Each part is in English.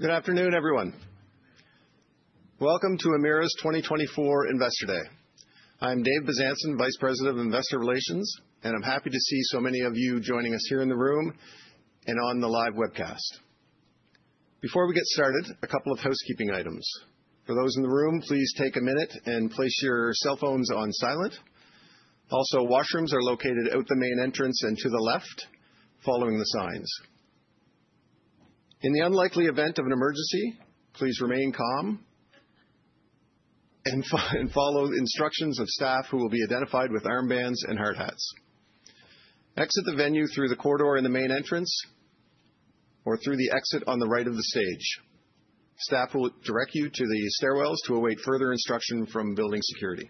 Good afternoon, everyone. Welcome to Emera's 2024 Investor Day. I'm Dave Bezanson, Vice President of Investor Relations, and I'm happy to see so many of you joining us here in the room and on the live webcast. Before we get started, a couple of housekeeping items. For those in the room, please take a minute and place your cell phones on silent. Also, washrooms are located out the main entrance and to the left, following the signs. In the unlikely event of an emergency, please remain calm and follow instructions of staff who will be identified with armbands and hard hats. Exit the venue through the corridor in the main entrance or through the exit on the right of the stage. Staff will direct you to the stairwells to await further instruction from building security.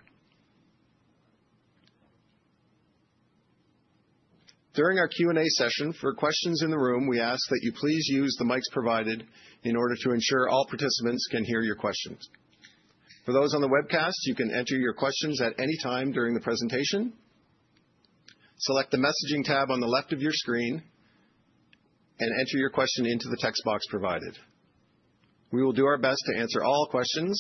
During our Q&A session, for questions in the room, we ask that you please use the mics provided in order to ensure all participants can hear your questions. For those on the webcast, you can enter your questions at any time during the presentation. Select the messaging tab on the left of your screen and enter your question into the text box provided. We will do our best to answer all questions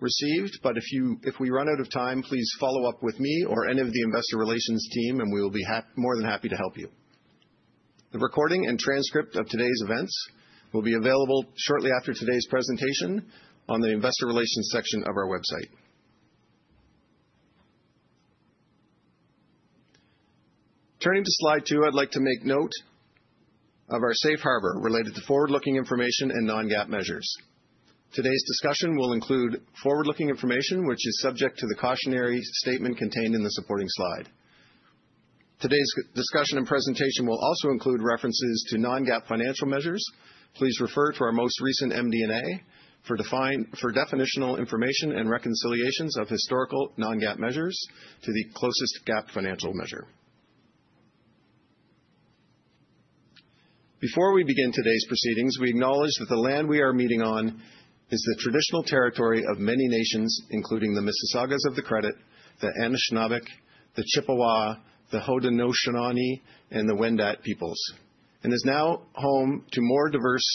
received, but if we run out of time, please follow up with me or any of the Investor Relations team, and we will be more than happy to help you. The recording and transcript of today's events will be available shortly after today's presentation on the Investor Relations section of our website. Turning to slide two, I'd like to make note of our safe harbor related to forward-looking information and non-GAAP measures. Today's discussion will include forward-looking information, which is subject to the cautionary statement contained in the supporting slide. Today's discussion and presentation will also include references to non-GAAP financial measures. Please refer to our most recent MD&A for definitional information and reconciliations of historical non-GAAP measures to the closest GAAP financial measure. Before we begin today's proceedings, we acknowledge that the land we are meeting on is the traditional territory of many nations, including the Mississaugas of the Credit, the Anishinabek, the Chippewa, the Haudenosaunee, and the Wendat peoples, and is now home to more diverse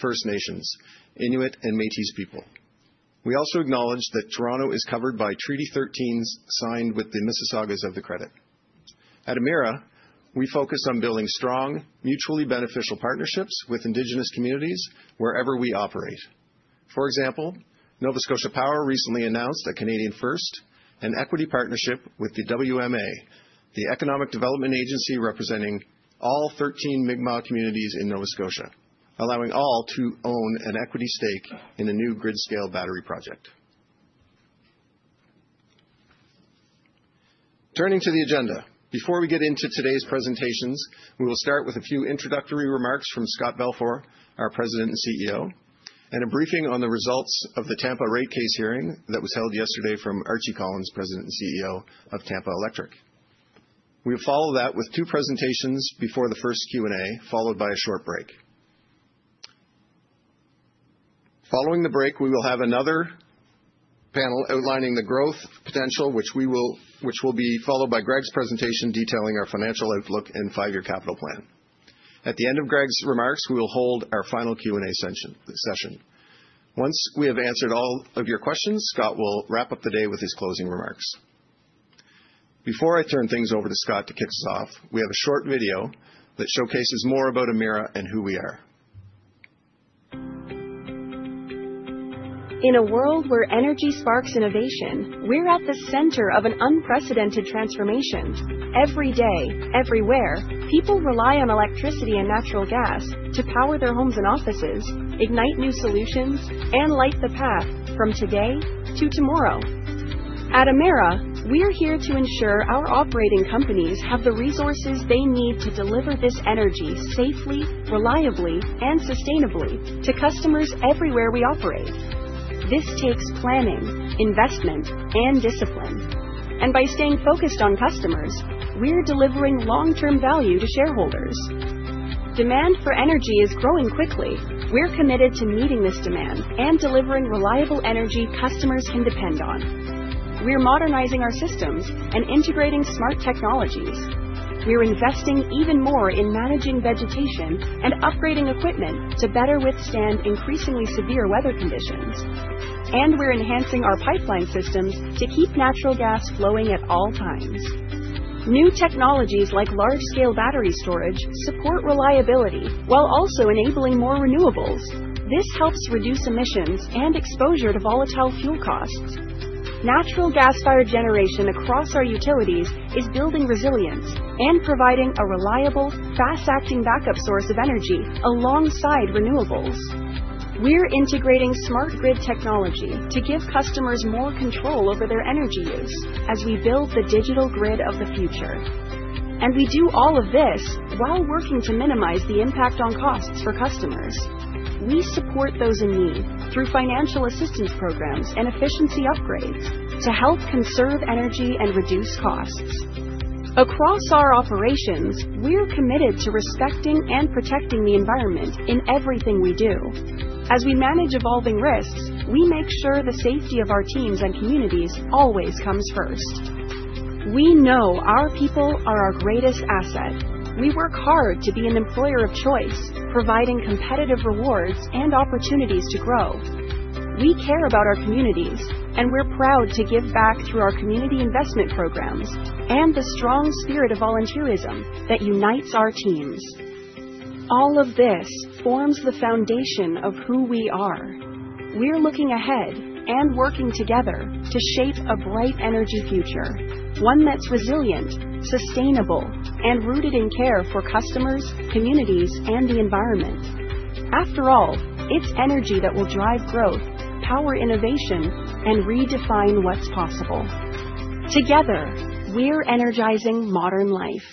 First Nations, Inuit, and Métis people. We also acknowledge that Toronto is covered by Treaty 13 signed with the Mississaugas of the Credit. At Emera, we focus on building strong, mutually beneficial partnerships with Indigenous communities wherever we operate. For example, Nova Scotia Power recently announced a Canadian-first and equity partnership with the WMA, the Economic Development Agency representing all 13 Mi'kmaq communities in Nova Scotia, allowing all to own an equity stake in a new grid-scale battery project. Turning to the agenda, before we get into today's presentations, we will start with a few introductory remarks from Scott Balfour, our President and CEO, and a briefing on the results of the Tampa rate case hearing that was held yesterday from Archie Collins, President and CEO of Tampa Electric. We will follow that with two presentations before the first Q&A, followed by a short break. Following the break, we will have another panel outlining the growth potential, which will be followed by Greg's presentation detailing our financial outlook and five-year capital plan. At the end of Greg's remarks, we will hold our final Q&A session. Once we have answered all of your questions, Scott will wrap up the day with his closing remarks. Before I turn things over to Scott to kick us off, we have a short video that showcases more about Emera and who we are. In a world where energy sparks innovation, we're at the center of an unprecedented transformation. Every day, everywhere, people rely on electricity and natural gas to power their homes and offices, ignite new solutions, and light the path from today to tomorrow. At Emera, we're here to ensure our operating companies have the resources they need to deliver this energy safely, reliably, and sustainably to customers everywhere we operate. This takes planning, investment, and discipline. And by staying focused on customers, we're delivering long-term value to shareholders. Demand for energy is growing quickly. We're committed to meeting this demand and delivering reliable energy customers can depend on. We're modernizing our systems and integrating smart technologies. We're investing even more in managing vegetation and upgrading equipment to better withstand increasingly severe weather conditions. And we're enhancing our pipeline systems to keep natural gas flowing at all times. New technologies like large-scale battery storage support reliability while also enabling more renewables. This helps reduce emissions and exposure to volatile fuel costs. Natural gas fired generation across our utilities is building resilience and providing a reliable, fast-acting backup source of energy alongside renewables. We're integrating smart grid technology to give customers more control over their energy use as we build the digital grid of the future. And we do all of this while working to minimize the impact on costs for customers. We support those in need through financial assistance programs and efficiency upgrades to help conserve energy and reduce costs. Across our operations, we're committed to respecting and protecting the environment in everything we do. As we manage evolving risks, we make sure the safety of our teams and communities always comes first. We know our people are our greatest asset. We work hard to be an employer of choice, providing competitive rewards and opportunities to grow. We care about our communities, and we're proud to give back through our community investment programs and the strong spirit of volunteerism that unites our teams. All of this forms the foundation of who we are. We're looking ahead and working together to shape a bright energy future, one that's resilient, sustainable, and rooted in care for customers, communities, and the environment. After all, it's energy that will drive growth, power innovation, and redefine what's possible. Together, we're energizing modern life.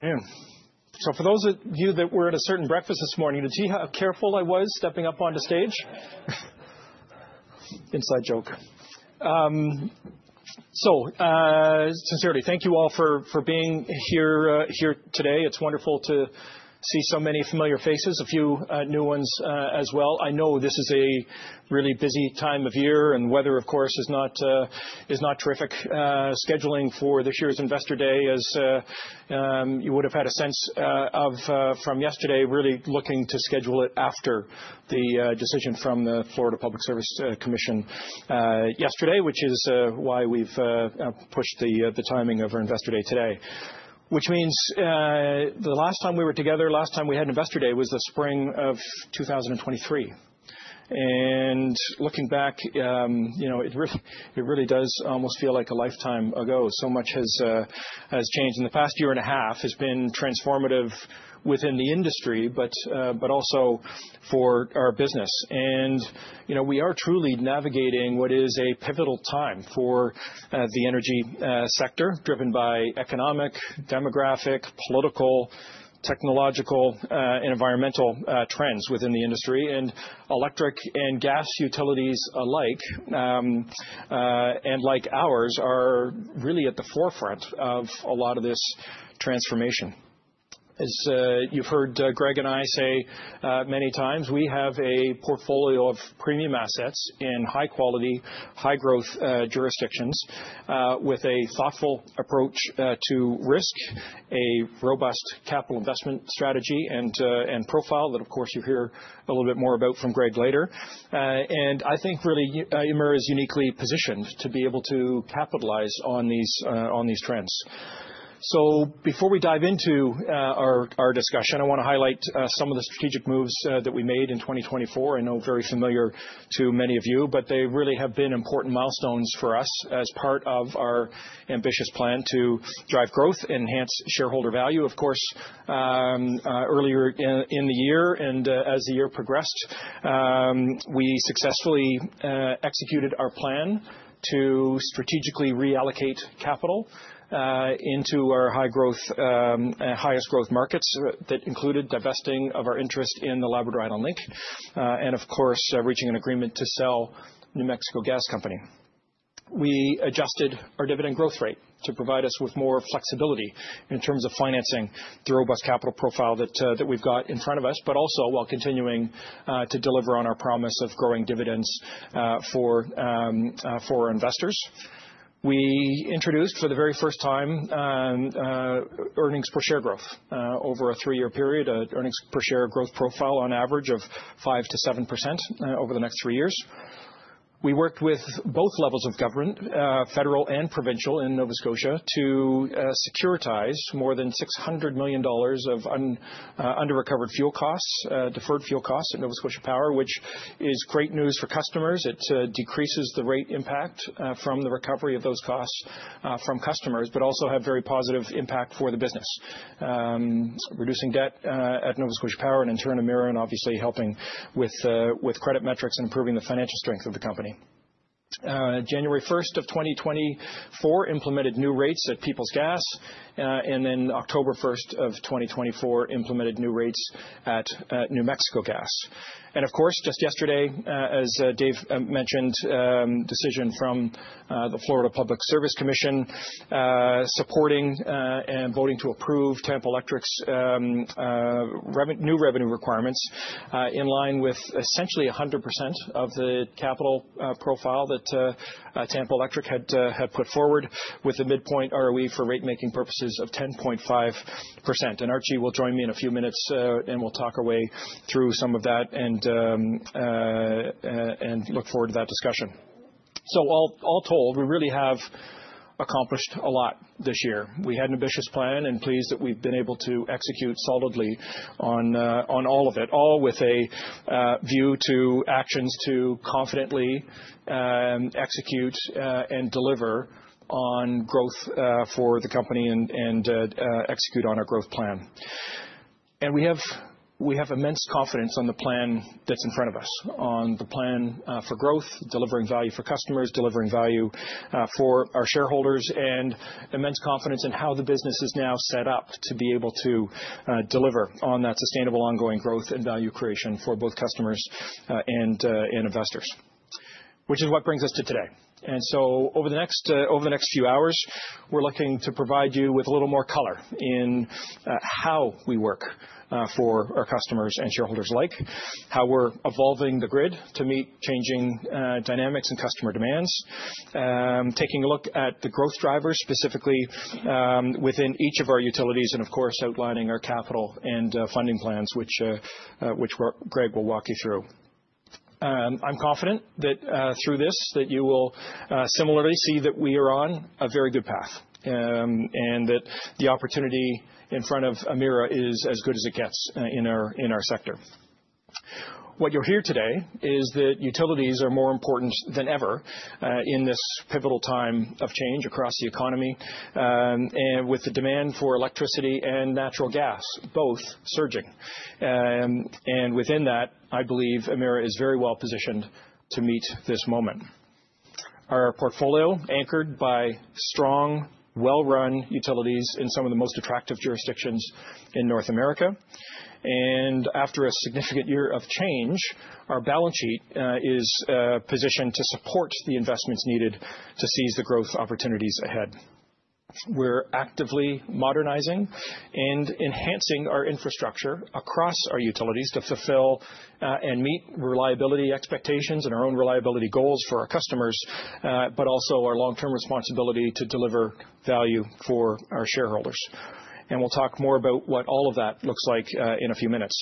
And so for those of you that were at a certain breakfast this morning, did you see how careful I was stepping up onto stage? Inside joke. So sincerely, thank you all for being here today. It's wonderful to see so many familiar faces, a few new ones as well. I know this is a really busy time of year, and weather, of course, is not terrific scheduling for this year's Investor Day, as you would have had a sense of from yesterday, really looking to schedule it after the decision from the Florida Public Service Commission yesterday, which is why we've pushed the timing of our Investor Day today, which means the last time we were together, last time we had Investor Day was the spring of 2023. And looking back, it really does almost feel like a lifetime ago. So much has changed in the past year and a half, has been transformative within the industry, but also for our business. And we are truly navigating what is a pivotal time for the energy sector, driven by economic, demographic, political, technological, and environmental trends within the industry. And electric and gas utilities alike, and like ours, are really at the forefront of a lot of this transformation. As you've heard Gregg and I say many times, we have a portfolio of premium assets in high-quality, high-growth jurisdictions with a thoughtful approach to risk, a robust capital investment strategy, and profile that, of course, you hear a little bit more about from Gregg later. And I think really Emera is uniquely positioned to be able to capitalize on these trends. So before we dive into our discussion, I want to highlight some of the strategic moves that we made in 2024. I know, very familiar to many of you, but they really have been important milestones for us as part of our ambitious plan to drive growth, enhance shareholder value. Of course, earlier in the year and as the year progressed, we successfully executed our plan to strategically reallocate capital into our highest growth markets that included divesting of our interest in the Labrador Island Link and, of course, reaching an agreement to sell New Mexico Gas Company. We adjusted our dividend growth rate to provide us with more flexibility in terms of financing the robust capital profile that we've got in front of us, but also while continuing to deliver on our promise of growing dividends for our investors. We introduced for the very first time earnings per share growth over a three-year period, an earnings per share growth profile on average of 5% to 7% over the next three years. We worked with both levels of government, federal and provincial, in Nova Scotia to securitize more than 600 million dollars of under-recovered fuel costs, deferred fuel costs at Nova Scotia Power, which is great news for customers. It decreases the rate impact from the recovery of those costs from customers, but also has a very positive impact for the business, reducing debt at Nova Scotia Power and in turn Emera and obviously helping with credit metrics and improving the financial strength of the company. January 1st of 2024 implemented new rates at Peoples Gas, and then October 1st of 2024 implemented new rates at New Mexico Gas. And of course, just yesterday, as Dave mentioned, a decision from the Florida Public Service Commission supporting and voting to approve Tampa Electric's new revenue requirements in line with essentially 100% of the capital profile that Tampa Electric had put forward with a midpoint ROE for rate-making purposes of 10.5%. And Archie will join me in a few minutes and we'll talk our way through some of that and look forward to that discussion. So all told, we really have accomplished a lot this year. We had an ambitious plan and pleased that we've been able to execute solidly on all of it, all with a view to actions to confidently execute and deliver on growth for the company and execute on our growth plan. We have immense confidence on the plan that's in front of us, on the plan for growth, delivering value for customers, delivering value for our shareholders, and immense confidence in how the business is now set up to be able to deliver on that sustainable ongoing growth and value creation for both customers and investors, which is what brings us to today. Over the next few hours, we're looking to provide you with a little more color in how we work for our customers and shareholders, like how we're evolving the grid to meet changing dynamics and customer demands, taking a look at the growth drivers specifically within each of our utilities, and of course, outlining our capital and funding plans, which Greg will walk you through. I'm confident that through this, that you will similarly see that we are on a very good path and that the opportunity in front of Emera is as good as it gets in our sector. What you'll hear today is that utilities are more important than ever in this pivotal time of change across the economy and with the demand for electricity and natural gas both surging. And within that, I believe Emera is very well positioned to meet this moment. Our portfolio anchored by strong, well-run utilities in some of the most attractive jurisdictions in North America. And after a significant year of change, our balance sheet is positioned to support the investments needed to seize the growth opportunities ahead. We're actively modernizing and enhancing our infrastructure across our utilities to fulfill and meet reliability expectations and our own reliability goals for our customers, but also our long-term responsibility to deliver value for our shareholders. And we'll talk more about what all of that looks like in a few minutes.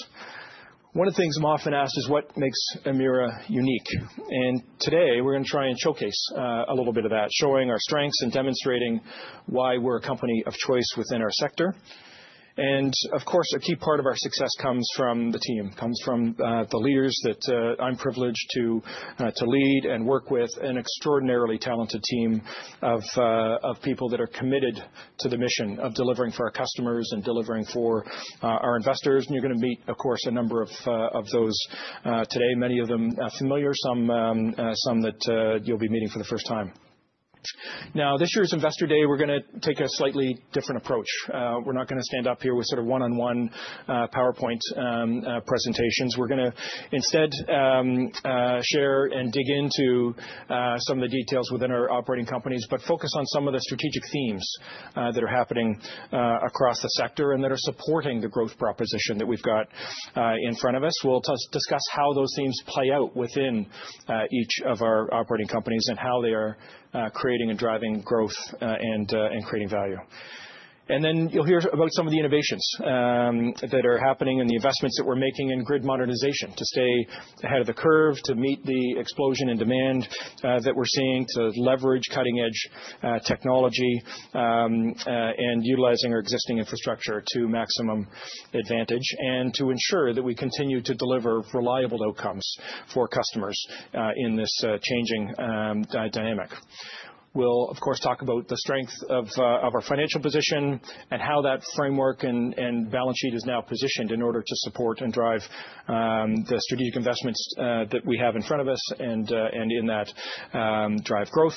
One of the things I'm often asked is what makes Emera unique. And today, we're going to try and showcase a little bit of that, showing our strengths and demonstrating why we're a company of choice within our sector. And of course, a key part of our success comes from the team, comes from the leaders that I'm privileged to lead and work with, an extraordinarily talented team of people that are committed to the mission of delivering for our customers and delivering for our investors. You're going to meet, of course, a number of those today, many of them familiar, some that you'll be meeting for the first time. Now, this year's Investor Day, we're going to take a slightly different approach. We're not going to stand up here with sort of one-on-one PowerPoint presentations. We're going to instead share and dig into some of the details within our operating companies, but focus on some of the strategic themes that are happening across the sector and that are supporting the growth proposition that we've got in front of us. We'll discuss how those themes play out within each of our operating companies and how they are creating and driving growth and creating value. And then you'll hear about some of the innovations that are happening and the investments that we're making in grid modernization to stay ahead of the curve, to meet the explosion in demand that we're seeing, to leverage cutting-edge technology and utilizing our existing infrastructure to maximum advantage and to ensure that we continue to deliver reliable outcomes for customers in this changing dynamic. We'll, of course, talk about the strength of our financial position and how that framework and balance sheet is now positioned in order to support and drive the strategic investments that we have in front of us and in that drive growth.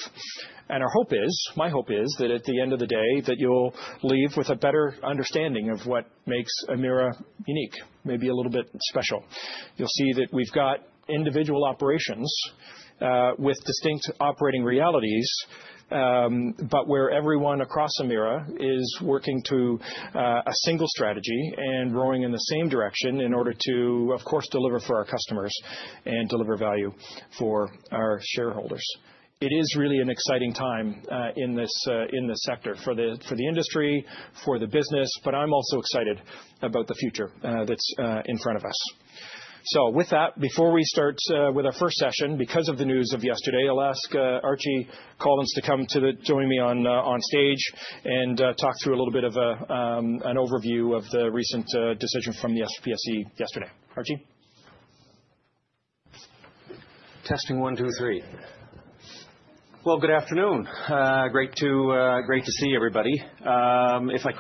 And our hope is, my hope is that at the end of the day, that you'll leave with a better understanding of what makes Emera unique, maybe a little bit special. You'll see that we've got individual operations with distinct operating realities, but where everyone across Emera is working to a single strategy and rowing in the same direction in order to, of course, deliver for our customers and deliver value for our shareholders. It is really an exciting time in this sector for the industry, for the business, but I'm also excited about the future that's in front of us. So with that, before we start with our first session, because of the news of yesterday, I'll ask Archie Collins to come to join me on stage and talk through a little bit of an overview of the recent decision from the FPSC yesterday. Archie. Testing one, two, three. Good afternoon. Great to see everybody. If I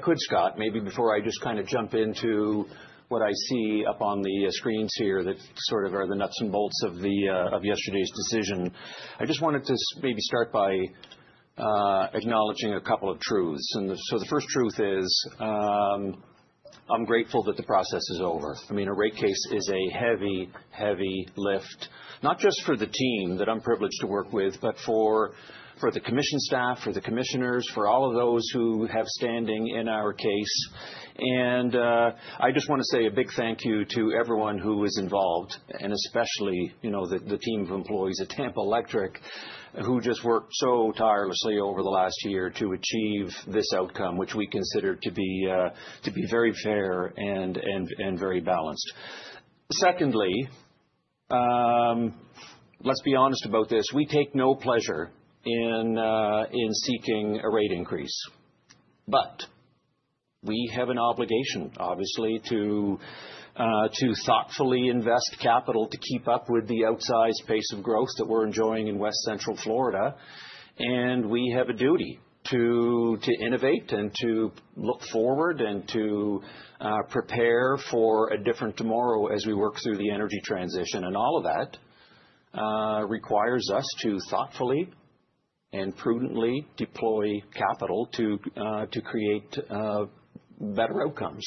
could, Scott, maybe before I just kind of jump into what I see up on the screens here that sort of are the nuts and bolts of yesterday's decision, I just wanted to maybe start by acknowledging a couple of truths. The first truth is I'm grateful that the process is over. I mean, a rate case is a heavy, heavy lift, not just for the team that I'm privileged to work with, but for the commission staff, for the commissioners, for all of those who have standing in our case. And I just want to say a big thank you to everyone who is involved, and especially the team of employees at Tampa Electric, who just worked so tirelessly over the last year to achieve this outcome, which we consider to be very fair and very balanced. Secondly, let's be honest about this. We take no pleasure in seeking a rate increase, but we have an obligation, obviously, to thoughtfully invest capital to keep up with the outsized pace of growth that we're enjoying in West Central Florida. And we have a duty to innovate and to look forward and to prepare for a different tomorrow as we work through the energy transition. And all of that requires us to thoughtfully and prudently deploy capital to create better outcomes.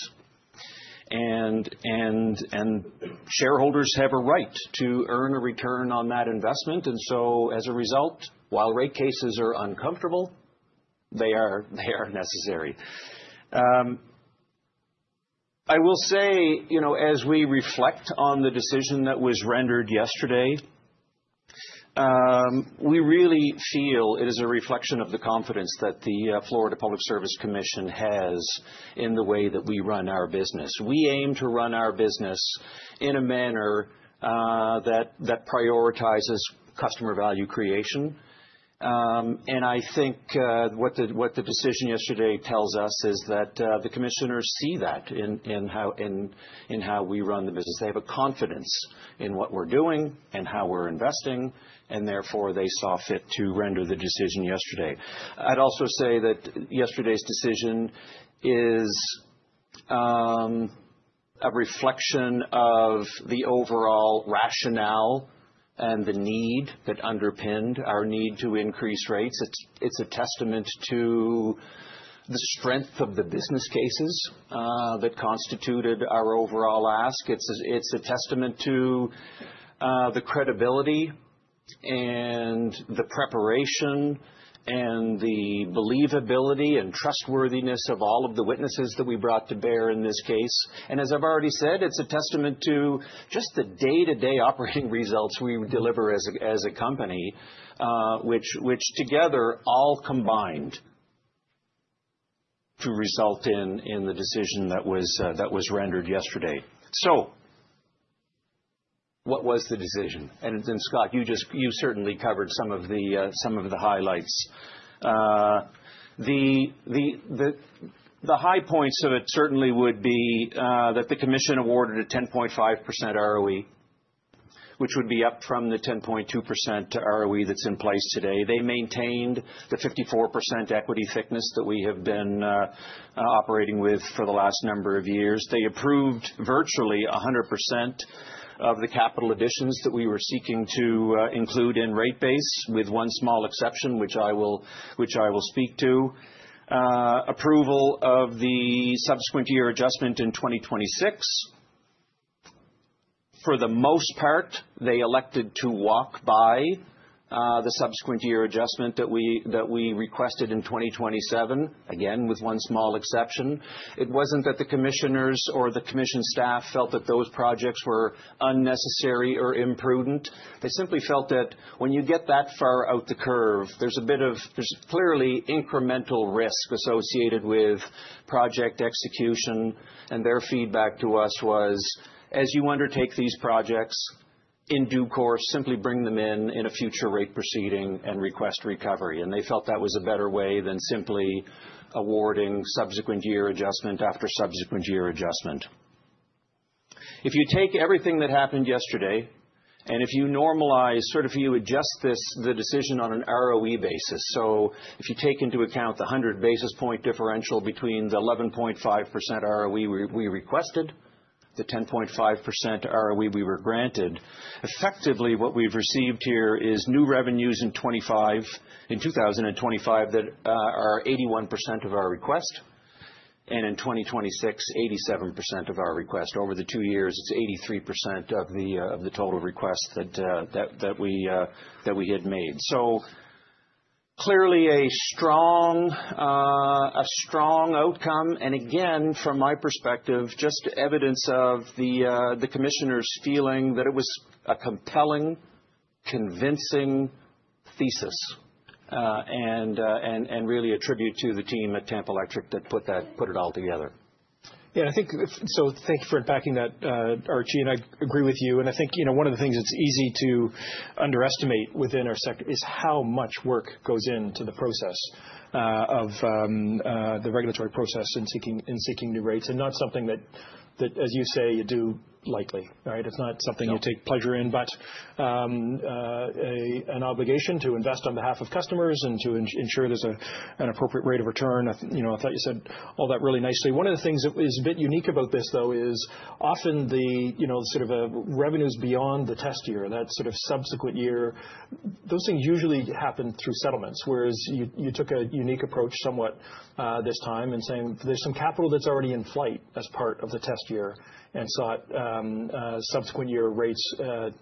And shareholders have a right to earn a return on that investment. And so, as a result, while rate cases are uncomfortable, they are necessary. I will say, as we reflect on the decision that was rendered yesterday, we really feel it is a reflection of the confidence that the Florida Public Service Commission has in the way that we run our business. We aim to run our business in a manner that prioritizes customer value creation. And I think what the decision yesterday tells us is that the commissioners see that in how we run the business. They have a confidence in what we're doing and how we're investing, and therefore they saw fit to render the decision yesterday. I'd also say that yesterday's decision is a reflection of the overall rationale and the need that underpinned our need to increase rates. It's a testament to the strength of the business cases that constituted our overall ask. It's a testament to the credibility and the preparation and the believability and trustworthiness of all of the witnesses that we brought to bear in this case, and as I've already said, it's a testament to just the day-to-day operating results we deliver as a company, which together all combined to result in the decision that was rendered yesterday, so what was the decision, and Scott, you certainly covered some of the highlights. The high points of it certainly would be that the commission awarded a 10.5% ROE, which would be up from the 10.2% ROE that's in place today. They maintained the 54% equity thickness that we have been operating with for the last number of years. They approved virtually 100% of the capital additions that we were seeking to include in rate base with one small exception, which I will speak to: approval of the subsequent year adjustment in 2026. For the most part, they elected to walk by the subsequent year adjustment that we requested in 2027, again with one small exception. It wasn't that the commissioners or the commission staff felt that those projects were unnecessary or imprudent. They simply felt that when you get that far out the curve, there's a bit of clearly incremental risk associated with project execution, and their feedback to us was, as you undertake these projects in due course, simply bring them in a future rate proceeding and request recovery, and they felt that was a better way than simply awarding subsequent year adjustment after subsequent year adjustment. If you take everything that happened yesterday and if you normalize, sort of you adjust the decision on an ROE basis, so if you take into account the 100 basis point differential between the 11.5% ROE we requested, the 10.5% ROE we were granted, effectively what we've received here is new revenues in 2025 that are 81% of our request and in 2026, 87% of our request. Over the two years, it's 83% of the total request that we had made, so clearly a strong outcome, and again, from my perspective, just evidence of the commissioners' feeling that it was a compelling, convincing thesis and really attribute to the team at Tampa Electric that put it all together. Yeah, I think so. Thank you for unpacking that, Archie, and I agree with you, and I think one of the things it's easy to underestimate within our sector is how much work goes into the process of the regulatory process in seeking new rates, and not something that, as you say, you do lightly. It's not something you take pleasure in, but an obligation to invest on behalf of customers and to ensure there's an appropriate rate of return. I thought you said all that really nicely. One of the things that is a bit unique about this, though, is often the sort of revenues beyond the test year, that sort of subsequent year, those things usually happen through settlements. Whereas you took a unique approach somewhat this time in saying there's some capital that's already in flight as part of the test year and sought subsequent year rates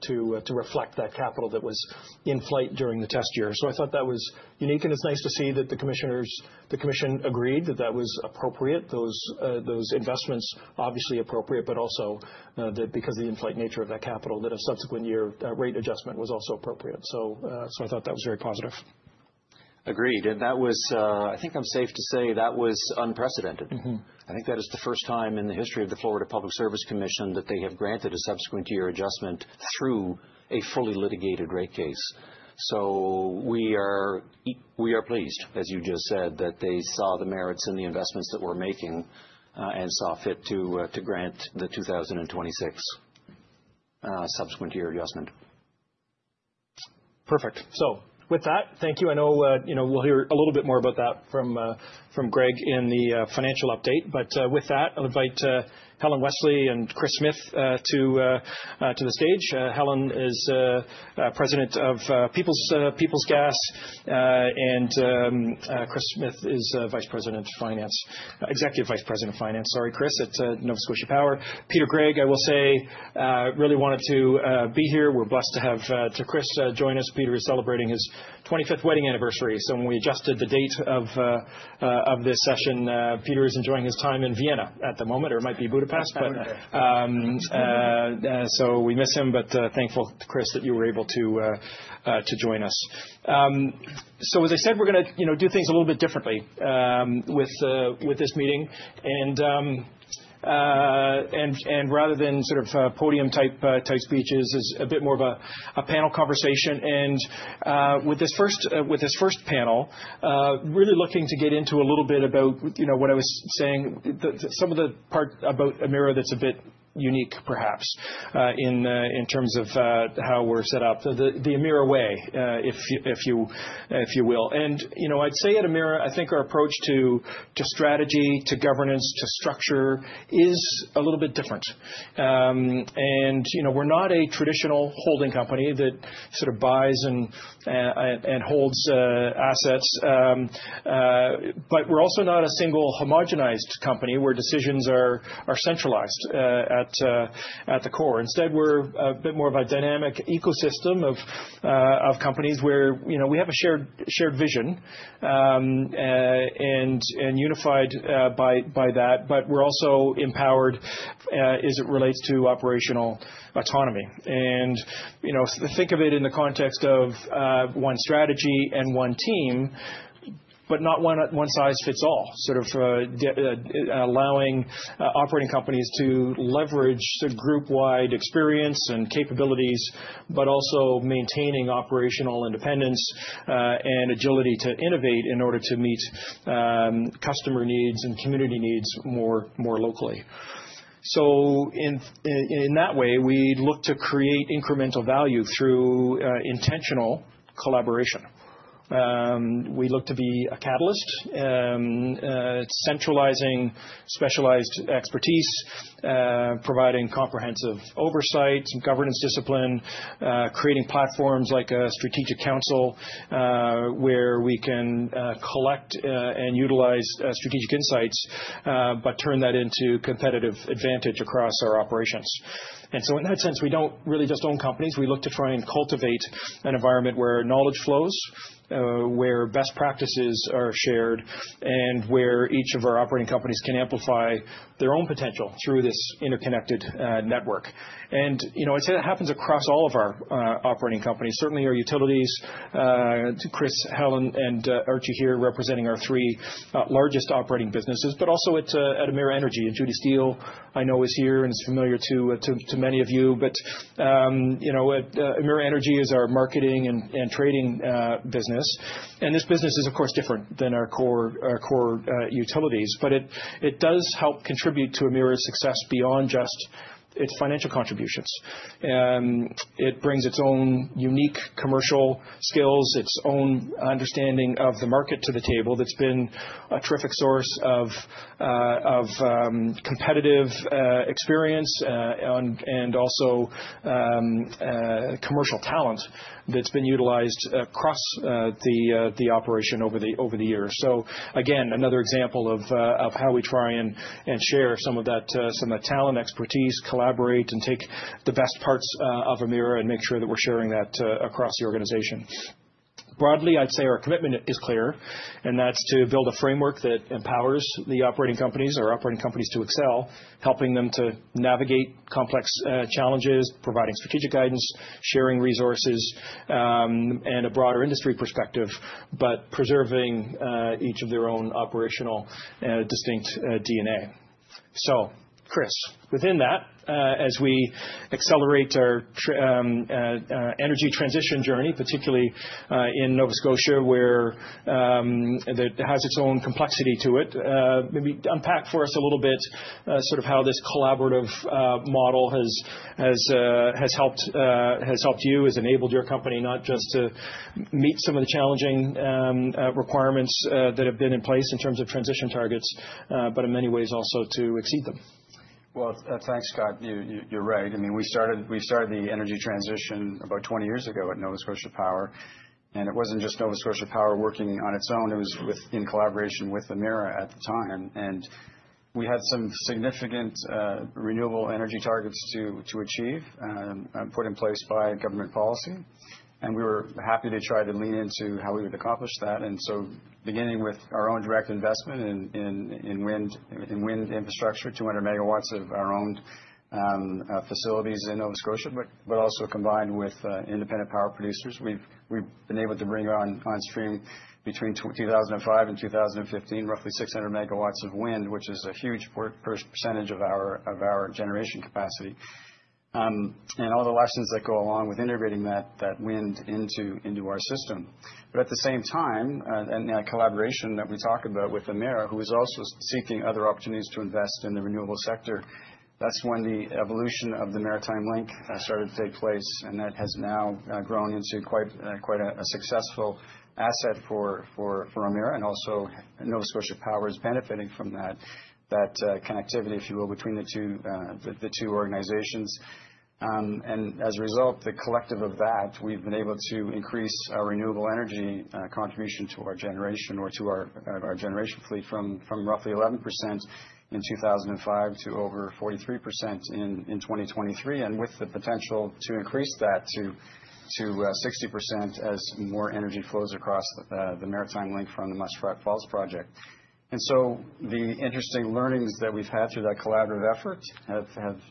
to reflect that capital that was in flight during the test year. So I thought that was unique. And it's nice to see that the commission agreed that that was appropriate, those investments, obviously appropriate, but also that because of the in-flight nature of that capital, that a subsequent year rate adjustment was also appropriate. So I thought that was very positive. Agreed, and I think I'm safe to say that was unprecedented. I think that is the first time in the history of the Florida Public Service Commission that they have granted a subsequent year adjustment through a fully litigated rate case, so we are pleased, as you just said, that they saw the merits in the investments that we're making and saw fit to grant the 2026 subsequent year adjustment. Perfect. So with that, thank you. I know we'll hear a little bit more about that from Greg in the financial update. But with that, I'll invite Helen Wesley and Chris Smith to the stage. Helen is president of Peoples Gas and Chris Smith is executive vice president of finance, sorry, Chris, at Nova Scotia Power. Peter Gregg, I will say, really wanted to be here. We're blessed to have Chris join us. Peter is celebrating his 25th wedding anniversary. So when we adjusted the date of this session, Peter is enjoying his time in Vienna at the moment, or it might be Budapest, but so we miss him, but thankful, Chris, that you were able to join us. So as I said, we're going to do things a little bit differently with this meeting. And rather than sort of podium-type speeches, it's a bit more of a panel conversation. And with this first panel, really looking to get into a little bit about what I was saying, some of the part about Emera that's a bit unique, perhaps, in terms of how we're set up, the Emera way, if you will. And I'd say at Emera, I think our approach to strategy, to governance, to structure is a little bit different. And we're not a traditional holding company that sort of buys and holds assets. But we're also not a single homogenized company where decisions are centralized at the core. Instead, we're a bit more of a dynamic ecosystem of companies where we have a shared vision and unified by that, but we're also empowered as it relates to operational autonomy. And think of it in the context of one strategy and one team, but not one size fits all, sort of allowing operating companies to leverage the group-wide experience and capabilities, but also maintaining operational independence and agility to innovate in order to meet customer needs and community needs more locally. So in that way, we look to create incremental value through intentional collaboration. We look to be a catalyst, centralizing specialized expertise, providing comprehensive oversight, some governance discipline, creating platforms like a strategic council where we can collect and utilize strategic insights, but turn that into competitive advantage across our operations. And so in that sense, we don't really just own companies. We look to try and cultivate an environment where knowledge flows, where best practices are shared, and where each of our operating companies canamplify their own potential through this interconnected network. And I'd say that happens across all of our operating companies. Certainly our utilities, Chris, Helen, and Archie here representing our three largest operating businesses, but also at Emera Energy. And Judy Steele, I know, is here and is familiar to many of you. But Emera Energy is our marketing and trading business. And this business is, of course, different than our core utilities, but it does help contribute to Emera's success beyond just its financial contributions. It brings its own unique commercial skills, its own understanding of the market to the table that's been a terrific source of competitive experience and also commercial talent that's been utilized across the operation over the years. So again, another example of how we try and share some of that talent, expertise, collaborate, and take the best parts of Emera and make sure that we're sharing that across the organization. Broadly, I'd say our commitment is clear, and that's to build a framework that empowers the operating companies, our operating companies to excel, helping them to navigate complex challenges, providing strategic guidance, sharing resources, and a broader industry perspective, but preserving each of their own operational distinct DNA. So Chris, within that, as we accelerate our energy transition journey, particularly in Nova Scotia, where it has its own complexity to it, maybe unpack for us a little bit sort of how this collaborative model has helped you, has enabled your company not just to meet some of the challenging requirements that have been in place in terms of transition targets, but in many ways also to exceed them. Well, thanks, Scott. You're right. I mean, we started the energy transition about 20 years ago at Nova Scotia Power. And it wasn't just Nova Scotia Power working on its own. It was in collaboration with Emera at the time. And we had some significant renewable energy targets to achieve and put in place by government policy. And we were happy to try to lean into how we would accomplish that. And so beginning with our own direct investment in wind infrastructure, 200 megawatts of our own facilities in Nova Scotia, but also combined with independent power producers, we've been able to bring on stream between 2005 and 2015, roughly 600 megawatts of wind, which is a huge percentage of our generation capacity. And all the lessons that go along with integrating that wind into our system. But at the same time, in that collaboration that we talk about with Emera, who is also seeking other opportunities to invest in the renewable sector, that's when the evolution of the Maritime Link started to take place. And that has now grown into quite a successful asset for Emera, and also Nova Scotia Power is benefiting from that connectivity, if you will, between the two organizations. And as a result, the collective of that, we've been able to increase our renewable energy contribution to our generation or to our generation fleet from roughly 11% in 2005 to over 43% in 2023, and with the potential to increase that to 60% as more energy flows across the Maritime Link from the Muskrat Falls project. And so the interesting learnings that we've had through that collaborative effort have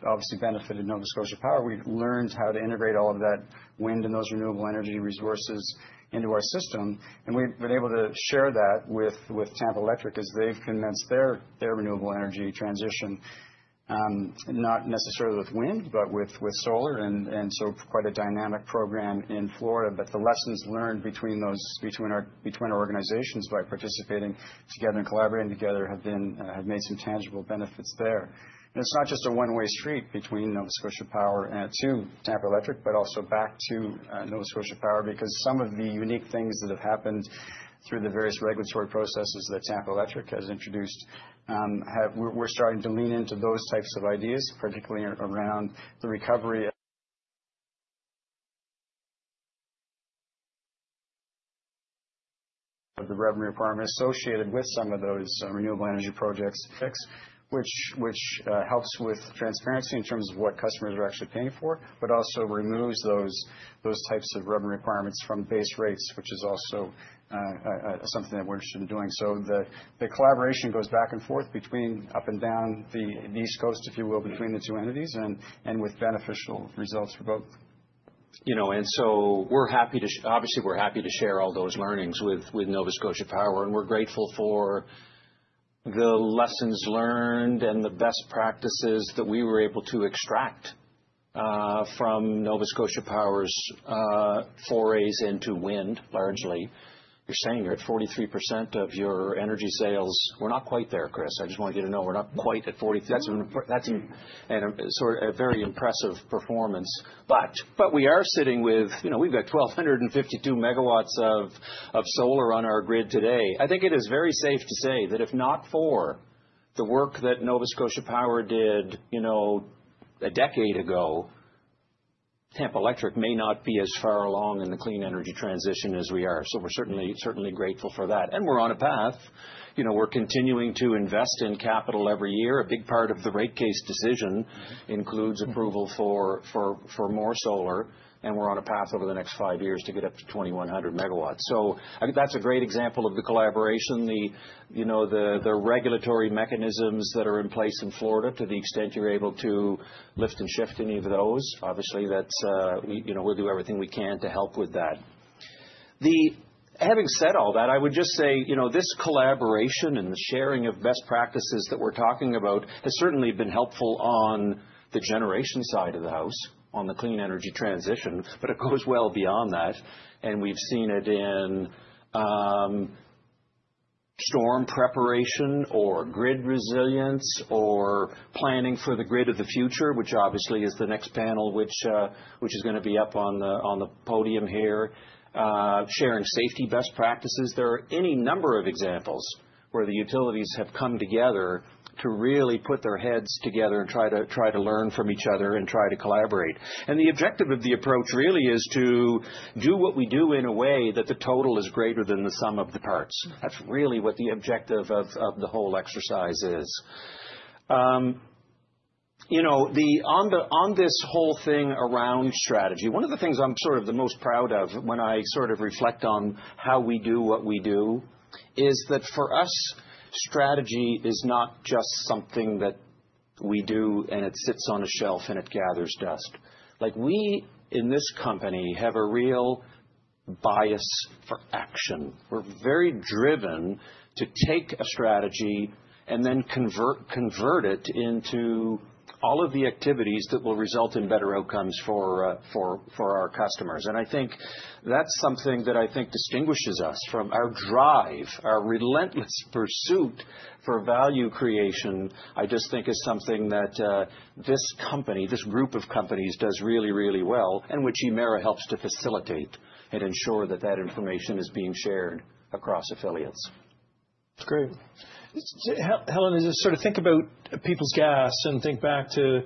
obviously benefited Nova Scotia Power. We've learned how to integrate all of that wind and those renewable energy resources into our system. And we've been able to share that with Tampa Electric as they've commenced their renewable energy transition, not necessarily with wind, but with solar. And so quite a dynamic program in Florida. But the lessons learned between our organizations by participating together and collaborating together have made some tangible benefits there. It's not just a one-way street between Nova Scotia Power to Tampa Electric, but also back to Nova Scotia Power because some of the unique things that have happened through the various regulatory processes that Tampa Electric has introduced. We're starting to lean into those types of ideas, particularly around the recovery of the revenue requirement associated with some of those renewable energy projects, which helps with transparency in terms of what customers are actually paying for, but also removes those types of revenue requirements from base rates, which is also something that we're interested in doing. So the collaboration goes back and forth between up and down the East Coast, if you will, between the two entities and with beneficial results for both. You know. We're happy to, obviously, share all those learnings with Nova Scotia Power. We're grateful for the lessons learned and the best practices that we were able to extract from Nova Scotia Power's forays into wind, largely. You're saying you're at 43% of your energy sales. We're not quite there, Chris. I just want you to know we're not quite at 43%. That's a very impressive performance. But we are sitting with, we've got 1,252 megawatts of solar on our grid today. I think it is very safe to say that if not for the work that Nova Scotia Power did a decade ago, Tampa Electric may not be as far along in the clean energy transition as we are. So we're certainly grateful for that. And we're on a path. We're continuing to invest in capital every year. A big part of the rate case decision includes approval for more solar. And we're on a path over the next five years to get up to 2,100 megawatts. So that's a great example of the collaboration, the regulatory mechanisms that are in place in Florida to the extent you're able to lift and shift any of those. Obviously, we'll do everything we can to help with that. Having said all that, I would just say this collaboration and the sharing of best practices that we're talking about has certainly been helpful on the generation side of the house, on the clean energy transition, but it goes well beyond that. And we've seen it in storm preparation or grid resilience or planning for the grid of the future, which obviously is the next panel which is going to be up on the podium here, sharing safety best practices. There are any number of examples where the utilities have come together to really put their heads together and try to learn from each other and try to collaborate. And the objective of the approach really is to do what we do in a way that the total is greater than the sum of the parts. That's really what the objective of the whole exercise is. On this whole thing around strategy, one of the things I'm sort of the most proud of when I sort of reflect on how we do what we do is that for us, strategy is not just something that we do and it sits on a shelf and it gathers dust. We, in this company, have a real bias for action. We're very driven to take a strategy and then convert it into all of the activities that will result in better outcomes for our customers. And I think that's something that I think distinguishes us from our drive, our relentless pursuit for value creation, I just think is something that this company, this group of companies does really, really well and which Emera helps to facilitate and ensure that that information is being shared across affiliates. Great. Helen, as I sort of think about Peoples Gas and think back to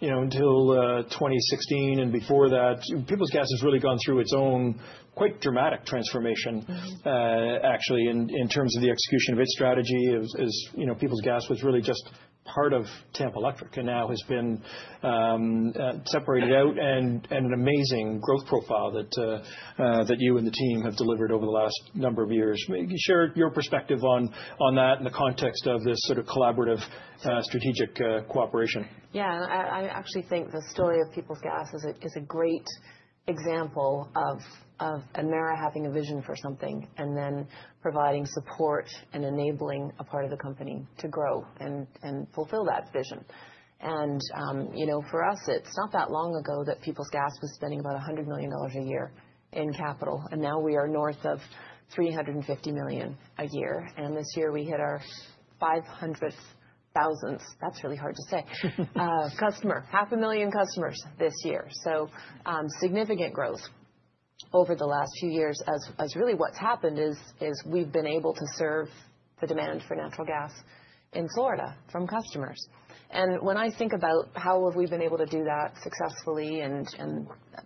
until 2016 and before that, Peoples Gas has really gone through its own quite dramatic transformation, actually, in terms of the execution of its strategy, as Peoples Gas was really just part of Tampa Electric and now has been separated out and an amazing growth profile that you and the team have delivered over the last number of years. Maybe share your perspective on that in the context of this sort of collaborative strategic cooperation. Yeah. I actually think the story of Peoples Gas is a great example of Emera having a vision for something and then providing support and enabling a part of the company to grow and fulfill that vision. And for us, it's not that long ago that Peoples Gas was spending about $100 million a year in capital. And now we are north of $350 million a year. And this year we hit our 500,000th, that's really hard to say, customer, 500,000 customers this year. So significant growth over the last few years. As really what's happened is we've been able to serve the demand for natural gas in Florida from customers. And when I think about how have we been able to do that successfully and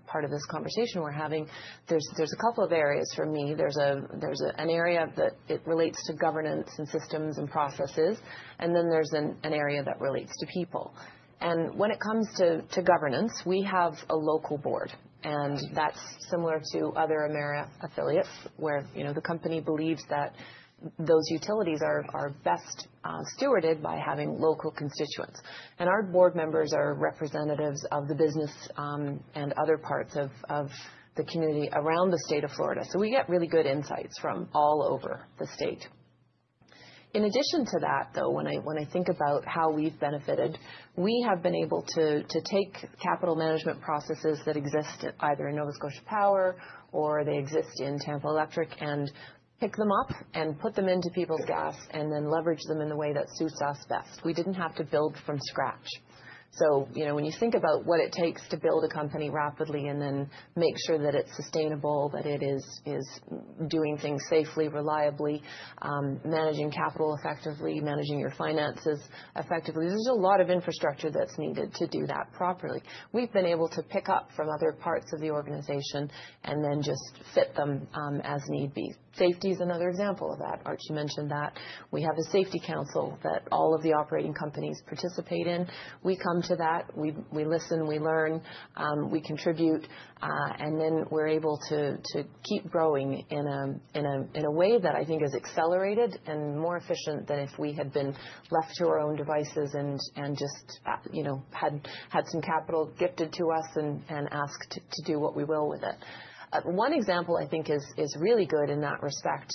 part of this conversation we're having, there's a couple of areas for me. There's an area that relates to governance and systems and processes. And then there's an area that relates to people. And when it comes to governance, we have a local board. And that's similar to other Emera affiliates where the company believes that those utilities are best stewarded by having local constituents. And our board members are representatives of the business and other parts of the community around the state of Florida. So we get really good insights from all over the state. In addition to that, though, when I think about how we've benefited, we have been able to take capital management processes that exist either in Nova Scotia Power or they exist in Tampa Electric and pick them up and put them into Peoples Gas and then leverage them in the way that suits us best. We didn't have to build from scratch. So when you think about what it takes to build a company rapidly and then make sure that it's sustainable, that it is doing things safely, reliably, managing capital effectively, managing your finances effectively, there's a lot of infrastructure that's needed to do that properly. We've been able to pick up from other parts of the organization and then just fit them as need be. Safety is another example of that. Archie mentioned that. We have a safety council that all of the operating companies participate in. We come to that. We listen, we learn, we contribute, and then we're able to keep growing in a way that I think is accelerated and more efficient than if we had been left to our own devices and just had some capital gifted to us and asked to do what we will with it. One example I think is really good in that respect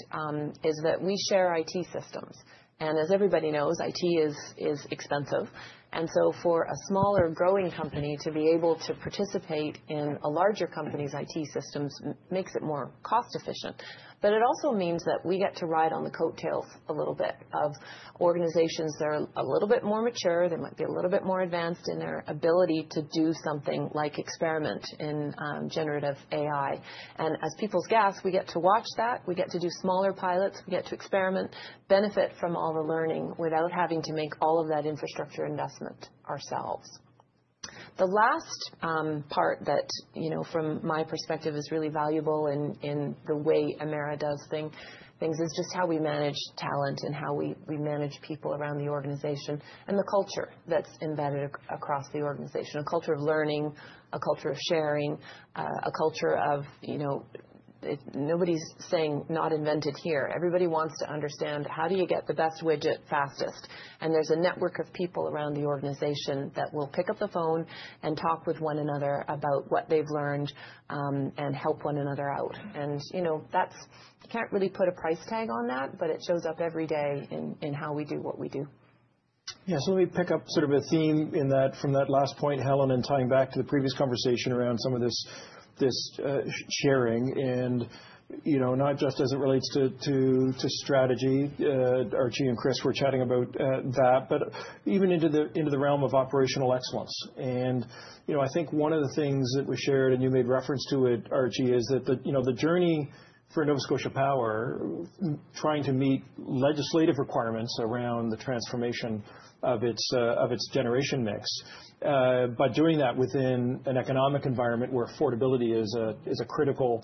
is that we share IT systems. And as everybody knows, IT is expensive. And so for a smaller growing company to be able to participate in a larger company's IT systems makes it more cost-efficient. But it also means that we get to ride on the coattails a little bit of organizations that are a little bit more mature. They might be a little bit more advanced in their ability to do something like experiment in generative AI. And as Peoples Gas, we get to watch that. We get to do smaller pilots. We get to experiment, benefit from all the learning without having to make all of that infrastructure investment ourselves. The last part that, from my perspective, is really valuable in the way Emera does things is just how we manage talent and how we manage people around the organization and the culture that's embedded across the organization, a culture of learning, a culture of sharing, a culture of nobody's saying "not invented here." Everybody wants to understand how do you get the best widget fastest. And there's a network of people around the organization that will pick up the phone and talk with one another about what they've learned and help one another out. And I can't really put a price tag on that, but it shows up every day in how we do what we do. Yeah, so let me pick up sort of a theme from that last point, Helen, and tying back to the previous conversation around some of this sharing, and not just as it relates to strategy, Archie and Chris were chatting about that, but even into the realm of operational excellence. And I think one of the things that was shared and you made reference to it, Archie, is that the journey for Nova Scotia Power trying to meet legislative requirements around the transformation of its generation mix, but doing that within an economic environment where affordability is a critical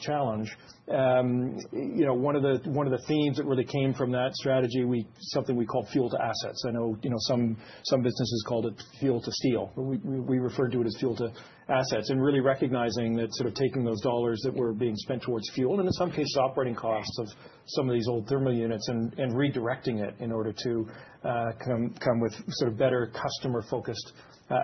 challenge. One of the themes that really came from that strategy, something we called Fuel to Assets. I know some businesses called it fuel to steel, but we referred to it as Fuel to Steel and really recognizing that sort of taking those dollars that were being spent towards fuel and in some cases operating costs of some of these old thermal units and redirecting it in order to come with sort of better customer-focused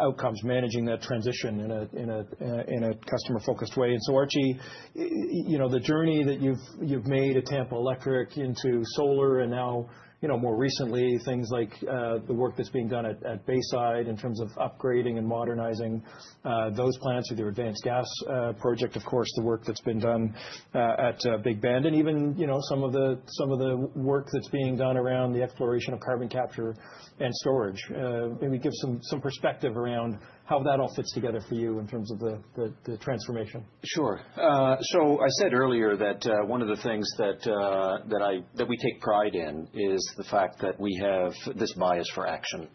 outcomes, managing that transition in a customer-focused way. And so, Archie, the journey that you've made at Tampa Electric into solar and now more recently, things like the work that's being done at Bayside in terms of upgrading and modernizing those plants through their advanced gas project, of course, the work that's been done at Big Bend, and even some of the work that's being done around the exploration of carbon capture and storage. Maybe give some perspective around how that all fits together for you in terms of the transformation. Sure. So I said earlier that one of the things that we take pride in is the fact that we have this bias for action.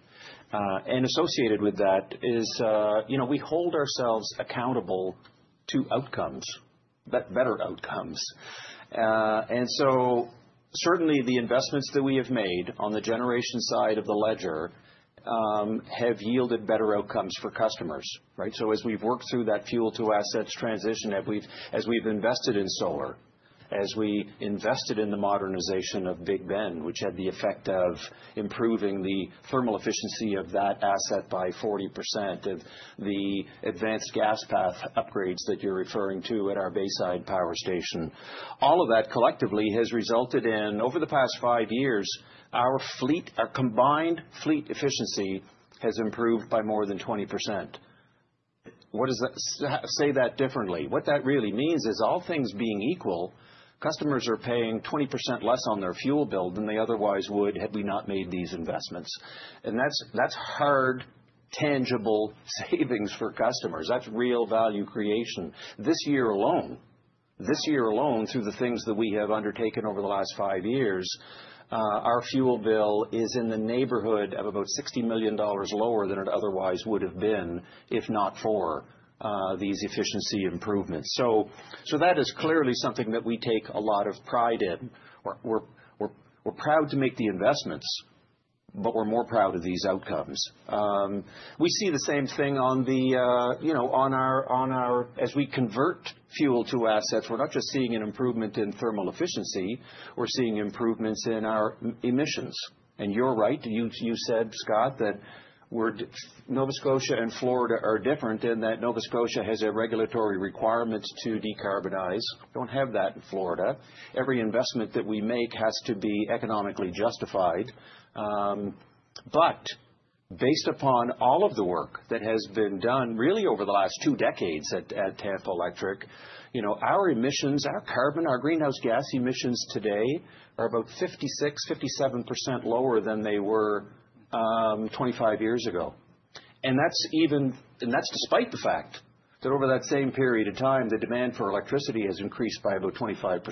And associated with that is we hold ourselves accountable to outcomes, better outcomes. And so certainly the investments that we have made on the generation side of the ledger have yielded better outcomes for customers. So as we've worked through that fuel to assets transition, as we've invested in solar, as we invested in the modernization of Big Bend, which had the effect of improving the thermal efficiency of that asset by 40%, of the Advanced Gas Path upgrades that you're referring to at our Bayside power station, all of that collectively has resulted in over the past five years, our combined fleet efficiency has improved by more than 20%. Say that differently. What that really means is all things being equal, customers are paying 20% less on their fuel bill than they otherwise would had we not made these investments. And that's hard, tangible savings for customers. That's real value creation. This year alone, through the things that we have undertaken over the last five years, our fuel bill is in the neighborhood of about $60 million lower than it otherwise would have been if not for these efficiency improvements. So that is clearly something that we take a lot of pride in. We're proud to make the investments, but we're more proud of these outcomes. We see the same thing on ours as we convert fuel to assets, we're not just seeing an improvement in thermal efficiency. We're seeing improvements in our emissions. And you're right. You said, Scott, that Nova Scotia and Florida are different in that Nova Scotia has a regulatory requirement to decarbonize. We don't have that in Florida. Every investment that we make has to be economically justified. But based upon all of the work that has been done really over the last two decades at Tampa Electric, our emissions, our carbon, our greenhouse gas emissions today are about 56%-57% lower than they were 25 years ago. And that's despite the fact that over that same period of time, the demand for electricity has increased by about 25%.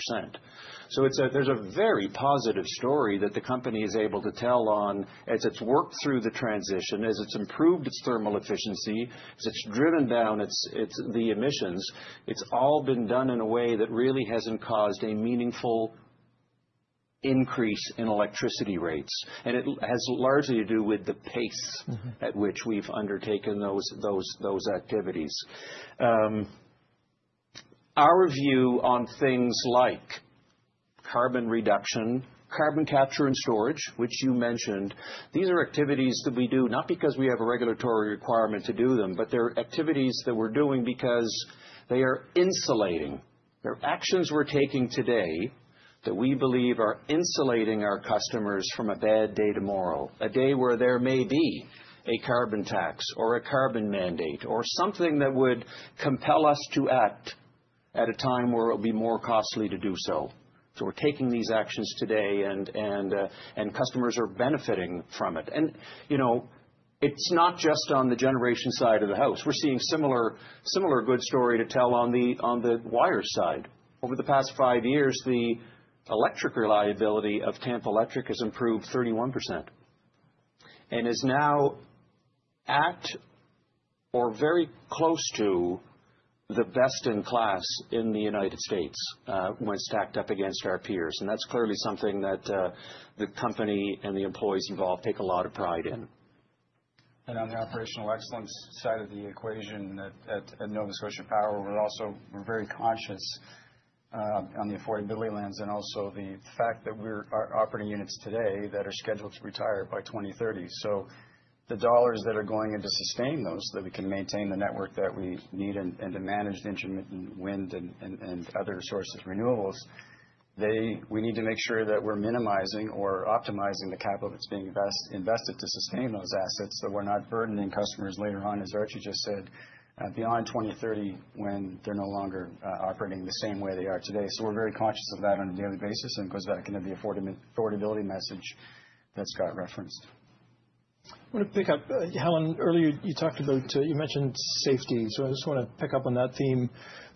So there's a very positive story that the company is able to tell on as it's worked through the transition, as it's improved its thermal efficiency, as it's driven down the emissions, it's all been done in a way that really hasn't caused a meaningful increase in electricity rates. And it has largely to do with the pace at which we've undertaken those activities. Our view on things like carbon reduction, Carbon Capture and Storage, which you mentioned, these are activities that we do not because we have a regulatory requirement to do them, but they're activities that we're doing because they are insulating. There are actions we're taking today that we believe are insulating our customers from a bad day tomorrow, a day where there may be a carbon tax or a carbon mandate or something that would compel us to act at a time where it'll be more costly to do so. So we're taking these actions today and customers are benefiting from it. And it's not just on the generation side of the house. We're seeing a similar good story to tell on the wire side. Over the past five years, the electric reliability of Tampa Electric has improved 31% and is now at or very close to the best in class in the United States when stacked up against our peers. And that's clearly something that the company and the employees involved take a lot of pride in. And on the operational excellence side of the equation at Nova Scotia Power, we're also very conscious on the affordability lens and also the fact that we are operating units today that are scheduled to retire by 2030. So the dollars that are going into sustaining those, that we can maintain the network that we need and to manage the intermittent wind and other sources of renewables, we need to make sure that we're minimizing or optimizing the capital that's being invested to sustain those assets so we're not burdening customers later on, as Archie just said, beyond 2030 when they're no longer operating the same way they are today. So we're very conscious of that on a daily basis and it goes back into the affordability message that Scott referenced. I want to pick up, Helen. Earlier you mentioned safety. So I just want to pick up on that theme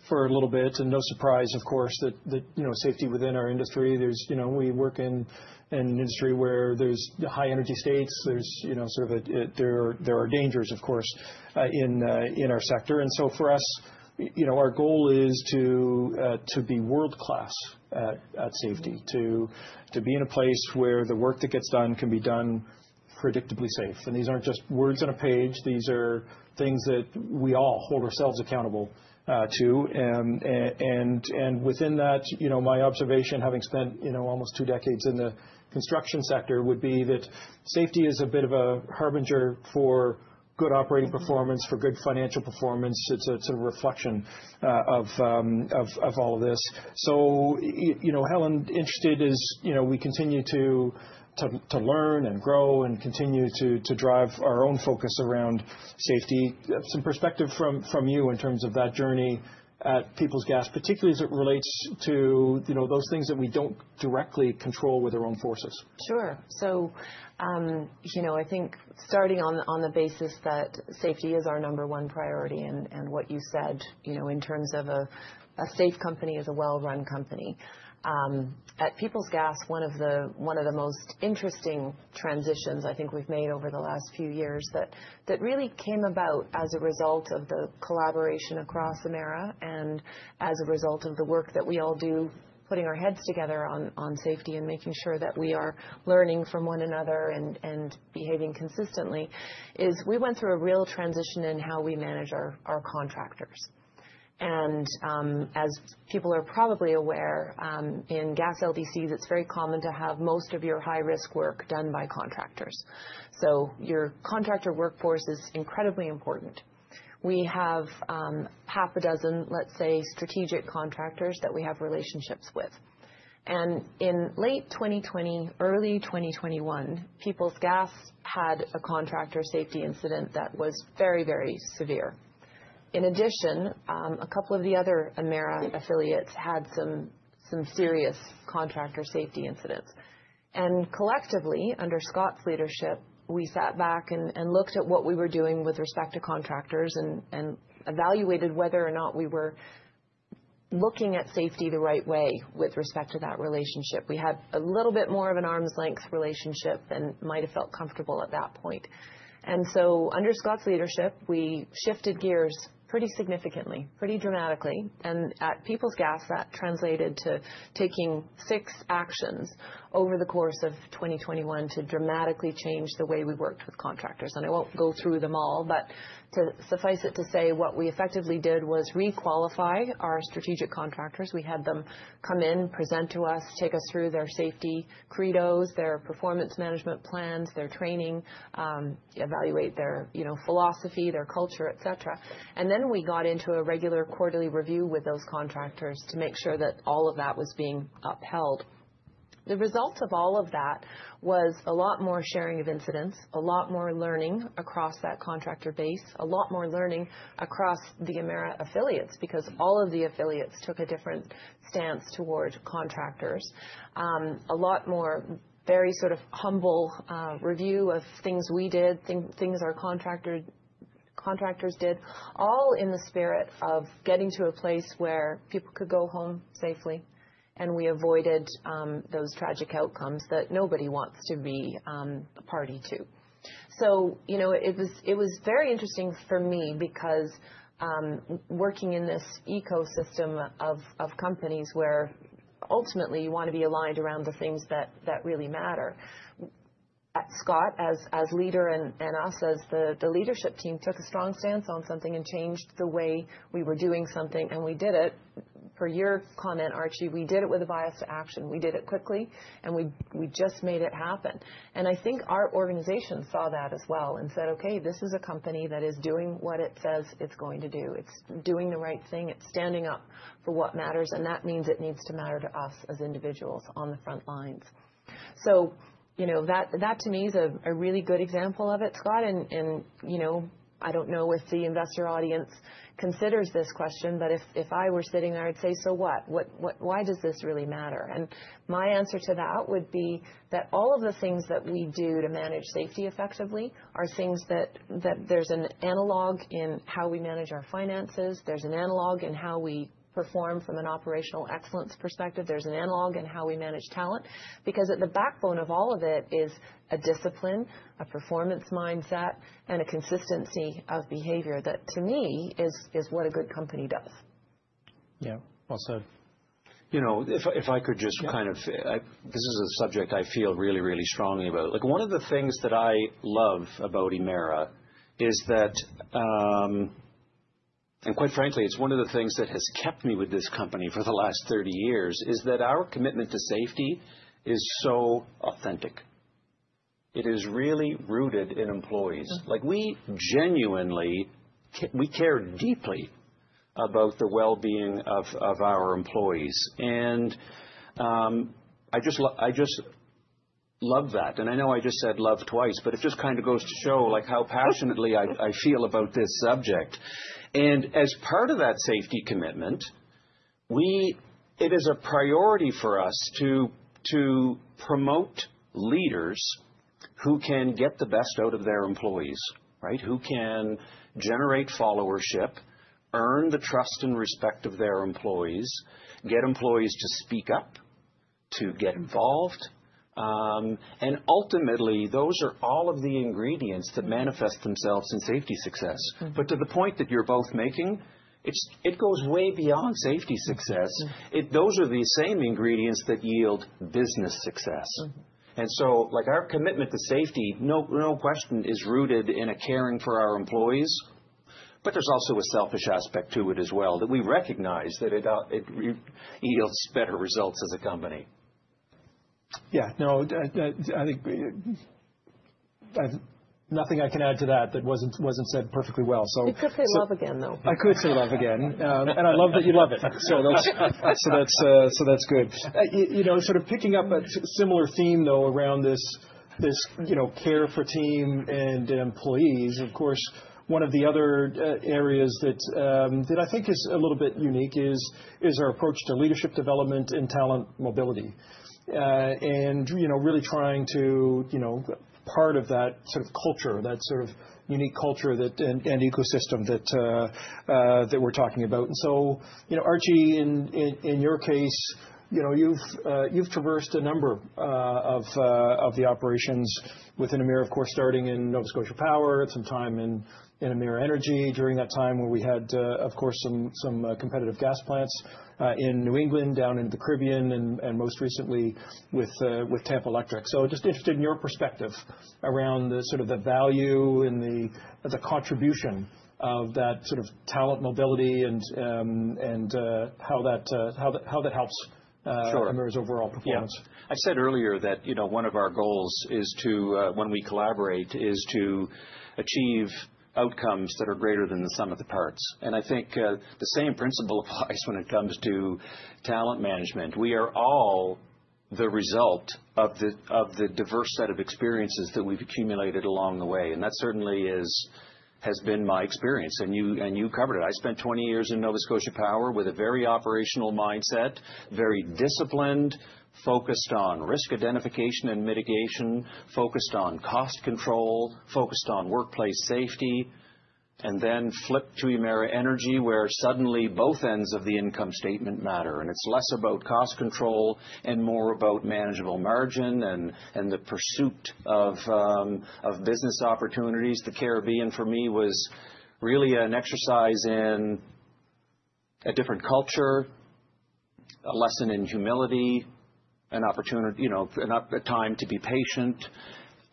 for a little bit. And no surprise, of course, that safety within our industry. We work in an industry where there's high energy states. There are dangers, of course, in our sector. And so for us, our goal is to be world-class at safety, to be in a place where the work that gets done can be done predictably safe. And these aren't just words on a page. These are things that we all hold ourselves accountable to. And within that, my observation, having spent almost two decades in the construction sector, would be that safety is a bit of a harbinger for good operating performance, for good financial performance. It's a sort of reflection of all of this. So, Helen, interested as we continue to learn and grow and continue to drive our own focus around safety, some perspective from you in terms of that journey at Peoples Gas, particularly as it relates to those things that we don't directly control with our own forces? Sure. So I think starting on the basis that safety is our number one priority and what you said in terms of a safe company is a well-run company. At Peoples Gas, one of the most interesting transitions I think we've made over the last few years that really came about as a result of the collaboration across Emera and as a result of the work that we all do, putting our heads together on safety and making sure that we are learning from one another and behaving consistently, is we went through a real transition in how we manage our contractors. And as people are probably aware, in gas LDCs, it's very common to have most of your high-risk work done by contractors. So your contractor workforce is incredibly important. We have half a dozen, let's say, strategic contractors that we have relationships with. In late 2020, early 2021, Peoples Gas had a contractor safety incident that was very, very severe. In addition, a couple of the other Emera affiliates had some serious contractor safety incidents. And collectively, under Scott's leadership, we sat back and looked at what we were doing with respect to contractors and evaluated whether or not we were looking at safety the right way with respect to that relationship. We had a little bit more of an arm's length relationship than might have felt comfortable at that point. And so under Scott's leadership, we shifted gears pretty significantly, pretty dramatically. And at Peoples Gas, that translated to taking six actions over the course of 2021 to dramatically change the way we worked with contractors. And I won't go through them all, but to suffice it to say, what we effectively did was requalify our strategic contractors. We had them come in, present to us, take us through their safety credos, their performance management plans, their training, evaluate their philosophy, their culture, et cetera, and then we got into a regular quarterly review with those contractors to make sure that all of that was being upheld. The result of all of that was a lot more sharing of incidents, a lot more learning across that contractor base, a lot more learning across the Emera affiliates because all of the affiliates took a different stance toward contractors, a lot more very sort of humble review of things we did, things our contractors did, all in the spirit of getting to a place where people could go home safely and we avoided those tragic outcomes that nobody wants to be a party to. So it was very interesting for me because working in this ecosystem of companies where ultimately you want to be aligned around the things that really matter. Scott, as leader and us as the leadership team, took a strong stance on something and changed the way we were doing something. And we did it, per your comment, Archie, we did it with a bias to action. We did it quickly and we just made it happen. And I think our organization saw that as well and said, okay, this is a company that is doing what it says it's going to do. It's doing the right thing. It's standing up for what matters. And that means it needs to matter to us as individuals on the front lines. So that to me is a really good example of it, Scott. I don't know if the investor audience considers this question, but if I were sitting, I would say, so what? Why does this really matter? And my answer to that would be that all of the things that we do to manage safety effectively are things that there's an analog in how we manage our finances. There's an analog in how we perform from an operational excellence perspective. There's an analog in how we manage talent because at the backbone of all of it is a discipline, a performance mindset, and a consistency of behavior that to me is what a good company does. Yeah. Also, if I could just kind of, this is a subject I feel really, really strongly about. One of the things that I love about Emera is that, and quite frankly, it's one of the things that has kept me with this company for the last 30 years, is that our commitment to safety is so authentic. It is really rooted in employees. We genuinely, we care deeply about the well-being of our employees. And I just love that. And I know I just said love twice, but it just kind of goes to show how passionately I feel about this subject. And as part of that safety commitment, it is a priority for us to promote leaders who can get the best out of their employees, who can generate followership, earn the trust and respect of their employees, get employees to speak up, to get involved. And ultimately, those are all of the ingredients that manifest themselves in safety success. But to the point that you're both making, it goes way beyond safety success. Those are the same ingredients that yield business success. And so our commitment to safety, no question, is rooted in a caring for our employees, but there's also a selfish aspect to it as well that we recognize that it yields better results as a company. Yeah. No, I think nothing I can add to that that wasn't said perfectly well. So. You could say love again, though. I could say love again, and I love that you love it, so that's good. Sort of picking up a similar theme, though, around this care for team and employees, of course, one of the other areas that I think is a little bit unique is our approach to leadership development and talent mobility and really trying to be part of that sort of culture, that sort of unique culture and ecosystem that we're talking about, and so, Archie, in your case, you've traversed a number of the operations within Emera, of course, starting in Nova Scotia Power, at some time in Emera Energy during that time when we had, of course, some competitive gas plants in New England, down into the Caribbean, and most recently with Tampa Electric. So just interested in your perspective around sort of the value and the contribution of that sort of talent mobility and how that helps Emera's overall performance? Yeah. I said earlier that one of our goals is to, when we collaborate, is to achieve outcomes that are greater than the sum of the parts. And I think the same principle applies when it comes to talent management. We are all the result of the diverse set of experiences that we've accumulated along the way. And that certainly has been my experience. And you covered it. I spent 20 years in Nova Scotia Power with a very operational mindset, very disciplined, focused on risk identification and mitigation, focused on cost control, focused on workplace safety, and then flipped to Emera Energy where suddenly both ends of the income statement matter. And it's less about cost control and more about manageable margin and the pursuit of business opportunities. The Caribbean for me was really an exercise in a different culture, a lesson in humility, an opportunity, a time to be patient.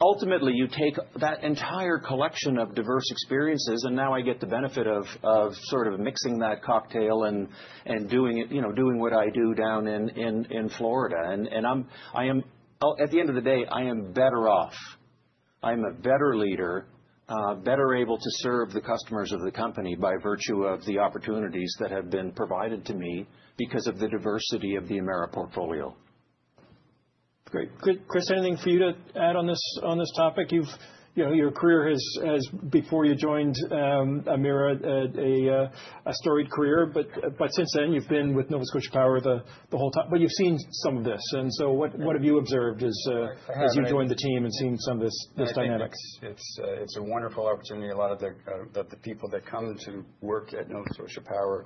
Ultimately, you take that entire collection of diverse experiences, and now I get the benefit of sort of mixing that cocktail and doing what I do down in Florida, and at the end of the day, I am better off. I'm a better leader, better able to serve the customers of the company by virtue of the opportunities that have been provided to me because of the diversity of the Emera portfolio. Great. Chris, anything for you to add on this topic? Your career has, before you joined Emera, a storied career, but since then you've been with Nova Scotia Power the whole time, but you've seen some of this. What have you observed as you've joined the team and seen some of this dynamic? It's a wonderful opportunity. A lot of the people that come to work at Nova Scotia Power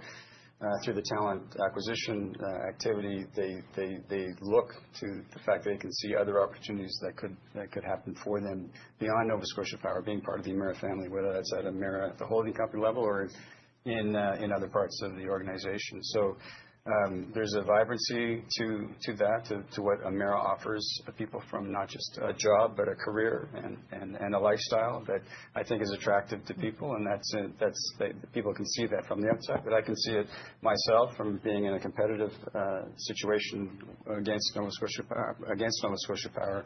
through the talent acquisition activity, they look to the fact that they can see other opportunities that could happen for them beyond Nova Scotia Power being part of the Emera family, whether that's at Emera at the holding company level or in other parts of the organization. So there's a vibrancy to that, to what Emera offers people from not just a job, but a career and a lifestyle that I think is attractive to people, and people can see that from the outside, but I can see it myself from being in a competitive situation against Nova Scotia Power.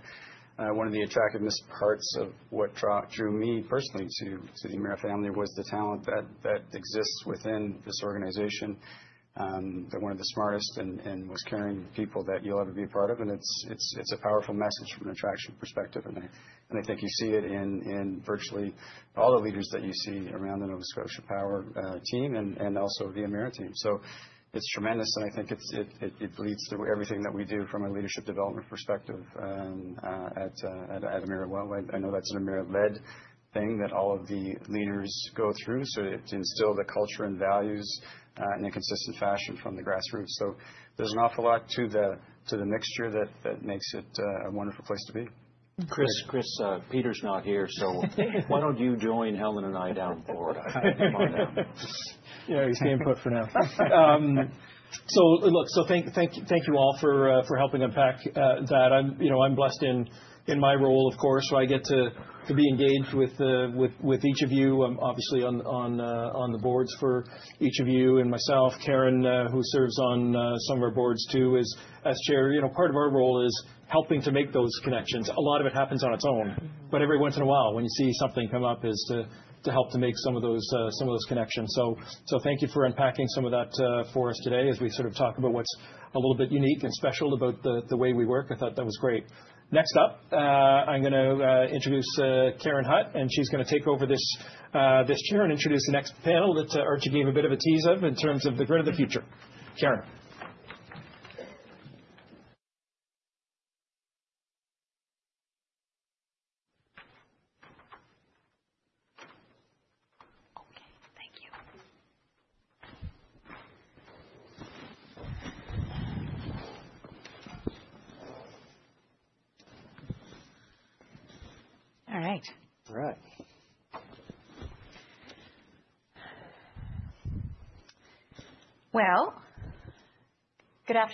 One of the attractiveness parts of what drew me personally to the Emera family was the talent that exists within this organization, one of the smartest and most caring people that you'll ever be a part of, and it's a powerful message from an attraction perspective, and I think you see it in virtually all the leaders that you see around the Nova Scotia Power team and also the Emera team, so it's tremendous, and I think it bleeds through everything that we do from a leadership development perspective at Emera. Well, I know that's an Emera-led thing that all of the leaders go through, so it instilled the culture and values in a consistent fashion from the grassroots, so there's an awful lot to the mixture that makes it a wonderful place to be. Chris, Peter's not here, so why don't you join Helen and I down front? Come on downYeah. He's getting pulled for now. So look, so thank you all for helping unpack that. I'm blessed in my role, of course, where I get to be engaged with each of you, obviously on the boards for each of you and myself. Karen, who serves on some of our boards too, is chair. Part of our role is helping to make those connections. A lot of it happens on its own, but every once in a while, when you see something come up, is to help to make some of those connections. So thank you for unpacking some of that for us today as we sort of talk about what's a little bit unique and special about the way we work. I thought that was great. Next up, I'm going to introduce Karen Hutt, and she's going to take over this chair and introduce the next panel that Archie gave a bit of a tease of in terms of the grid of the future. Karen.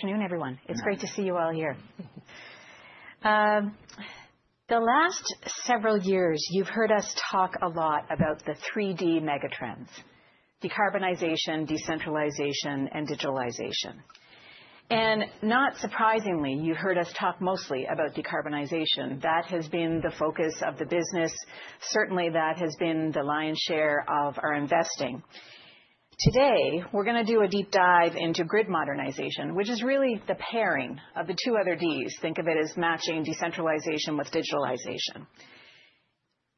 Okay. Thank you. All right. All right. Good afternoon, everyone. It's great to see you all here. The last several years, you've heard us talk a lot about the 3Ds megatrends: Decarbonization, Decentralization, and Digitalization. Not surprisingly, you've heard us talk mostly about Decarbonization. That has been the focus of the business. Certainly, that has been the lion's share of our investing. Today, we're going to do a deep dive into grid modernization, which is really the pairing of the two other Ds. Think of it as matching Decentralization with Digitalization.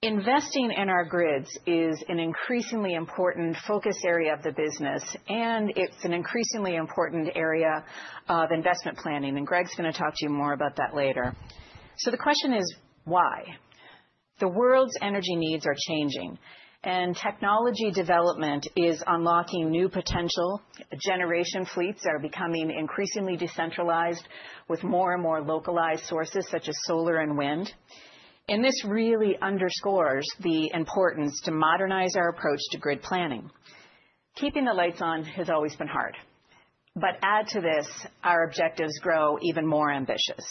Investing in our grids is an increasingly important focus area of the business, and it's an increasingly important area of investment planning. Greg's going to talk to you more about that later. The question is, why? The world's energy needs are changing, and technology development is unlocking new potential. Generation fleets are becoming increasingly decentralized with more and more localized sources such as solar and wind. And this really underscores the importance to modernize our approach to grid planning. Keeping the lights on has always been hard. But add to this, our objectives grow even more ambitious.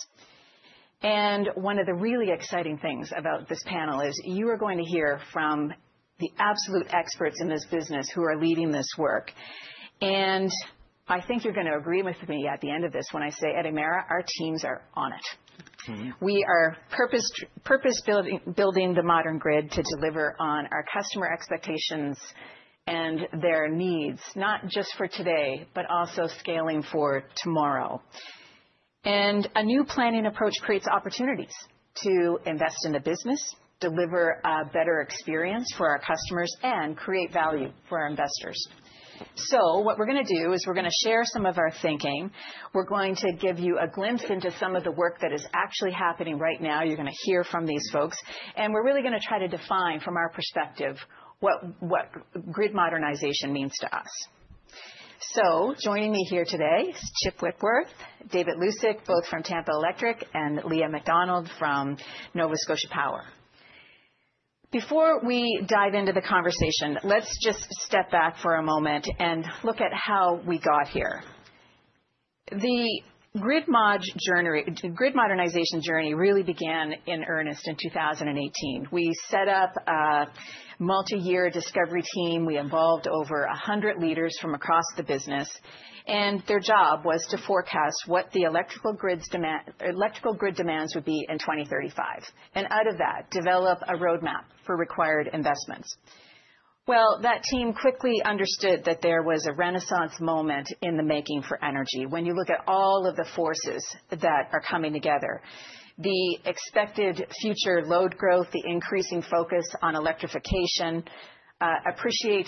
And one of the really exciting things about this panel is you are going to hear from the absolute experts in this business who are leading this work. And I think you're going to agree with me at the end of this when I say, at Emera, our teams are on it. We are purpose-building the modern grid to deliver on our customer expectations and their needs, not just for today, but also scaling for tomorrow. And a new planning approach creates opportunities to invest in the business, deliver a better experience for our customers, and create value for our investors. So what we're going to do is we're going to share some of our thinking. We're going to give you a glimpse into some of the work that is actually happening right now. You're going to hear from these folks. And we're really going to try to define from our perspective what grid modernization means to us. So joining me here today is Chip Whitworth, David Lusick, both from Tampa Electric, and Lia MacDonald from Nova Scotia Power. Before we dive into the conversation, let's just step back for a moment and look at how we got here. The grid modernization journey really began in earnest in 2018. We set up a multi-year discovery team. We involved over 100 leaders from across the business. And their job was to forecast what the electrical grid demands would be in 2035 and out of that, develop a roadmap for required investments. That team quickly understood that there was a renaissance moment in the making for energy. When you look at all of the forces that are coming together, the expected future load growth, the increasing focus on electrification, back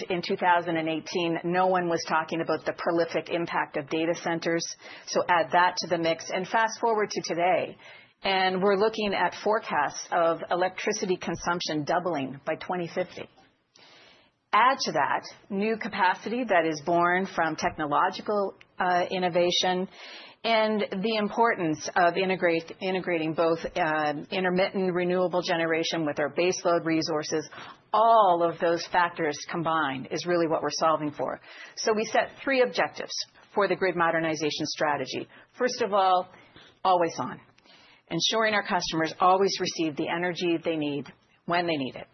in 2018, no one was talking about the prolific impact of data centers. So add that to the mix. And fast forward to today, and we're looking at forecasts of electricity consumption doubling by 2050. Add to that new capacity that is born from technological innovation and the importance of integrating both intermittent renewable generation with our baseload resources. All of those factors combined is really what we're solving for. So we set three objectives for the grid modernization strategy. First of all, always on, ensuring our customers always receive the energy they need when they need it.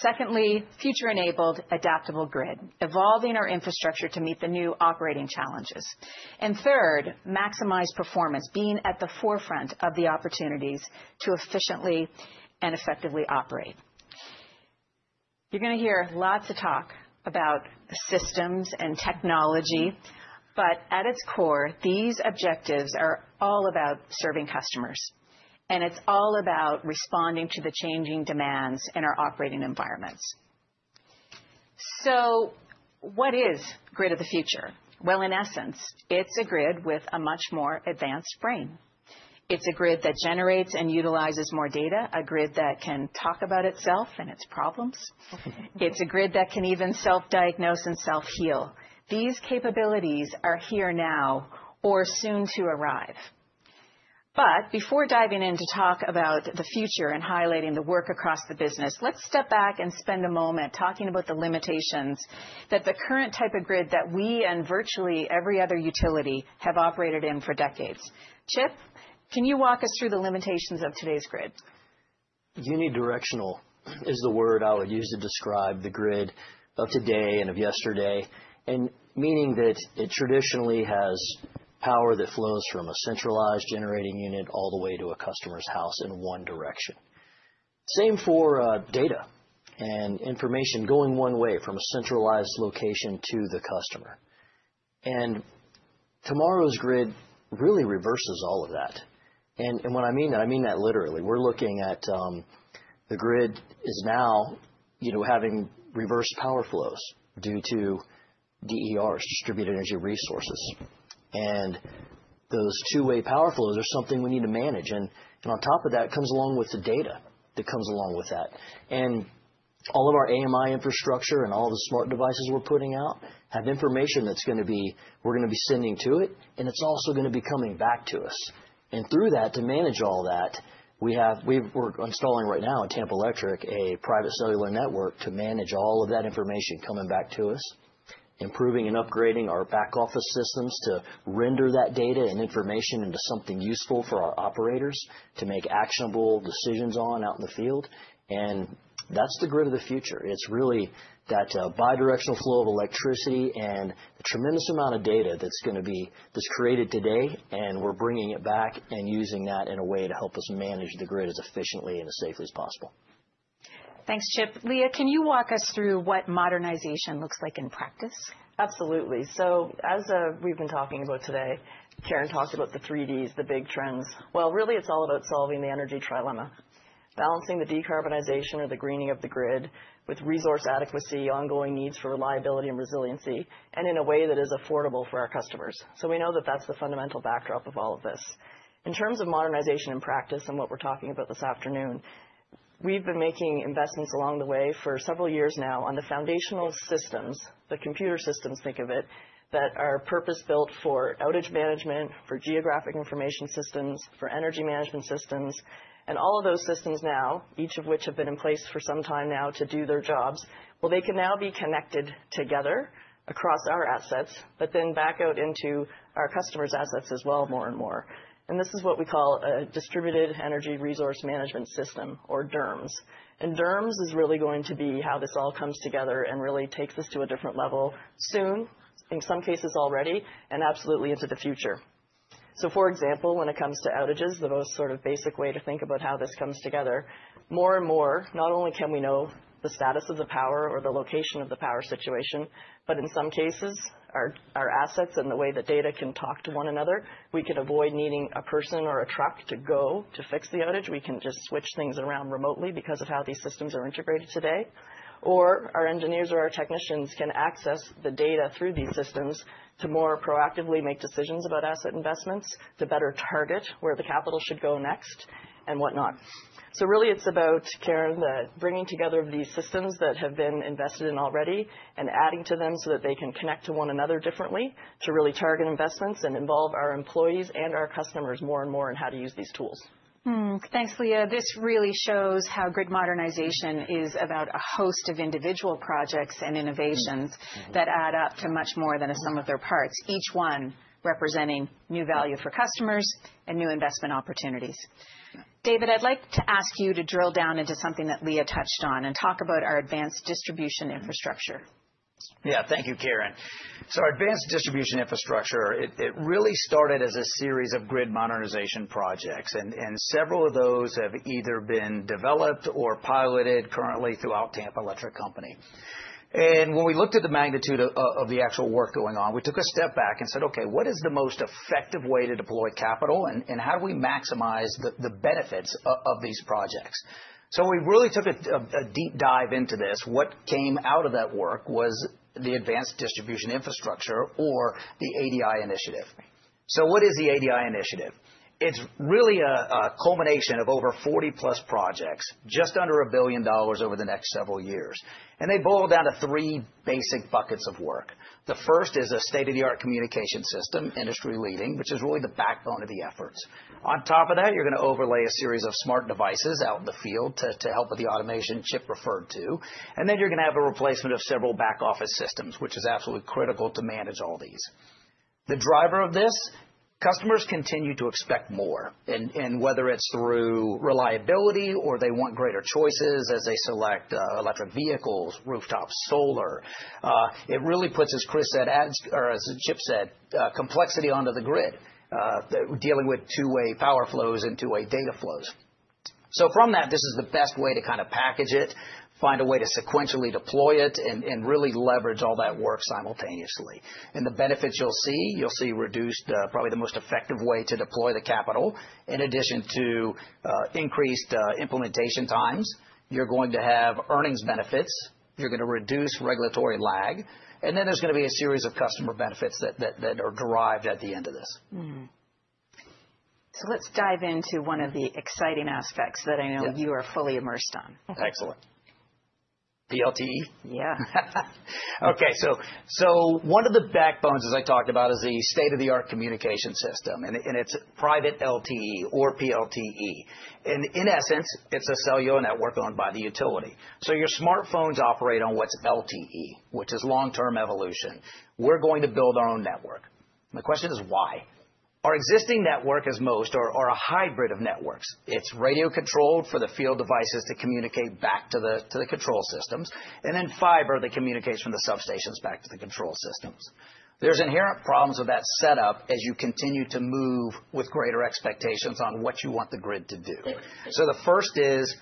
Secondly, future-enabled adaptable grid, evolving our infrastructure to meet the new operating challenges. Third, maximize performance, being at the forefront of the opportunities to efficiently and effectively operate. You're going to hear lots of talk about systems and technology, but at its core, these objectives are all about serving customers. It's all about responding to the changing demands in our operating environments. What is grid of the future? In essence, it's a grid with a much more advanced brain. It's a grid that generates and utilizes more data, a grid that can talk about itself and its problems. It's a grid that can even self-diagnose and self-heal. These capabilities are here now or soon to arrive. But before diving into talk about the future and highlighting the work across the business, let's step back and spend a moment talking about the limitations that the current type of grid that we and virtually every other utility have operated in for decades. Chip, can you walk us through the limitations of today's grid? Unidirectional is the word I would use to describe the grid of today and of yesterday, meaning that it traditionally has power that flows from a centralized generating unit all the way to a customer's house in one direction. Same for data and information going one way from a centralized location to the customer. And tomorrow's grid really reverses all of that. And when I mean that, I mean that literally. We're looking at the grid is now having reverse power flows due to DERs, distributed energy resources. And those two-way power flows are something we need to manage. And on top of that, it comes along with the data that comes along with that. All of our AMI infrastructure and all the smart devices we're putting out have information that we're going to be sending to it, and it's also going to be coming back to us. Through that, to manage all that, we're installing right now at Tampa Electric a private cellular network to manage all of that information coming back to us, improving and upgrading our back office systems to render that data and information into something useful for our operators to make actionable decisions on out in the field. That's the grid of the future. It's really that bidirectional flow of electricity and a tremendous amount of data that's going to be created today, and we're bringing it back and using that in a way to help us manage the grid as efficiently and as safely as possible. Thanks, Chip. Lia, can you walk us through what modernization looks like in practice? Absolutely. So as we've been talking about today, Karen talked about the 3Ds, the big trends. Well, really, it's all about solving the energy trilemma, balancing the decarbonization or the greening of the grid with resource adequacy, ongoing needs for reliability and resiliency, and in a way that is affordable for our customers. So we know that that's the fundamental backdrop of all of this. In terms of modernization in practice and what we're talking about this afternoon, we've been making investments along the way for several years now on the foundational systems, the computer systems, think of it, that are purpose-built for outage management, for geographic information systems, for energy management systems. All of those systems now, each of which have been in place for some time now to do their jobs. Well, they can now be connected together across our assets, but then back out into our customers' assets as well more and more. This is what we call a distributed energy resource management system or DERMS. DERMS is really going to be how this all comes together and really takes us to a different level soon, in some cases already, and absolutely into the future. So for example, when it comes to outages, the most sort of basic way to think about how this comes together, more and more, not only can we know the status of the power or the location of the power situation, but in some cases, our assets and the way that data can talk to one another, we can avoid needing a person or a truck to go to fix the outage. We can just switch things around remotely because of how these systems are integrated today. Or our engineers or our technicians can access the data through these systems to more proactively make decisions about asset investments, to better target where the capital should go next and whatnot. So really, it's about, Karen, bringing together these systems that have been invested in already and adding to them so that they can connect to one another differently to really target investments and involve our employees and our customers more and more in how to use these tools. Thanks, Lia. This really shows how grid modernization is about a host of individual projects and innovations that add up to much more than a sum of their parts, each one representing new value for customers and new investment opportunities. David, I'd like to ask you to drill down into something that Lia touched on and talk about our advanced distribution infrastructure. Yeah, thank you, Karen. So our Advanced Distribution Infrastructure, it really started as a series of grid modernization projects. And several of those have either been developed or piloted currently throughout Tampa Electric Company. And when we looked at the magnitude of the actual work going on, we took a step back and said, "Okay, what is the most effective way to deploy capital? And how do we maximize the benefits of these projects?" So we really took a deep dive into this. What came out of that work was the Advanced Distribution Infrastructure or the ADI initiative. So what is the ADI initiative? It's really a culmination of over 40-plus projects, just under $1 billion over the next several years. And they boil down to three basic buckets of work. The first is a state-of-the-art communication system, industry-leading, which is really the backbone of the efforts. On top of that, you're going to overlay a series of smart devices out in the field to help with the automation Chip referred to. And then you're going to have a replacement of several back-office systems, which is absolutely critical to manage all these. The driver of this, customers continue to expect more. And whether it's through reliability or they want greater choices as they select electric vehicles, rooftops, solar, it really puts, as Chris said, or as Chip said, complexity onto the grid, dealing with two-way power flows and two-way data flows. So from that, this is the best way to kind of package it, find a way to sequentially deploy it, and really leverage all that work simultaneously. And the benefits you'll see, you'll see reduced probably the most effective way to deploy the capital, in addition to increased implementation times. You're going to have earnings benefits. You're going to reduce regulatory lag. And then there's going to be a series of customer benefits that are derived at the end of this. So let's dive into one of the exciting aspects that I know you are fully immersed on. Excellent. PLTE? Yeah. Okay. So one of the backbones, as I talked about, is the state-of-the-art communication system. And it's Private LTE or PLTE. And in essence, it's a cellular network owned by the utility. So your smartphones operate on what's LTE, which is Long-Term Evolution. We're going to build our own network. The question is, why? Our existing network, as most, are a hybrid of networks. It's radio-controlled for the field devices to communicate back to the control systems. And then fiber that communicates from the substations back to the control systems. There's inherent problems with that setup as you continue to move with greater expectations on what you want the grid to do. So the first is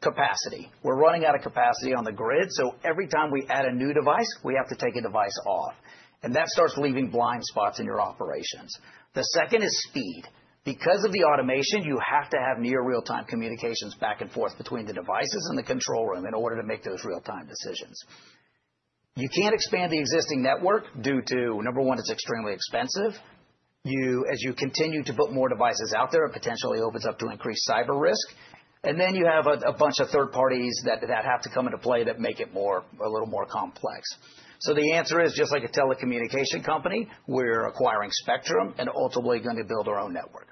capacity. We're running out of capacity on the grid. So every time we add a new device, we have to take a device off. And that starts leaving blind spots in your operations. The second is speed. Because of the automation, you have to have near real-time communications back and forth between the devices and the control room in order to make those real-time decisions. You can't expand the existing network due to, number one, it's extremely expensive. As you continue to put more devices out there, it potentially opens up to increased cyber risk. And then you have a bunch of third parties that have to come into play that make it a little more complex. So the answer is, just like a telecommunication company, we're acquiring spectrum and ultimately going to build our own network.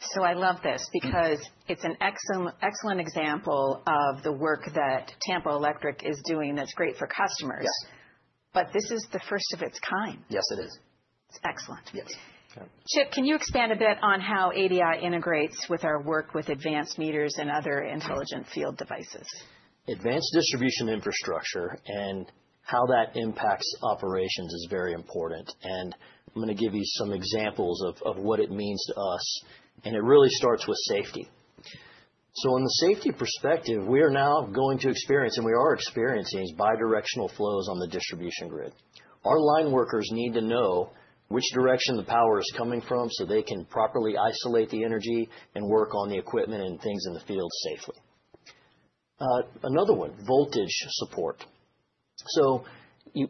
So I love this because it's an excellent example of the work that Tampa Electric is doing that's great for customers. But this is the first of its kind. Yes, it is. It's excellent. Yes. Chip, can you expand a bit on how ADI integrates with our work with advanced meters and other intelligent field devices? Advanced Distribution Infrastructure and how that impacts operations is very important, and I'm going to give you some examples of what it means to us, and it really starts with safety, so on the safety perspective, we are now going to experience, and we are experiencing, these bidirectional flows on the distribution grid. Our line workers need to know which direction the power is coming from so they can properly isolate the energy and work on the equipment and things in the field safely. Another one, voltage support, so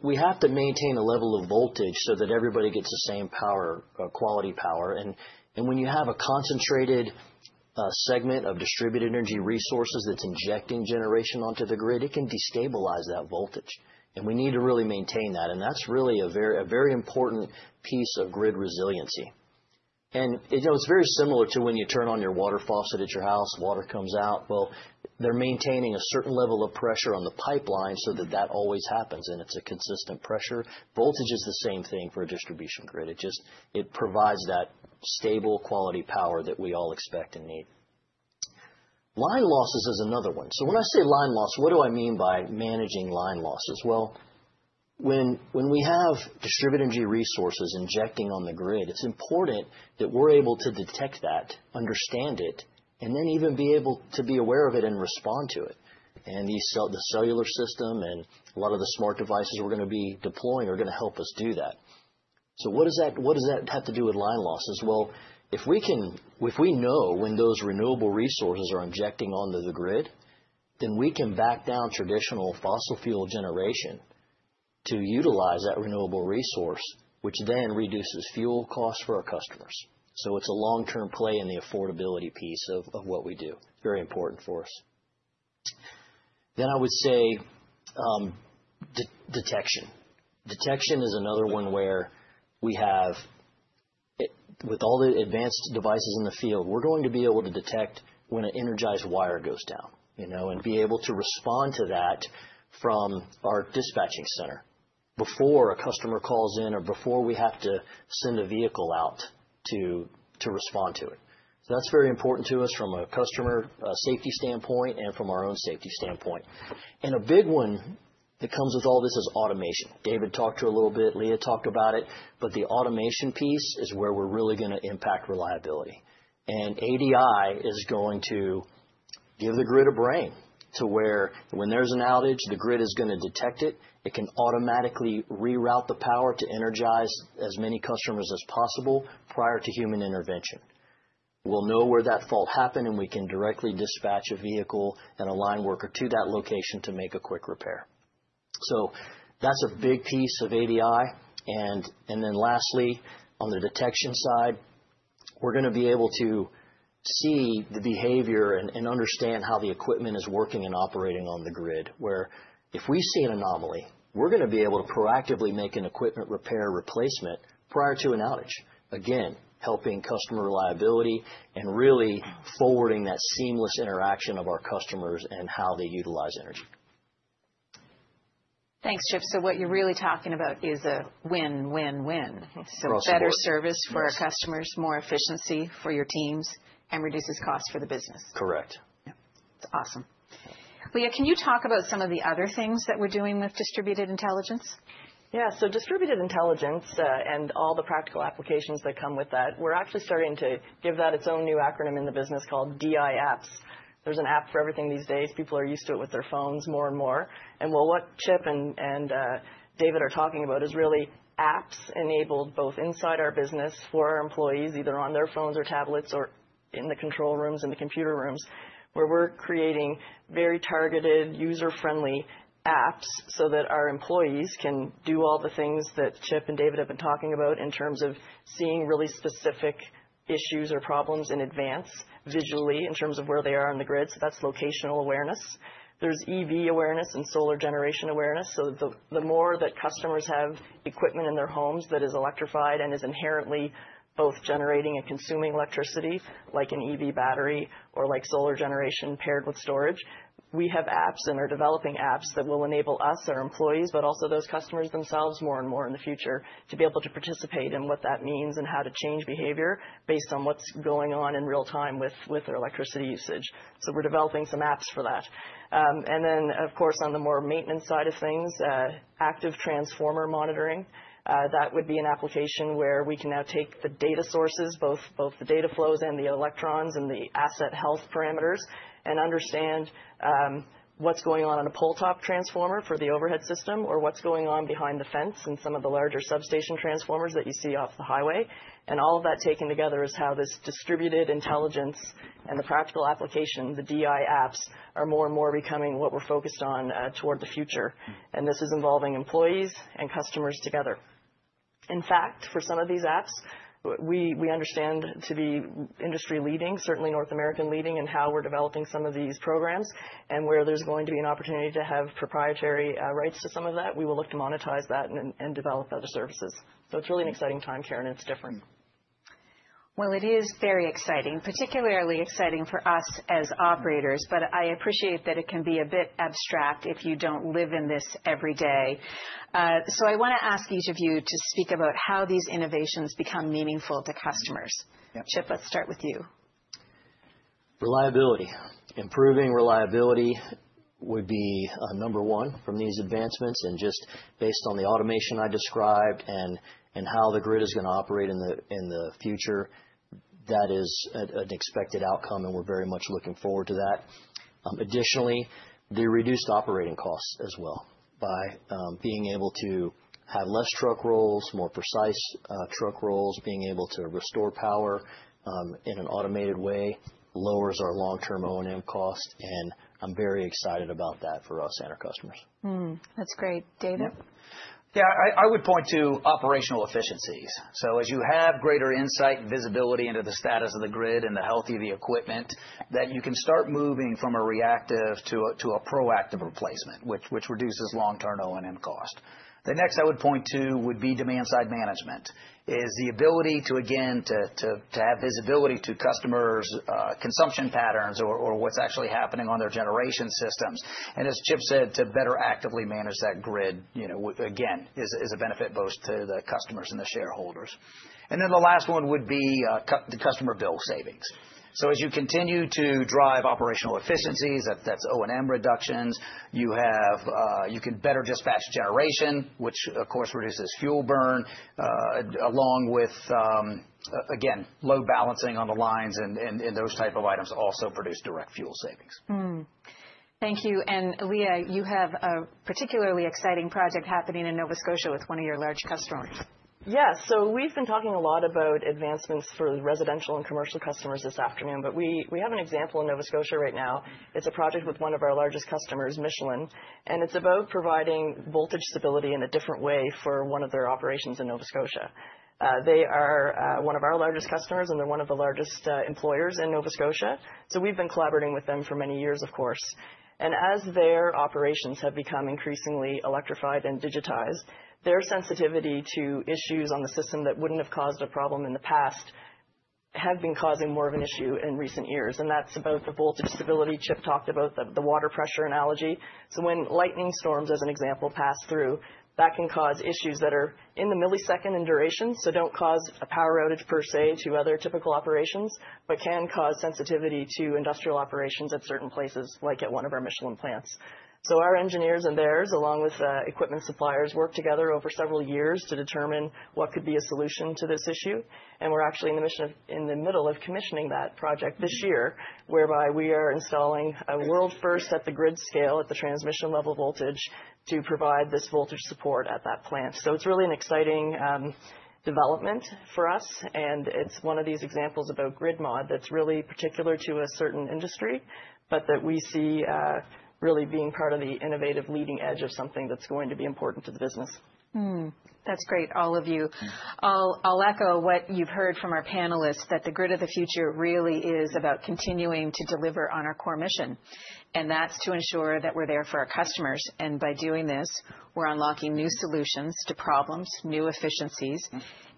we have to maintain a level of voltage so that everybody gets the same quality power, and when you have a concentrated segment of Distributed Energy Resources that's injecting generation onto the grid, it can destabilize that voltage, and we need to really maintain that, and that's really a very important piece of grid resiliency. It's very similar to when you turn on your water faucet at your house, water comes out. Well, they're maintaining a certain level of pressure on the pipeline so that that always happens and it's a consistent pressure. Voltage is the same thing for a distribution grid. It provides that stable quality power that we all expect and need. Line losses is another one. So when I say line loss, what do I mean by managing line losses? Well, when we have distributed energy resources injecting on the grid, it's important that we're able to detect that, understand it, and then even be able to be aware of it and respond to it. And the cellular system and a lot of the smart devices we're going to be deploying are going to help us do that. So what does that have to do with line losses? If we know when those renewable resources are injecting onto the grid, then we can back down traditional fossil fuel generation to utilize that renewable resource, which then reduces fuel costs for our customers. It's a long-term play in the affordability piece of what we do. Very important for us. I would say detection. Detection is another one where we have, with all the advanced devices in the field, we're going to be able to detect when an energized wire goes down and be able to respond to that from our dispatching center before a customer calls in or before we have to send a vehicle out to respond to it. That's very important to us from a customer safety standpoint and from our own safety standpoint. A big one that comes with all this is automation. David talked about it a little bit. Lia talked about it. But the automation piece is where we're really going to impact reliability. And ADI is going to give the grid a brain to where when there's an outage, the grid is going to detect it. It can automatically reroute the power to energize as many customers as possible prior to human intervention. We'll know where that fault happened, and we can directly dispatch a vehicle and a line worker to that location to make a quick repair. So that's a big piece of ADI. Then lastly, on the detection side, we're going to be able to see the behavior and understand how the equipment is working and operating on the grid, where if we see an anomaly, we're going to be able to proactively make an equipment repair replacement prior to an outage, again, helping customer reliability and really forwarding that seamless interaction of our customers and how they utilize energy. Thanks, Chip. So what you're really talking about is a win, win, win. Absolutely. Better service for our customers, more efficiency for your teams, and reduces costs for the business. Correct. That's awesome. Lia, can you talk about some of the other things that we're doing with distributed intelligence? Yeah. So distributed intelligence and all the practical applications that come with that, we're actually starting to give that its own new acronym in the business called DIApps. There's an app for everything these days. People are used to it with their phones more and more. And well, what Chip and David are talking about is really apps enabled both inside our business for our employees, either on their phones or tablets or in the control rooms, in the computer rooms, where we're creating very targeted, user-friendly apps so that our employees can do all the things that Chip and David have been talking about in terms of seeing really specific issues or problems in advance visually in terms of where they are on the grid. So that's locational awareness. There's EV awareness and solar generation awareness. So the more that customers have equipment in their homes that is electrified and is inherently both generating and consuming electricity, like an EV battery or like solar generation paired with storage, we have apps and are developing apps that will enable us, our employees, but also those customers themselves more and more in the future to be able to participate in what that means and how to change behavior based on what's going on in real time with their electricity usage. So we're developing some apps for that. And then, of course, on the more maintenance side of things, active transformer monitoring, that would be an application where we can now take the data sources, both the data flows and the electrons and the asset health parameters, and understand what's going on on a pole-top transformer for the overhead system or what's going on behind the fence and some of the larger substation transformers that you see off the highway. And all of that taken together is how this distributed intelligence and the practical application, the DI apps, are more and more becoming what we're focused on toward the future. And this is involving employees and customers together. In fact, for some of these apps, we understand to be industry-leading, certainly North American-leading in how we're developing some of these programs. And where there's going to be an opportunity to have proprietary rights to some of that, we will look to monetize that and develop other services. So it's really an exciting time, Karen, and it's different. Well, it is very exciting, particularly exciting for us as operators. But I appreciate that it can be a bit abstract if you don't live in this every day. So I want to ask each of you to speak about how these innovations become meaningful to customers. Chip, let's start with you. Reliability. Improving reliability would be number one from these advancements. And just based on the automation I described and how the grid is going to operate in the future, that is an expected outcome, and we're very much looking forward to that. Additionally, the reduced operating costs as well by being able to have less truck rolls, more precise truck rolls, being able to restore power in an automated way lowers our long-term O&M cost. And I'm very excited about that for us and our customers. That's great. David? Yeah. I would point to operational efficiencies. So as you have greater insight and visibility into the status of the grid and the health of the equipment, that you can start moving from a reactive to a proactive replacement, which reduces long-term O&M cost. The next I would point to would be demand-side management, is the ability to, again, to have visibility to customers' consumption patterns or what's actually happening on their generation systems. And as Chip said, to better actively manage that grid, again, is a benefit both to the customers and the shareholders. And then the last one would be the customer bill savings. So as you continue to drive operational efficiencies, that's O&M reductions, you can better dispatch generation, which, of course, reduces fuel burn, along with, again, load balancing on the lines and those types of items also produce direct fuel savings. Thank you, and Lia, you have a particularly exciting project happening in Nova Scotia with one of your large customers. Yes. So we've been talking a lot about advancements for residential and commercial customers this afternoon. But we have an example in Nova Scotia right now. It's a project with one of our largest customers, Michelin. And it's about providing voltage stability in a different way for one of their operations in Nova Scotia. They are one of our largest customers, and they're one of the largest employers in Nova Scotia. So we've been collaborating with them for many years, of course. And as their operations have become increasingly electrified and digitized, their sensitivity to issues on the system that wouldn't have caused a problem in the past have been causing more of an issue in recent years. And that's about the voltage stability Chip talked about, the water pressure analogy. So when lightning storms, as an example, pass through, that can cause issues that are in the millisecond in duration, so don't cause a power outage per se to other typical operations, but can cause sensitivity to industrial operations at certain places, like at one of our Michelin plants. So our engineers and theirs, along with equipment suppliers, worked together over several years to determine what could be a solution to this issue. And we're actually in the middle of commissioning that project this year, whereby we are installing a world-first at-the-grid scale at-the-transmission-level voltage to provide this voltage support at that plant. So it's really an exciting development for us. And it's one of these examples about grid mod that's really particular to a certain industry, but that we see really being part of the innovative leading edge of something that's going to be important to the business. That's great, all of you. I'll echo what you've heard from our panelists, that the grid of the future really is about continuing to deliver on our core mission. And that's to ensure that we're there for our customers. And by doing this, we're unlocking new solutions to problems, new efficiencies,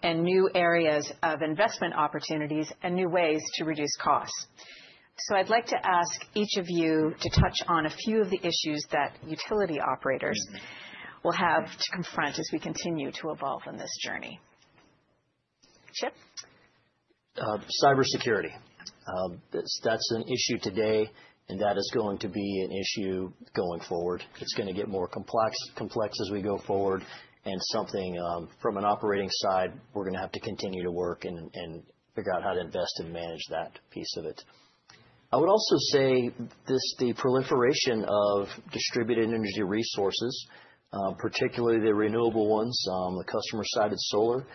and new areas of investment opportunities and new ways to reduce costs. So I'd like to ask each of you to touch on a few of the issues that utility operators will have to confront as we continue to evolve in this journey. Chip? Cybersecurity. That's an issue today, and that is going to be an issue going forward. It's going to get more complex as we go forward. And something from an operating side, we're going to have to continue to work and figure out how to invest and manage that piece of it. I would also say the proliferation of distributed energy resources, particularly the renewable ones, the customer-sided solar,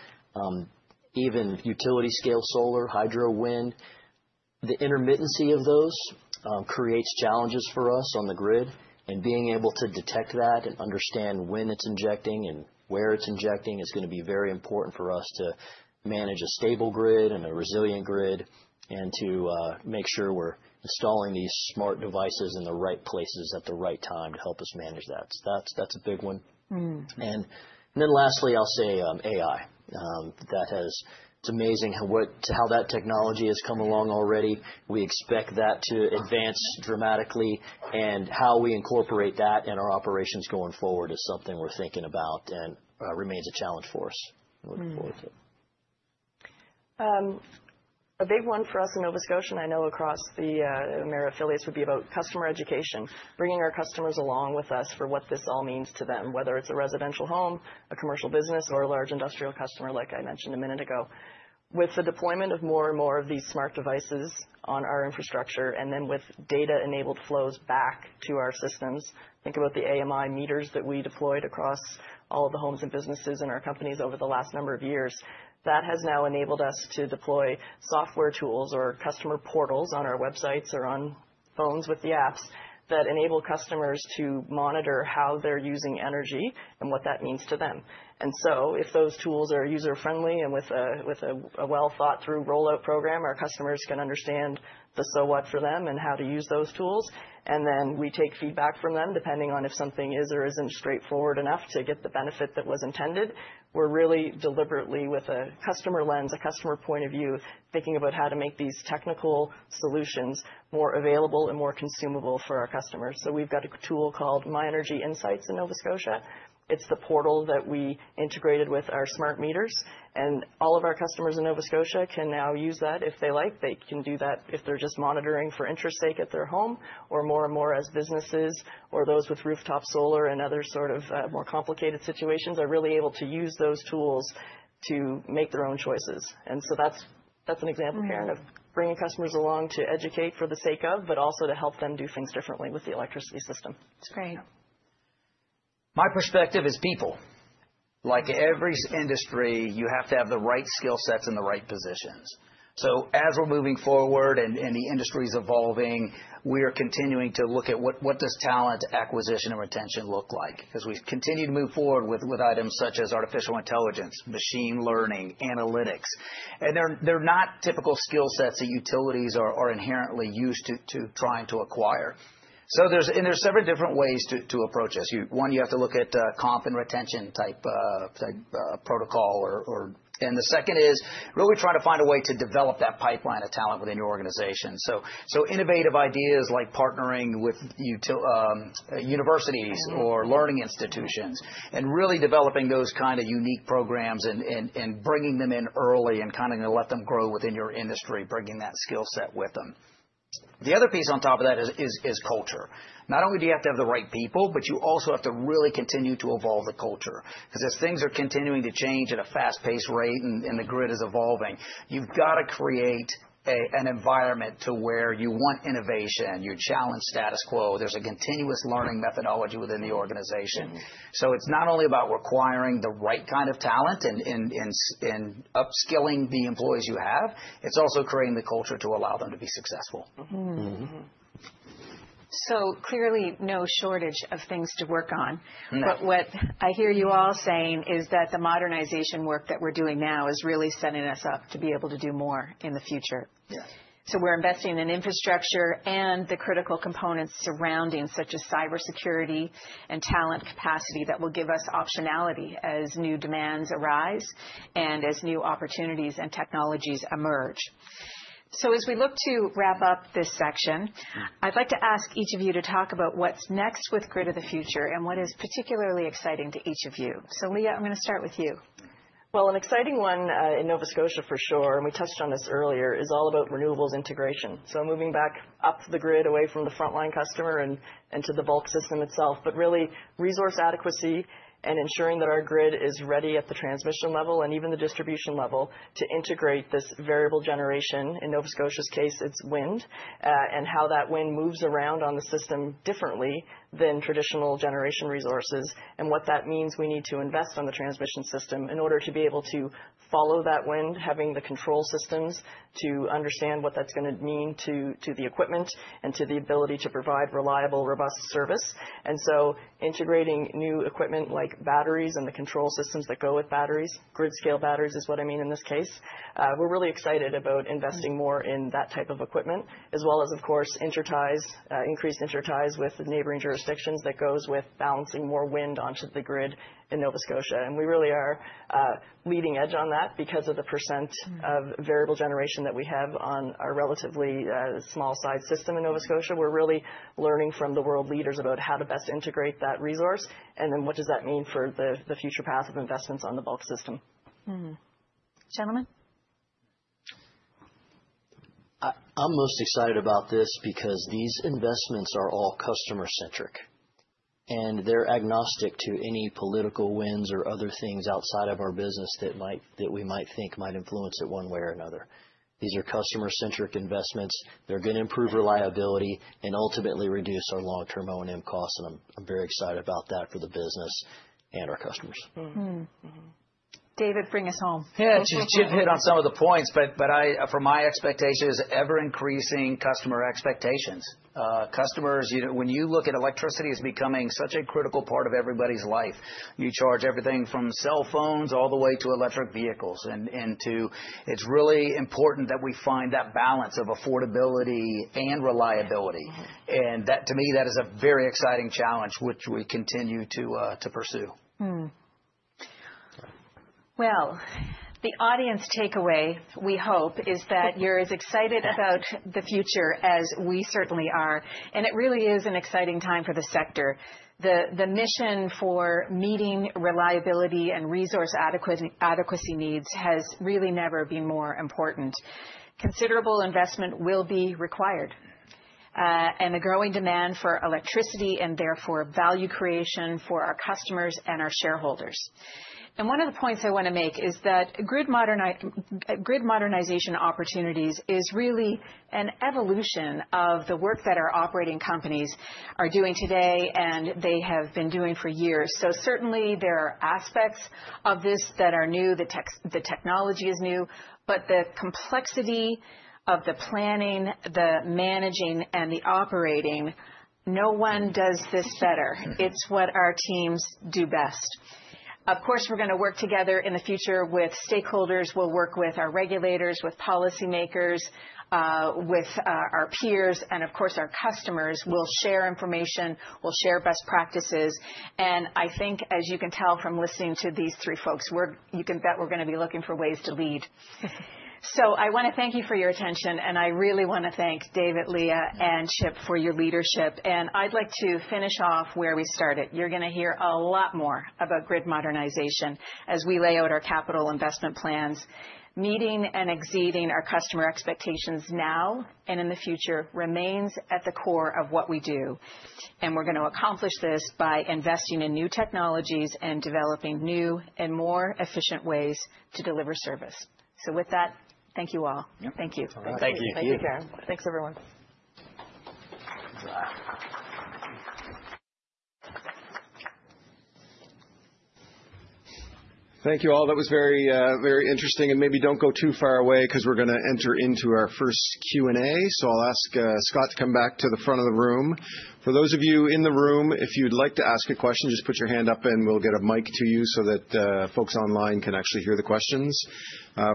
even utility-scale solar, hydro, wind, the intermittency of those creates challenges for us on the grid. And being able to detect that and understand when it's injecting and where it's injecting is going to be very important for us to manage a stable grid and a resilient grid and to make sure we're installing these smart devices in the right places at the right time to help us manage that. That's a big one. And then lastly, I'll say AI. It's amazing how that technology has come along already. We expect that to advance dramatically. And how we incorporate that in our operations going forward is something we're thinking about and remains a challenge for us. We're looking forward to it. A big one for us in Nova Scotia, and I know across the Emera affiliates, would be about customer education, bringing our customers along with us for what this all means to them, whether it's a residential home, a commercial business, or a large industrial customer, like I mentioned a minute ago. With the deployment of more and more of these smart devices on our infrastructure and then with data-enabled flows back to our systems, think about the AMI meters that we deployed across all of the homes and businesses in our companies over the last number of years. That has now enabled us to deploy software tools or customer portals on our websites or on phones with the apps that enable customers to monitor how they're using energy and what that means to them. And so if those tools are user-friendly and with a well-thought-through rollout program, our customers can understand the so what for them and how to use those tools. And then we take feedback from them, depending on if something is or isn't straightforward enough to get the benefit that was intended. We're really deliberately with a customer lens, a customer point of view, thinking about how to make these technical solutions more available and more consumable for our customers. So we've got a tool called MyEnergy Insights in Nova Scotia. It's the portal that we integrated with our smart meters. And all of our customers in Nova Scotia can now use that if they like. They can do that if they're just monitoring for interest's sake at their home or more and more as businesses or those with rooftop solar and other sort of more complicated situations are really able to use those tools to make their own choices. And so that's an example, Karen, of bringing customers along to educate for the sake of, but also to help them do things differently with the electricity system. That's great. My perspective is people. Like every industry, you have to have the right skill sets in the right positions, so as we're moving forward and the industry is evolving, we are continuing to look at what does talent acquisition and retention look like? Because we continue to move forward with items such as artificial intelligence, machine learning, analytics, and they're not typical skill sets that utilities are inherently used to trying to acquire, and there's several different ways to approach this. One, you have to look at comp and retention type protocol, and the second is really trying to find a way to develop that pipeline of talent within your organization. Innovative ideas like partnering with universities or learning institutions and really developing those kind of unique programs and bringing them in early and kind of going to let them grow within your industry, bringing that skill set with them. The other piece on top of that is culture. Not only do you have to have the right people, but you also have to really continue to evolve the culture. Because as things are continuing to change at a fast-paced rate and the grid is evolving, you've got to create an environment to where you want innovation, you challenge status quo. There's a continuous learning methodology within the organization. So it's not only about requiring the right kind of talent and upskilling the employees you have, it's also creating the culture to allow them to be successful. So clearly no shortage of things to work on. But what I hear you all saying is that the modernization work that we're doing now is really setting us up to be able to do more in the future. So we're investing in infrastructure and the critical components surrounding, such as cybersecurity and talent capacity that will give us optionality as new demands arise and as new opportunities and technologies emerge. So as we look to wrap up this section, I'd like to ask each of you to talk about what's next with Grid of the Future and what is particularly exciting to each of you. So Leah, I'm going to start with you. An exciting one in Nova Scotia for sure, and we touched on this earlier, is all about renewables integration so moving back up the grid away from the frontline customer and to the bulk system itself, but really resource adequacy and ensuring that our grid is ready at the transmission level and even the distribution level to integrate this variable generation. In Nova Scotia's case, it's wind and how that wind moves around on the system differently than traditional generation resources and what that means. We need to invest on the transmission system in order to be able to follow that wind, having the control systems to understand what that's going to mean to the equipment and to the ability to provide reliable, robust service and so integrating new equipment like batteries and the control systems that go with batteries, grid-scale batteries is what I mean in this case. We're really excited about investing more in that type of equipment, as well as, of course, interties, increased interties with the neighboring jurisdictions that goes with balancing more wind onto the grid in Nova Scotia. And we really are leading edge on that because of the percent of variable generation that we have on our relatively small-sized system in Nova Scotia. We're really learning from the world leaders about how to best integrate that resource. And then what does that mean for the future path of investments on the bulk system? Gentlemen? I'm most excited about this because these investments are all customer-centric. And they're agnostic to any political winds or other things outside of our business that we might think might influence it one way or another. These are customer-centric investments. They're going to improve reliability and ultimately reduce our long-term O&M costs. And I'm very excited about that for the business and our customers. David, bring us home. Yeah. Chip hit on some of the points. But from my perspective, ever-increasing customer expectations. Customers, when you look at electricity as becoming such a critical part of everybody's life, you charge everything from cell phones all the way to electric vehicles. And it's really important that we find that balance of affordability and reliability. And to me, that is a very exciting challenge, which we continue to pursue. The audience takeaway, we hope, is that you're as excited about the future as we certainly are. It really is an exciting time for the sector. The mission for meeting reliability and resource adequacy needs has really never been more important. Considerable investment will be required and the growing demand for electricity and therefore value creation for our customers and our shareholders. One of the points I want to make is that grid modernization opportunities is really an evolution of the work that our operating companies are doing today and they have been doing for years. Certainly, there are aspects of this that are new, the technology is new, but the complexity of the planning, the managing, and the operating, no one does this better. It's what our teams do best. Of course, we're going to work together in the future with stakeholders. We'll work with our regulators, with policymakers, with our peers. And of course, our customers will share information, will share best practices. And I think, as you can tell from listening to these three folks, you can bet we're going to be looking for ways to lead. So I want to thank you for your attention. And I really want to thank David, Leah, and Chip for your leadership. And I'd like to finish off where we started. You're going to hear a lot more about grid modernization as we lay out our capital investment plans. Meeting and exceeding our customer expectations now and in the future remains at the core of what we do. And we're going to accomplish this by investing in new technologies and developing new and more efficient ways to deliver service. So with that, thank you all. Thank you. Thank you. Thank you, Karen. Thanks, everyone. Thank you all. That was very, very interesting, and maybe don't go too far away because we're going to enter into our first Q&A. So I'll ask Scott to come back to the front of the room. For those of you in the room, if you'd like to ask a question, just put your hand up and we'll get a mic to you so that folks online can actually hear the questions.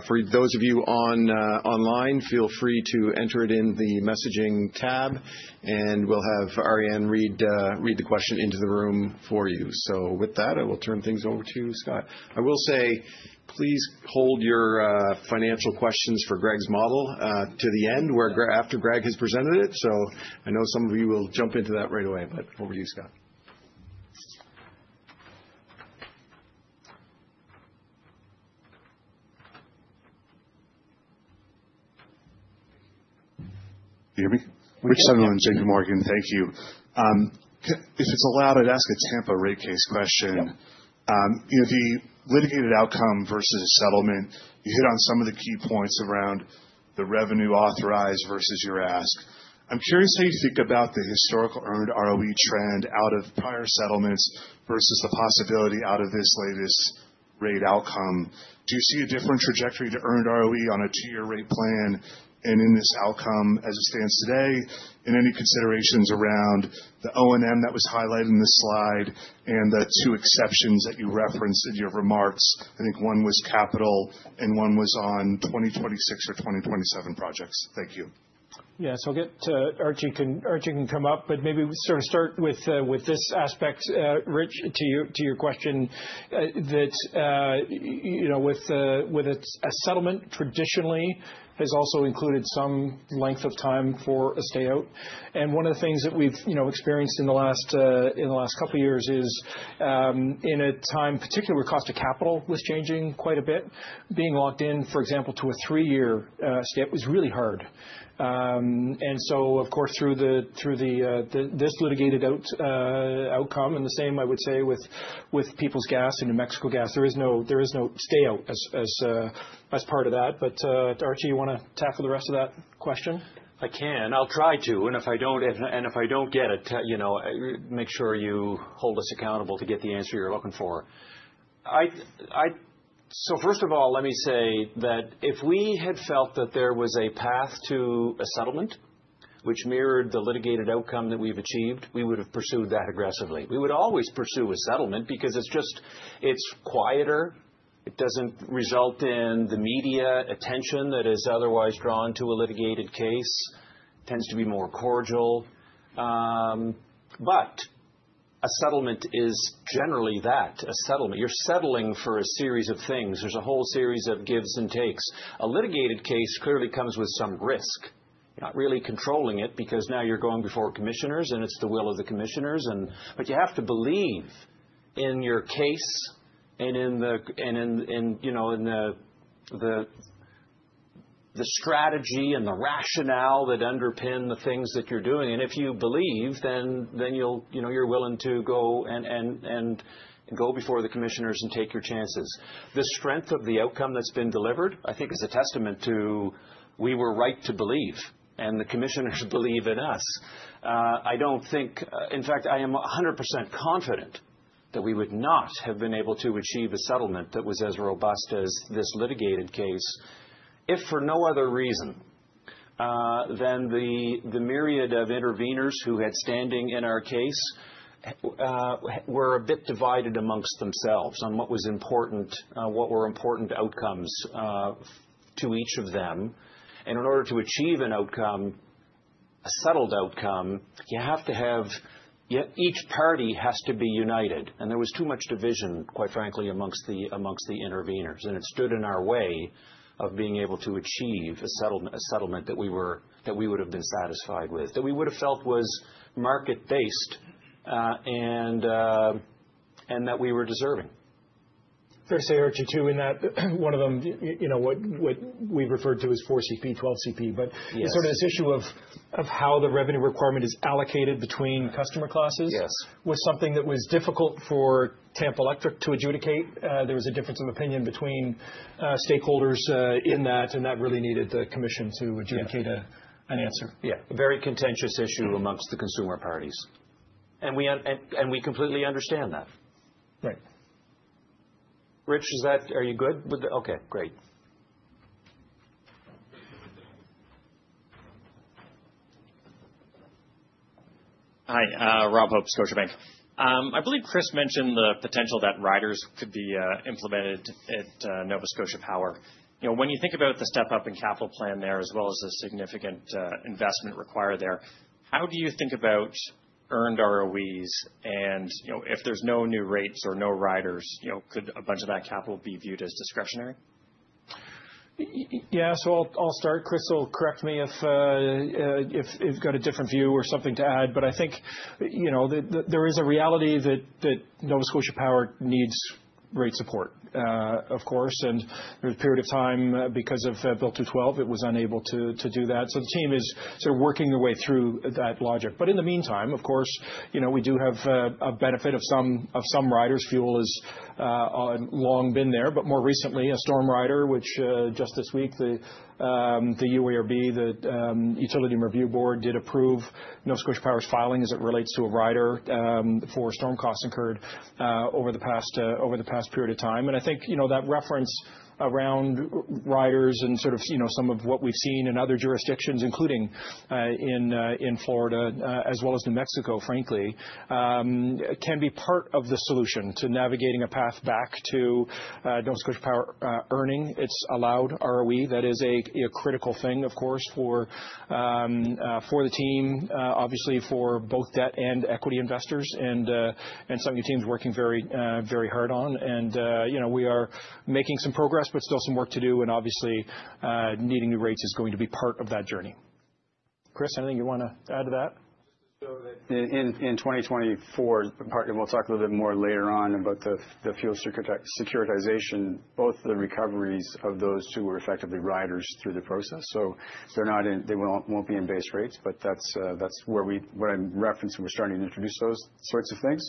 For those of you online, feel free to enter it in the messaging tab, and we'll have Arianne read the question into the room for you, so with that, I will turn things over to Scott. I will say, please hold your financial questions for Greg's model to the end after Greg has presented it, so I know some of you will jump into that right away, but over to you, Scott. You hear me? Richard Sunderland, J.P. Morgan Thank you. If it's allowed, I'd ask a Tampa rate case question. The litigated outcome versus a settlement, you hit on some of the key points around the revenue authorized versus your ask. I'm curious how you think about the historical earned ROE trend out of prior settlements versus the possibility out of this latest rate outcome. Do you see a different trajectory to earned ROE on a two-year rate plan? And in this outcome, as it stands today, and any considerations around the O&M that was highlighted in this slide and the two exceptions that you referenced in your remarks? I think one was capital and one was on 2026 or 2027 projects. Thank you. Yeah. So, I'll get to Archie can come up. But maybe sort of start with this aspect, Rich, to your question that with a settlement traditionally has also included some length of time for a stay-out. And one of the things that we've experienced in the last couple of years is in a time particularly where cost of capital was changing quite a bit, being locked in, for example, to a three-year stay-out was really hard. And so, of course, through this litigated outcome and the same, I would say, with Peoples Gas and New Mexico Gas, there is no stay-out as part of that. But Archie, you want to tackle the rest of that question? I can. I'll try to. And if I don't get it, make sure you hold us accountable to get the answer you're looking for. So first of all, let me say that if we had felt that there was a path to a settlement which mirrored the litigated outcome that we've achieved, we would have pursued that aggressively. We would always pursue a settlement because it's quieter. It doesn't result in the media attention that is otherwise drawn to a litigated case. It tends to be more cordial. But a settlement is generally that, a settlement. You're settling for a series of things. There's a whole series of gives and takes. A litigated case clearly comes with some risk, not really controlling it because now you're going before commissioners and it's the will of the commissioners. You have to believe in your case and in the strategy and the rationale that underpin the things that you're doing. If you believe, then you're willing to go before the commissioners and take your chances. The strength of the outcome that's been delivered, I think, is a testament to we were right to believe and the commissioners believe in us. In fact, I am 100% confident that we would not have been able to achieve a settlement that was as robust as this litigated case if for no other reason than the myriad of interveners who had standing in our case were a bit divided amongst themselves on what were important outcomes to each of them. In order to achieve an outcome, a settled outcome, you have to have each party has to be united. There was too much division, quite frankly, amongst the interveners. It stood in our way of being able to achieve a settlement that we would have been satisfied with, that we would have felt was market-based and that we were deserving. Fair to say, Archie, too, in that one of them, what we've referred to as 4CP, 12CP. But sort of this issue of how the revenue requirement is allocated between customer classes was something that was difficult for Tampa Electric to adjudicate. There was a difference of opinion between stakeholders in that. And that really needed the commission to adjudicate an answer. Yeah. Very contentious issue amongst the consumer parties, and we completely understand that. Right. Rich, are you good? Okay. Great. Hi. Rob Hope, Scotiabank. I believe Chris mentioned the potential that riders could be implemented at Nova Scotia Power. When you think about the step-up in capital plan there as well as the significant investment required there, how do you think about earned ROEs, and if there's no new rates or no riders, could a bunch of that capital be viewed as discretionary? Yeah. So I'll start. Chris, so correct me if you've got a different view or something to add. But I think there is a reality that Nova Scotia Power needs rate support, of course. And there was a period of time because of Bill 212, it was unable to do that. So the team is sort of working their way through that logic. But in the meantime, of course, we do have a benefit of some riders. Fuel has long been there. But more recently, a storm rider, which just this week, the UARB, the Utility and Review Board, did approve Nova Scotia Power's filing as it relates to a rider for storm costs incurred over the past period of time. And I think that reference around riders and sort of some of what we've seen in other jurisdictions, including in Florida as well as New Mexico, frankly, can be part of the solution to navigating a path back to Nova Scotia Power earning its allowed ROE. That is a critical thing, of course, for the team, obviously, for both debt and equity investors. And it's something the team's working very hard on. And we are making some progress, but still some work to do. And obviously, needing new rates is going to be part of that journey. Chris, anything you want to add to that? In 2024, we'll talk a little bit more later on about the fuel securitization, both the recoveries of those who were effectively riders through the process. So they won't be in base rates. But that's where I'm referencing. We're starting to introduce those sorts of things.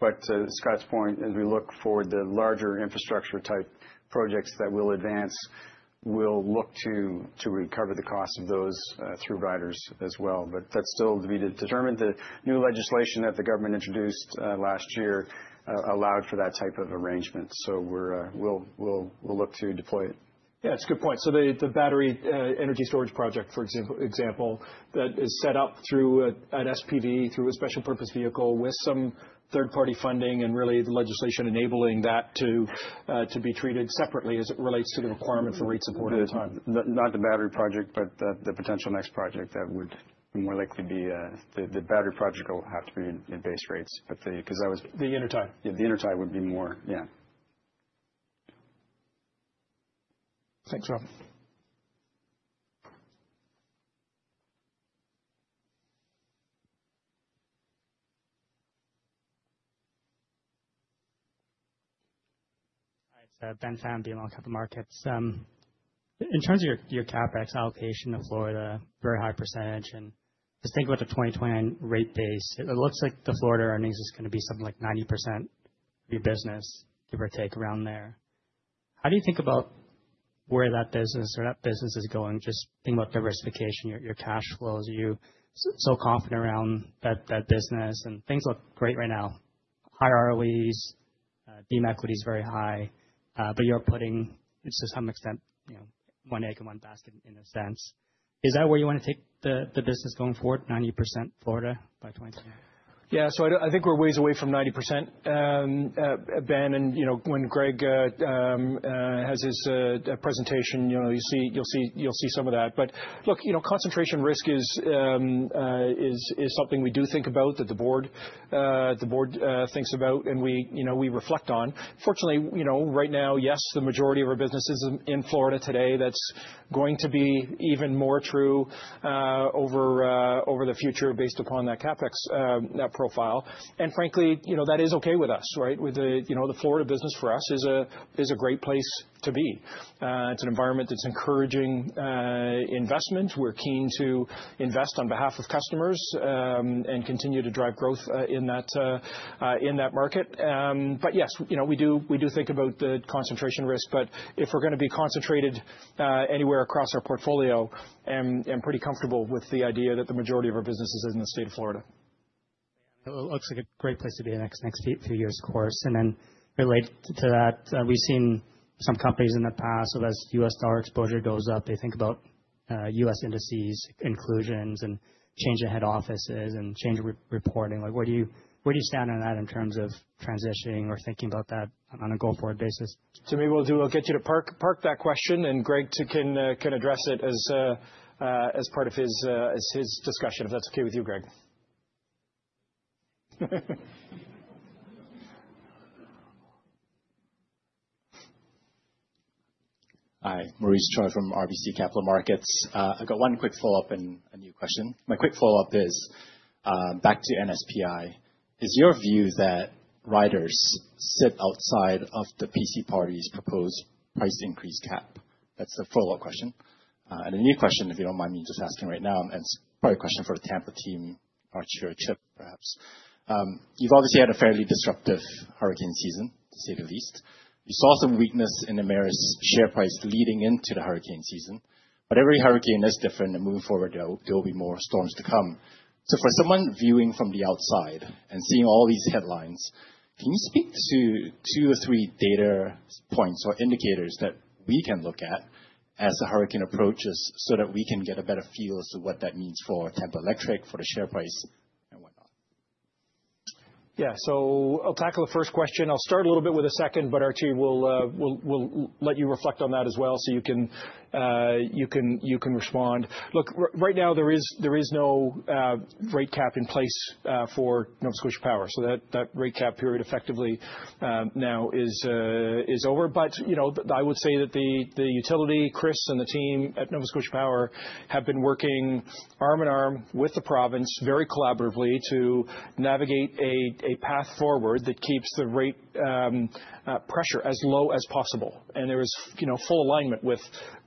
But to Scott's point, as we look for the larger infrastructure type projects that will advance, we'll look to recover the cost of those through riders as well. But that's still to be determined. The new legislation that the government introduced last year allowed for that type of arrangement. So we'll look to deploy it. Yeah. It's a good point. So the battery energy storage project, for example, that is set up through an SPV, through a special purpose vehicle with some third-party funding and really the legislation enabling that to be treated separately as it relates to the requirement for rate support over time. Not the battery project, but the potential next project that would more likely be the battery project will have to be in base rates. The intertie. Yeah. The intertie would be more, yeah. Thanks, Rob. Hi. It's Ben Pham of BMO Capital Markets. In terms of your CapEx allocation to Florida, very high percentage, and just think about the 2029 rate base. It looks like the Florida earnings is going to be something like 90% of your business, give or take around there. How do you think about where that business or that business is going? Just think about diversification, your cash flows. You're so confident around that business. Things look great right now. High ROEs. Equity is very high. But you're putting, to some extent, one egg in one basket in a sense. Is that where you want to take the business going forward, 90% Florida by 2029? Yeah. So I think we're ways away from 90%, Ben. And when Greg has his presentation, you'll see some of that. But look, concentration risk is something we do think about that the board thinks about and we reflect on. Fortunately, right now, yes, the majority of our business is in Florida today. That's going to be even more true over the future based upon that CapEx profile. And frankly, that is okay with us, right? The Florida business for us is a great place to be. It's an environment that's encouraging investment. We're keen to invest on behalf of customers and continue to drive growth in that market. But yes, we do think about the concentration risk. But if we're going to be concentrated anywhere across our portfolio, I'm pretty comfortable with the idea that the majority of our business is in the state of Florida. It looks like a great place to be the next few years, of course. And then related to that, we've seen some companies in the past, as U.S. dollar exposure goes up, they think about U.S. indices, inclusions, and change in head offices and change in reporting. Where do you stand on that in terms of transitioning or thinking about that on a go-forward basis? To me, we'll get you to park that question. And Greg can address it as part of his discussion, if that's okay with you, Greg. Hi. Maurice Choy from RBC Capital Markets. I've got one quick follow-up and a new question. My quick follow-up is back to NSPI. Is your view that riders sit outside of the PC Party's proposed price increase cap? That's the follow-up question. And a new question, if you don't mind me just asking right now, and it's probably a question for the Tampa team, Archie or Chip, perhaps. You've obviously had a fairly disruptive hurricane season, to say the least. You saw some weakness in Emera's share price leading into the hurricane season. But every hurricane is different. And moving forward, there will be more storms to come. For someone viewing from the outside and seeing all these headlines, can you speak to two or three data points or indicators that we can look at as a hurricane approaches so that we can get a better feel as to what that means for Tampa Electric, for the share price, and whatnot? Yeah. So I'll tackle the first question. I'll start a little bit with a second. But Archie, we'll let you reflect on that as well so you can respond. Look, right now, there is no rate cap in place for Nova Scotia Power. So that rate cap period effectively now is over. But I would say that the utility, Chris, and the team at Nova Scotia Power have been working arm in arm with the province very collaboratively to navigate a path forward that keeps the rate pressure as low as possible. And there is full alignment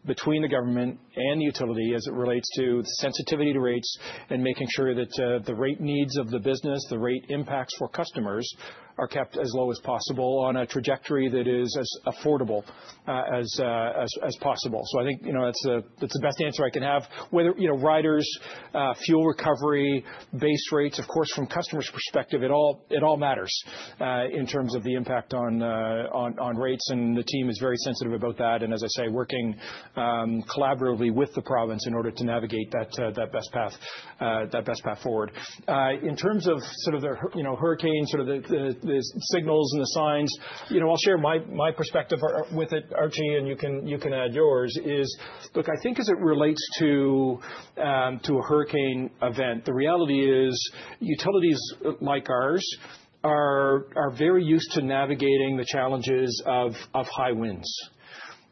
between the government and the utility as it relates to the sensitivity to rates and making sure that the rate needs of the business, the rate impacts for customers are kept as low as possible on a trajectory that is as affordable as possible. So I think that's the best answer I can have. Whether riders, fuel recovery, base rates, of course, from customer's perspective, it all matters in terms of the impact on rates. And the team is very sensitive about that. And as I say, working collaboratively with the province in order to navigate that best path forward. In terms of sort of the hurricane, sort of the signals and the signs, I'll share my perspective with it, Archie, and you can add yours. Look, I think as it relates to a hurricane event, the reality is utilities like ours are very used to navigating the challenges of high winds.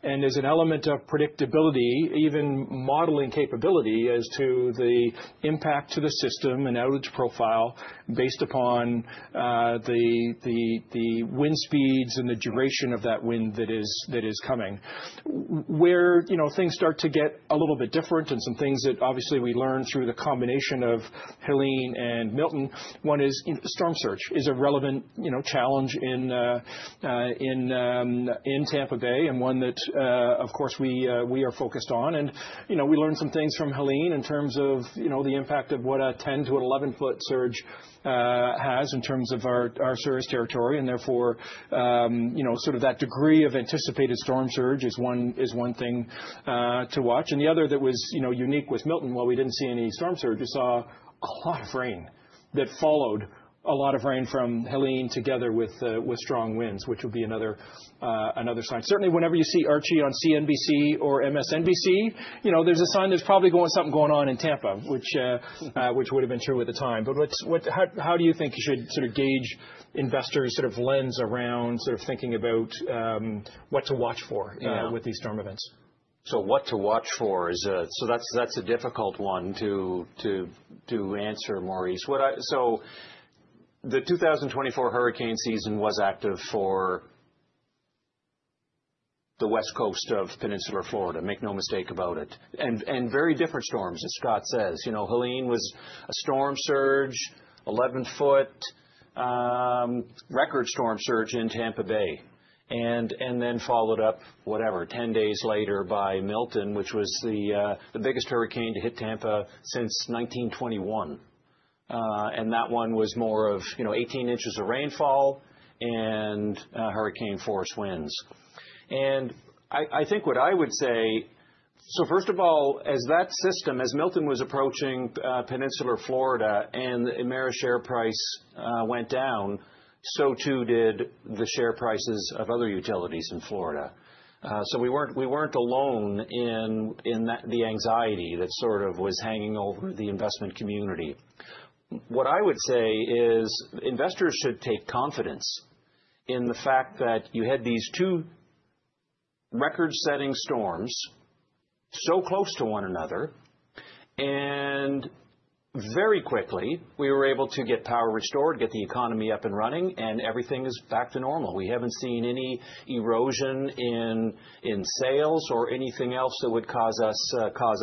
And there's an element of predictability, even modeling capability as to the impact to the system and outage profile based upon the wind speeds and the duration of that wind that is coming. Where things start to get a little bit different and some things that obviously we learned through the combination of Helene and Milton, one is storm surge is a relevant challenge in Tampa Bay and one that, of course, we are focused on. And we learned some things from Helene in terms of the impact of what a 10- to 11-foot surge has in terms of our service territory. And therefore, sort of that degree of anticipated storm surge is one thing to watch. And the other that was unique with Milton, while we didn't see any storm surge, we saw a lot of rain that followed a lot of rain from Helene together with strong winds, which would be another sign. Certainly, whenever you see Archie on CNBC or MSNBC, there's a sign there's probably something going on in Tampa, which would have been true at the time. But how do you think you should sort of gauge investors' sort of lens around sort of thinking about what to watch for with these storm events? So what to watch for is a difficult one to answer, Maurice, so the 2024 hurricane season was active for the west coast of peninsular Florida, make no mistake about it, and very different storms, as Scott says. Helene was a storm surge, 11-foot record storm surge in Tampa Bay, and then followed up, whatever, 10 days later by Milton, which was the biggest hurricane to hit Tampa since 1921, and that one was more of 18 inches of rainfall and hurricane-force winds, and I think what I would say, so first of all, as that system, as Milton was approaching peninsular Florida and Emera's share price went down, so too did the share prices of other utilities in Florida, so we weren't alone in the anxiety that sort of was hanging over the investment community. What I would say is investors should take confidence in the fact that you had these two record-setting storms so close to one another. And very quickly, we were able to get power restored, get the economy up and running, and everything is back to normal. We haven't seen any erosion in sales or anything else that would cause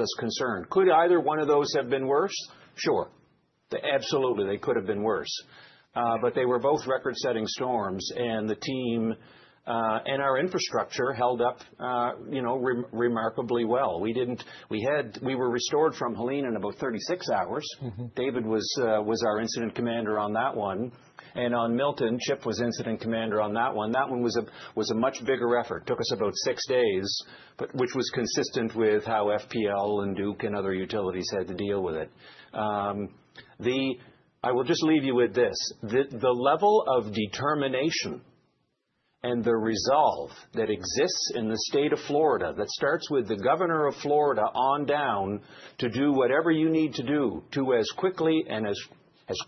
us concern. Could either one of those have been worse? Sure. Absolutely, they could have been worse. But they were both record-setting storms. And the team and our infrastructure held up remarkably well. We were restored from Helene in about 36 hours. David was our incident commander on that one. And on Milton, Chip was incident commander on that one. That one was a much bigger effort. Took us about six days, which was consistent with how FPL and Duke and other utilities had to deal with it. I will just leave you with this. The level of determination and the resolve that exists in the state of Florida that starts with the governor of Florida on down to do whatever you need to do to, as quickly and as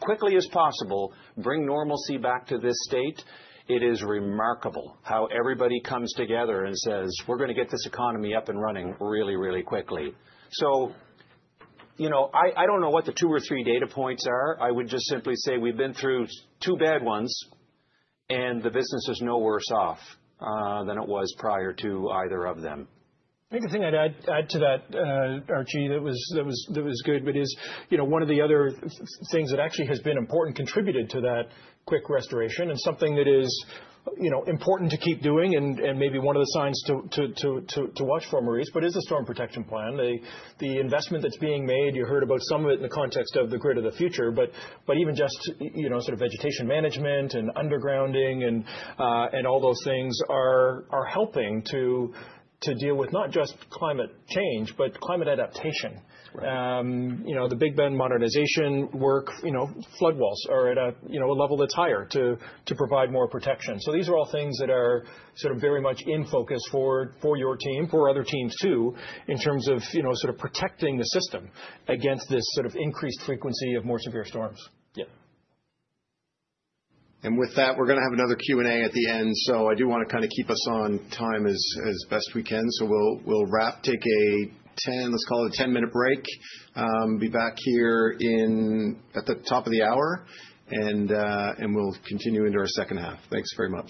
quickly as possible, bring normalcy back to this state. It is remarkable how everybody comes together and says, "We're going to get this economy up and running really, really quickly." So I don't know what the two or three data points are. I would just simply say we've been through two bad ones, and the business is no worse off than it was prior to either of them. I think the thing I'd add to that, Archie, that was good, but is one of the other things that actually has been important contributed to that quick restoration and something that is important to keep doing and maybe one of the signs to watch for, Maurice, but is the Storm Protection Plan. The investment that's being made, you heard about some of it in the context of the grid of the future. But even just sort of vegetation management and undergrounding and all those things are helping to deal with not just climate change, but climate adaptation. The Big Bend modernization work, flood walls are at a level that's higher to provide more protection. So these are all things that are sort of very much in focus for your team, for other teams too, in terms of sort of protecting the system against this sort of increased frequency of more severe storms. Yeah. With that, we're going to have another Q&A at the end. So I do want to kind of keep us on time as best we can. So we'll wrap, take a 10, let's call it a 10-minute break. Be back here at the top of the hour. We'll continue into our second half. Thanks very much.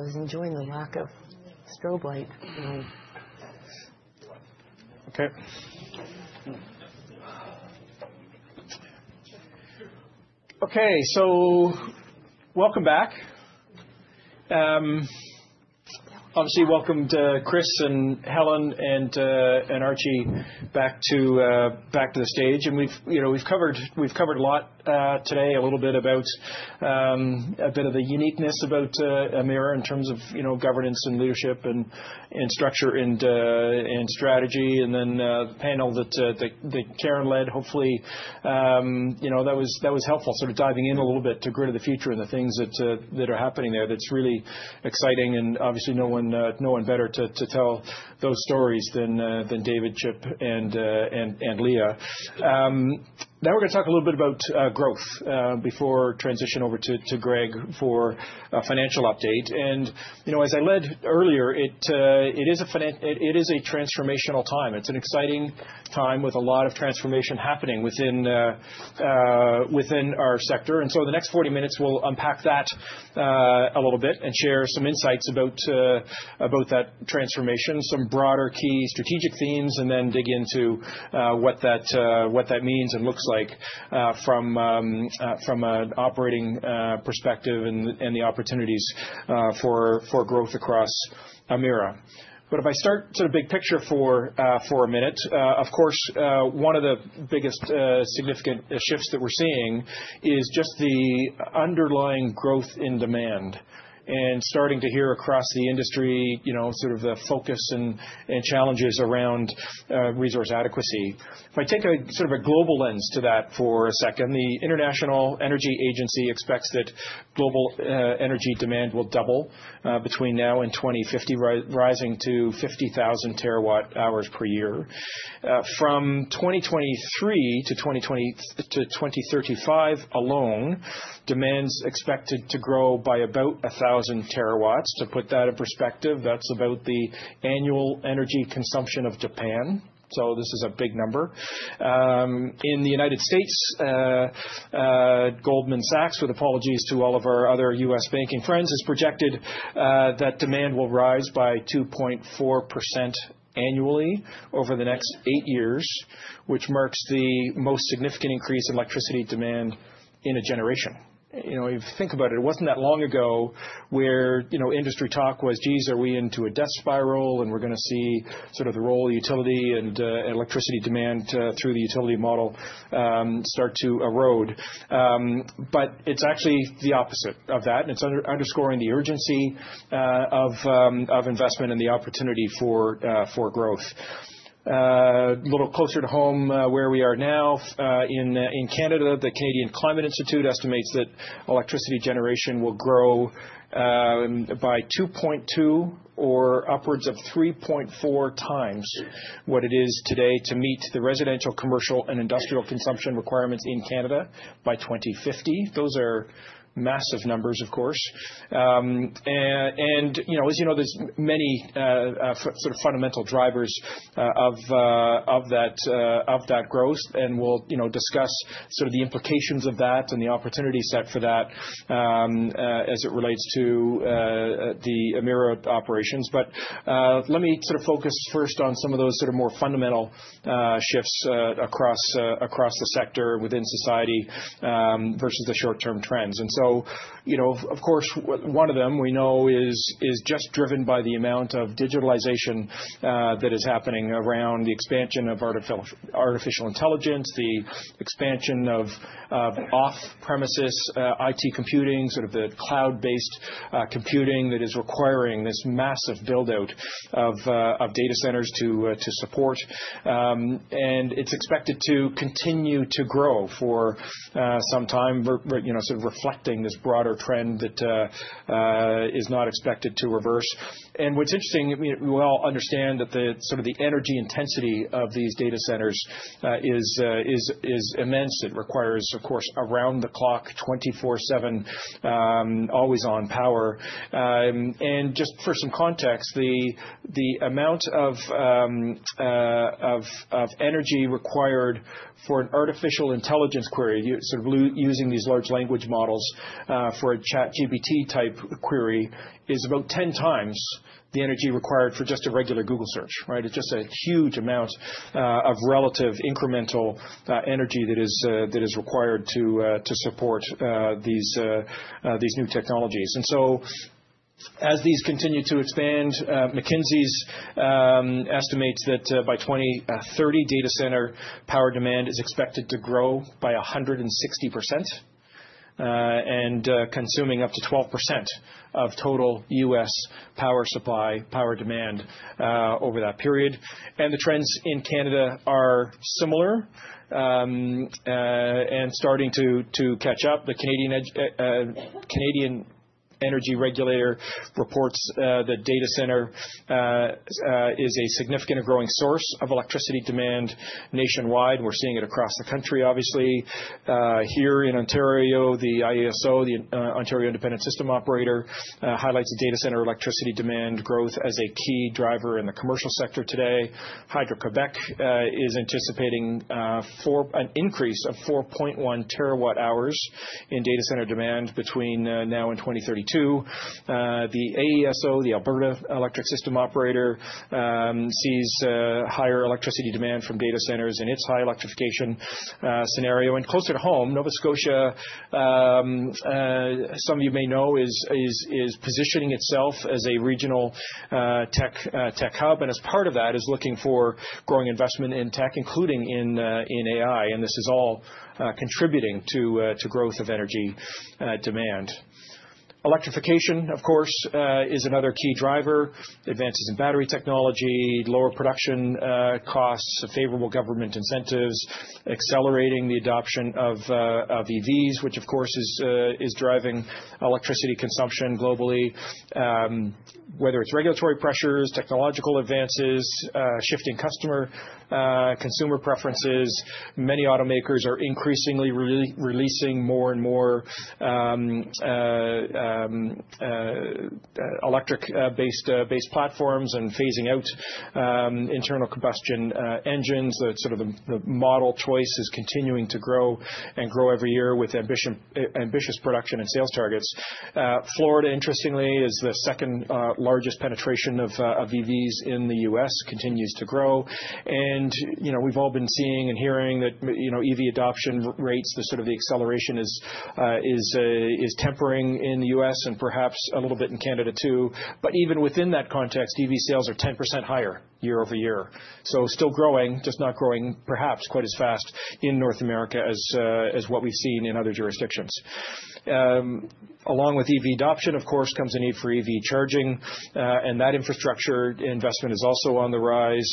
I was enjoying the lack of strobe light. Okay. Okay, so welcome back. Obviously, welcome to Chris and Helen and Archie back to the stage. And we've covered a lot today, a little bit about a bit of the uniqueness about Emera in terms of governance and leadership and structure and strategy. And then the panel that Karen led, hopefully, you know that was helpful, sort of diving in a little bit to grid of the future and the things that are happening there that's really exciting. And obviously, no one better to tell those stories than David, Chip, and Lia. Now we're going to talk a little bit about growth before transition over to Greg for a financial update. And as I said earlier, it is a transformational time. It's an exciting time with a lot of transformation happening within our sector. And so in the next 40 minutes, we'll unpack that a little bit and share some insights about that transformation, some broader key strategic themes, and then dig into what that means and looks like from an operating perspective and the opportunities for growth across Emera. But if I start sort of big picture for a minute, of course, one of the biggest significant shifts that we're seeing is just the underlying growth in demand and starting to hear across the industry sort of the focus and challenges around resource adequacy. If I take sort of a global lens to that for a second, the International Energy Agency expects that global energy demand will double between now and 2050, rising to 50,000 terawatt hours per year. From 2023 to 2035 alone, demand's expected to grow by about 1,000 terawatts. To put that in perspective, that's about the annual energy consumption of Japan. So this is a big number. In the United States, Goldman Sachs, with apologies to all of our other U.S. banking friends, has projected that demand will rise by 2.4% annually over the next eight years, which marks the most significant increase in electricity demand in a generation. You know, if you think about it, it wasn't that long ago where industry talk was, geez, are we into a death spiral? And we're going to see sort of the role of utility and electricity demand through the utility model start to erode. But it's actually the opposite of that. And it's underscoring the urgency of investment and the opportunity for growth. A little closer to home where we are now in Canada, the Canadian Climate Institute estimates that electricity generation will grow by 2.2 or upwards of 3.4 times what it is today to meet the residential, commercial, and industrial consumption requirements in Canada by 2050. Those are massive numbers, of course, and as you know, there's many sort of fundamental drivers of that growth. And we'll discuss sort of the implications of that and the opportunity set for that as it relates to the Emera operations, but let me sort of focus first on some of those sort of more fundamental shifts across the sector within society versus the short-term trends. And so, of course, one of them we know is just driven by the amount of digitalization that is happening around the expansion of artificial intelligence, the expansion of off-premises IT computing, sort of the cloud-based computing that is requiring this massive build-out of data centers to support. And it's expected to continue to grow for some time, sort of reflecting this broader trend that is not expected to reverse. And what's interesting, we all understand that sort of the energy intensity of these data centers is immense. It requires, of course, around the clock, 24/7, always on power. And just for some context, the amount of energy required for an artificial intelligence query, sort of using these large language models for a ChatGPT-type query, is about 10 times the energy required for just a regular Google search. It's just a huge amount of relative incremental energy that is required to support these new technologies. So as these continue to expand, McKinsey estimates that by 2030, data center power demand is expected to grow by 160% and consuming up to 12% of total U.S. power supply demand over that period. The trends in Canada are similar and starting to catch up. The Canadian Energy Regulator reports that data center is a significant and growing source of electricity demand nationwide. We're seeing it across the country, obviously. Here in Ontario, the IESO, the Ontario Independent Electricity System Operator, highlights data center electricity demand growth as a key driver in the commercial sector today. Hydro-Québec is anticipating an increase of 4.1 terawatt hours in data center demand between now and 2032. The AESO, the Alberta Electric System Operator, sees higher electricity demand from data centers in its high electrification scenario, and closer to home, Nova Scotia, some of you may know, is positioning itself as a regional tech hub, and as part of that, is looking for growing investment in tech, including in AI, and this is all contributing to growth of energy demand. Electrification, of course, is another key driver: advances in battery technology, lower production costs, favorable government incentives accelerating the adoption of EVs, which, of course, is driving electricity consumption globally. Whether it's regulatory pressures, technological advances, shifting consumer preferences, many automakers are increasingly releasing more and more electric-based platforms and phasing out internal combustion engines. The model choice is continuing to grow and grow every year with ambitious production and sales targets. Florida, interestingly, is the second largest penetration of EVs in the U.S., continues to grow, and we've all been seeing and hearing that EV adoption rates, sort of the acceleration is tempering in the U.S. and perhaps a little bit in Canada too, but even within that context, EV sales are 10% higher year over year, so still growing, just not growing perhaps quite as fast in North America as what we've seen in other jurisdictions. Along with EV adoption, of course, comes a need for EV charging, and that infrastructure investment is also on the rise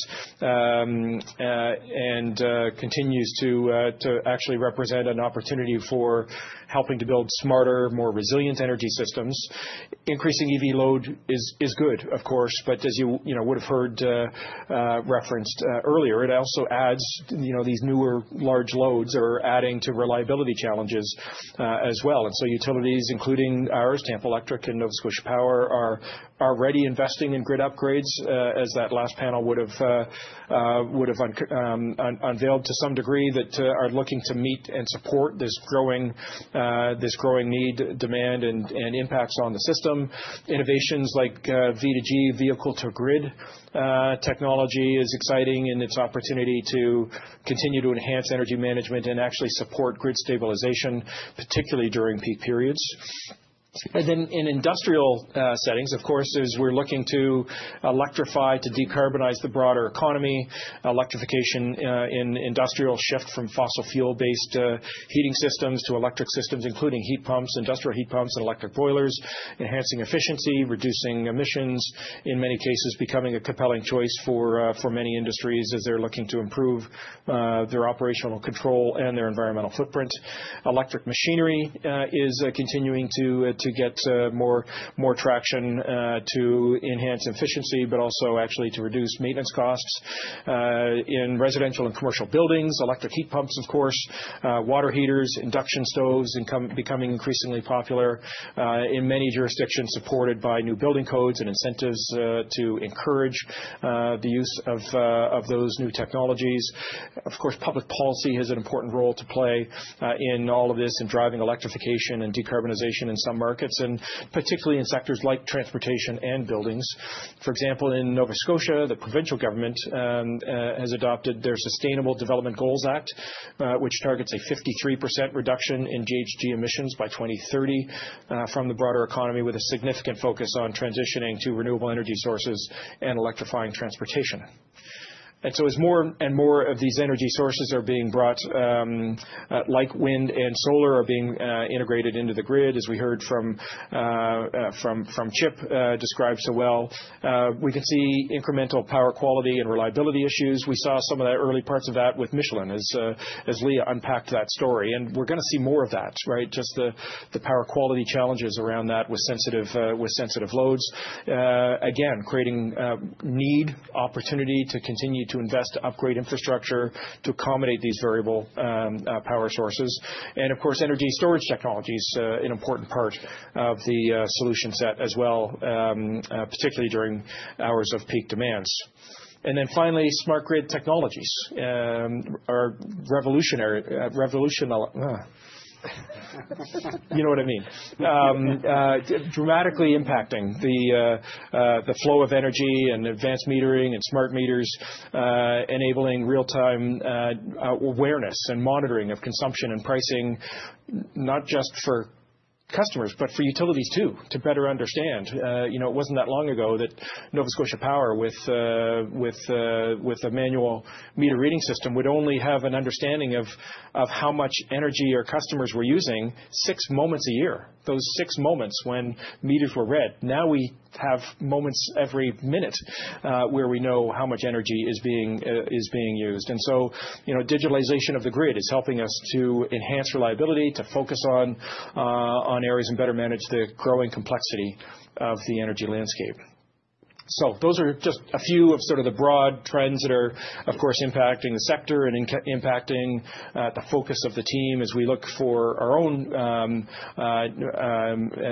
and continues to actually represent an opportunity for helping to build smarter, more resilient energy systems. Increasing EV load is good, of course, but as you would have heard referenced earlier, it also adds these newer large loads that are adding to reliability challenges as well. And so utilities, including ours, Tampa Electric and Nova Scotia Power, are already investing in grid upgrades, as that last panel would have unveiled to some degree, that are looking to meet and support this growing need, demand, and impacts on the system. Innovations like V2G, vehicle-to-grid technology is exciting in its opportunity to continue to enhance energy management and actually support grid stabilization, particularly during peak periods. And then in industrial settings, of course, as we're looking to electrify to decarbonize the broader economy, electrification in industrial shift from fossil fuel-based heating systems to electric systems, including heat pumps, industrial heat pumps, and electric boilers, enhancing efficiency, reducing emissions, in many cases becoming a compelling choice for many industries as they're looking to improve their operational control and their environmental footprint. Electric machinery is continuing to get more traction to enhance efficiency, but also actually to reduce maintenance costs. In residential and commercial buildings, electric heat pumps, of course, water heaters, induction stoves becoming increasingly popular in many jurisdictions supported by new building codes and incentives to encourage the use of those new technologies. Of course, public policy has an important role to play in all of this in driving electrification and decarbonization in some markets, and particularly in sectors like transportation and buildings. For example, in Nova Scotia, the provincial government has adopted their Sustainable Development Goals Act, which targets a 53% reduction in GHG emissions by 2030 from the broader economy, with a significant focus on transitioning to renewable energy sources and electrifying transportation. And so as more and more of these energy sources are being brought, like wind and solar are being integrated into the grid, as we heard from Chip described so well, we can see incremental power quality and reliability issues. We saw some of the early parts of that with Michelin as Leah unpacked that story. And we're going to see more of that, just the power quality challenges around that with sensitive loads. Again, creating need, opportunity to continue to invest, to upgrade infrastructure, to accommodate these variable power sources. And of course, energy storage technology is an important part of the solution set as well, particularly during hours of peak demands. And then finally, smart grid technologies are revolutionary. You know what I mean? Dramatically impacting the flow of energy and advanced metering and smart meters, enabling real-time awareness and monitoring of consumption and pricing, not just for customers, but for utilities too, to better understand. It wasn't that long ago that Nova Scotia Power, with a manual meter reading system, would only have an understanding of how much energy our customers were using six moments a year, those six moments when meters were read. Now we have moments every minute where we know how much energy is being used, and so digitalization of the grid is helping us to enhance reliability, to focus on areas, and better manage the growing complexity of the energy landscape. Those are just a few of sort of the broad trends that are, of course, impacting the sector and impacting the focus of the team as we look for our own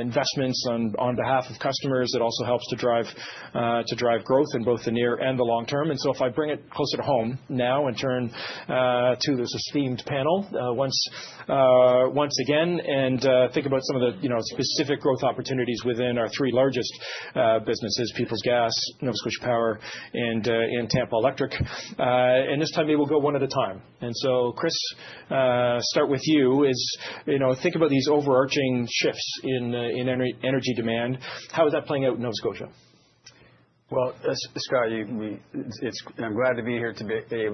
investments on behalf of customers, so it also helps to drive growth in both the near and the long term. And so if I bring it closer to home now and turn to this esteemed panel once again and think about some of the specific growth opportunities within our three largest businesses, Peoples Gas, Nova Scotia Power, and Tampa Electric. And this time we will go one at a time. And so, Chris, start with you. Think about these overarching shifts in energy demand. How is that playing out in Nova Scotia? Well, Scott, I'm glad to be here today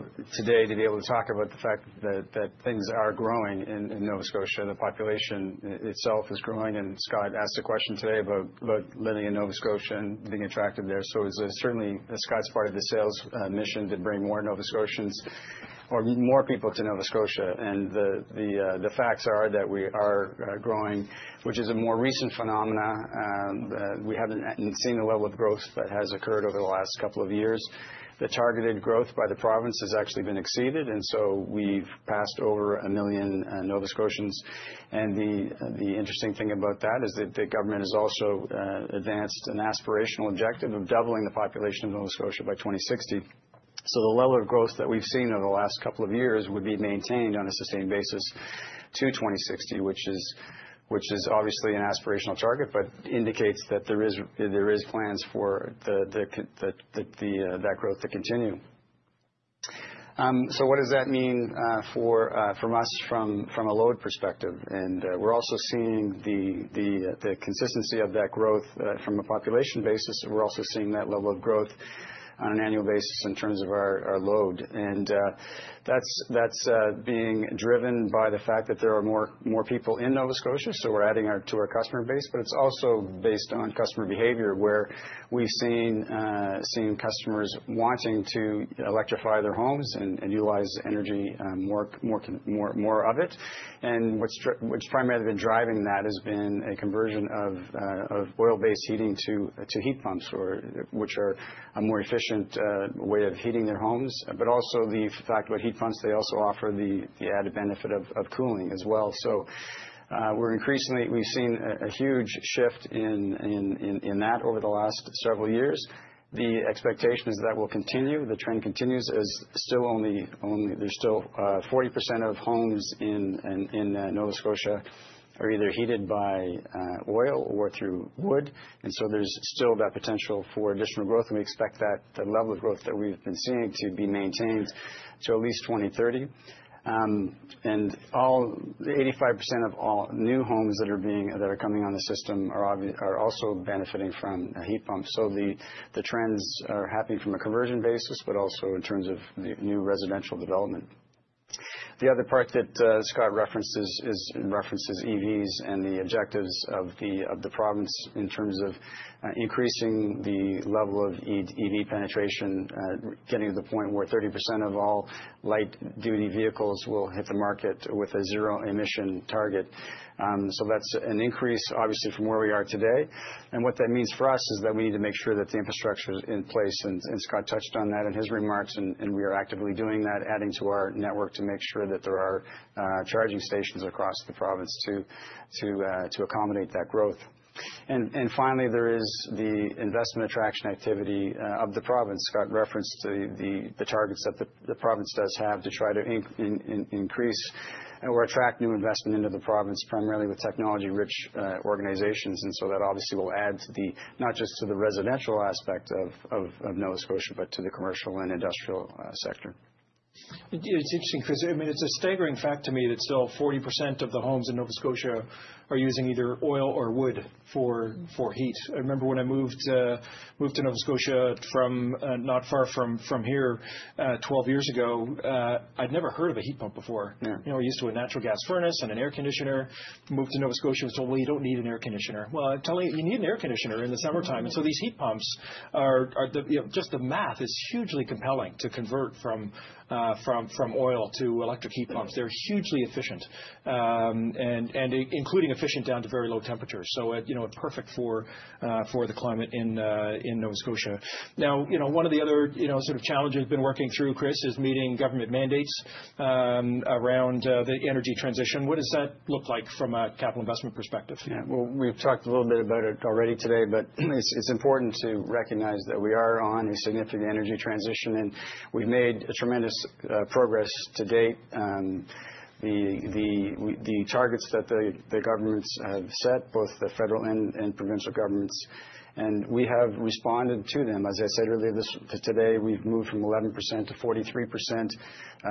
to be able to talk about the fact that things are growing in Nova Scotia. The population itself is growing. And Scott asked a question today about living in Nova Scotia and being attracted there. So certainly, Scott's part of the sales mission to bring more Nova Scotians or more people to Nova Scotia. And the facts are that we are growing, which is a more recent phenomenon. We haven't seen the level of growth that has occurred over the last couple of years. The targeted growth by the province has actually been exceeded, and so we've passed over a million Nova Scotians, and the interesting thing about that is that the government has also advanced an aspirational objective of doubling the population of Nova Scotia by 2060. So the level of growth that we've seen over the last couple of years would be maintained on a sustained basis to 2060, which is obviously an aspirational target, but indicates that there are plans for that growth to continue, so what does that mean for us from a load perspective, and we're also seeing the consistency of that growth from a population basis. We're also seeing that level of growth on an annual basis in terms of our load. And that's being driven by the fact that there are more people in Nova Scotia. So we're adding to our customer base. But it's also based on customer behavior, where we've seen customers wanting to electrify their homes and utilize energy more of it. And what's primarily been driving that has been a conversion of oil-based heating to heat pumps, which are a more efficient way of heating their homes. But also the fact about heat pumps, they also offer the added benefit of cooling as well. So we've seen a huge shift in that over the last several years. The expectation is that will continue. The trend continues, as still only 40% of homes in Nova Scotia are either heated by oil or through wood. And so there's still that potential for additional growth. And we expect that the level of growth that we've been seeing to be maintained to at least 2030. And 85% of all new homes that are coming on the system are also benefiting from a heat pump. So the trends are happening from a conversion basis, but also in terms of new residential development. The other part that Scott references is EVs and the objectives of the province in terms of increasing the level of EV penetration, getting to the point where 30% of all light-duty vehicles will hit the market with a zero-emission target. So that's an increase, obviously, from where we are today. And what that means for us is that we need to make sure that the infrastructure is in place. And Scott touched on that in his remarks. And we are actively doing that, adding to our network to make sure that there are charging stations across the province to accommodate that growth. And finally, there is the investment attraction activity of the province. Scott referenced the targets that the province does have to try to increase or attract new investment into the province, primarily with technology-rich organizations. And so that obviously will add to the not just to the residential aspect of Nova Scotia, but to the commercial and industrial sector. It's interesting, Chris. I mean, it's a staggering fact to me that still 40% of the homes in Nova Scotia are using either oil or wood for heat. I remember when I moved to Nova Scotia not far from here 12 years ago, I'd never heard of a heat pump before. We're used to a natural gas furnace and an air conditioner. Moved to Nova Scotia, was told, well, you don't need an air conditioner. Well, you need an air conditioner in the summertime. And so these heat pumps, just the math is hugely compelling to convert from oil to electric heat pumps. They're hugely efficient, including efficient down to very low temperatures. So perfect for the climate in Nova Scotia. Now, one of the other sort of challenges we've been working through, Chris, is meeting government mandates around the energy transition. What does that look like from a capital investment perspective? Yeah, well, we've talked a little bit about it already today. But it's important to recognize that we are on a significant energy transition. And we've made tremendous progress to date. The targets that the governments have set, both the federal and provincial governments, and we have responded to them. As I said earlier today, we've moved from 11%-43%